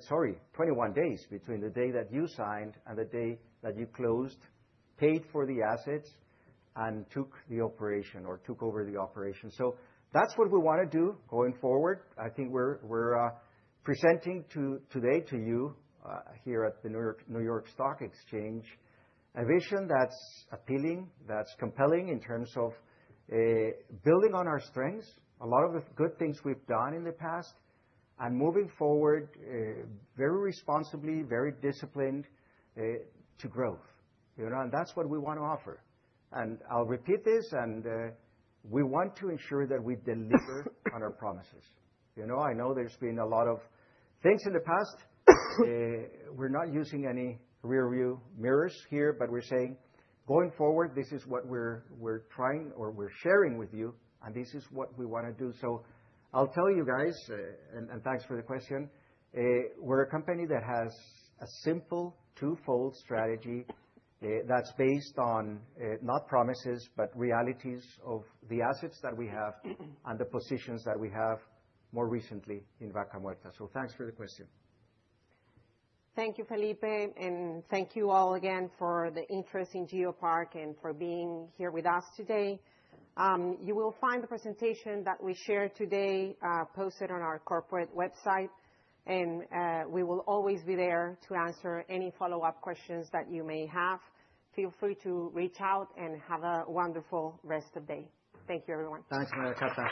[SPEAKER 2] sorry, 21 days between the day that you signed and the day that you closed, paid for the assets, and took the operation or took over the operation. So that's what we want to do going forward. I think we're presenting today to you here at the New York Stock Exchange a vision that's appealing, that's compelling in terms of building on our strengths, a lot of the good things we've done in the past, and moving forward very responsibly, very disciplined to growth. And that's what we want to offer. And I'll repeat this. And we want to ensure that we deliver on our promises. I know there's been a lot of things in the past. We're not using any rearview mirrors here. But we're saying, going forward, this is what we're trying or we're sharing with you. This is what we want to do. I'll tell you guys, and thanks for the question. We're a company that has a simple twofold strategy that's based on not promises, but realities of the assets that we have and the positions that we have more recently in Vaca Muerta. Thanks for the question.
[SPEAKER 1] Thank you, Felipe. And thank you all again for the interest in GeoPark and for being here with us today. You will find the presentation that we shared today posted on our corporate website. And we will always be there to answer any follow-up questions that you may have. Feel free to reach out and have a wonderful rest of day. Thank you, everyone.
[SPEAKER 2] Thanks, María Cata.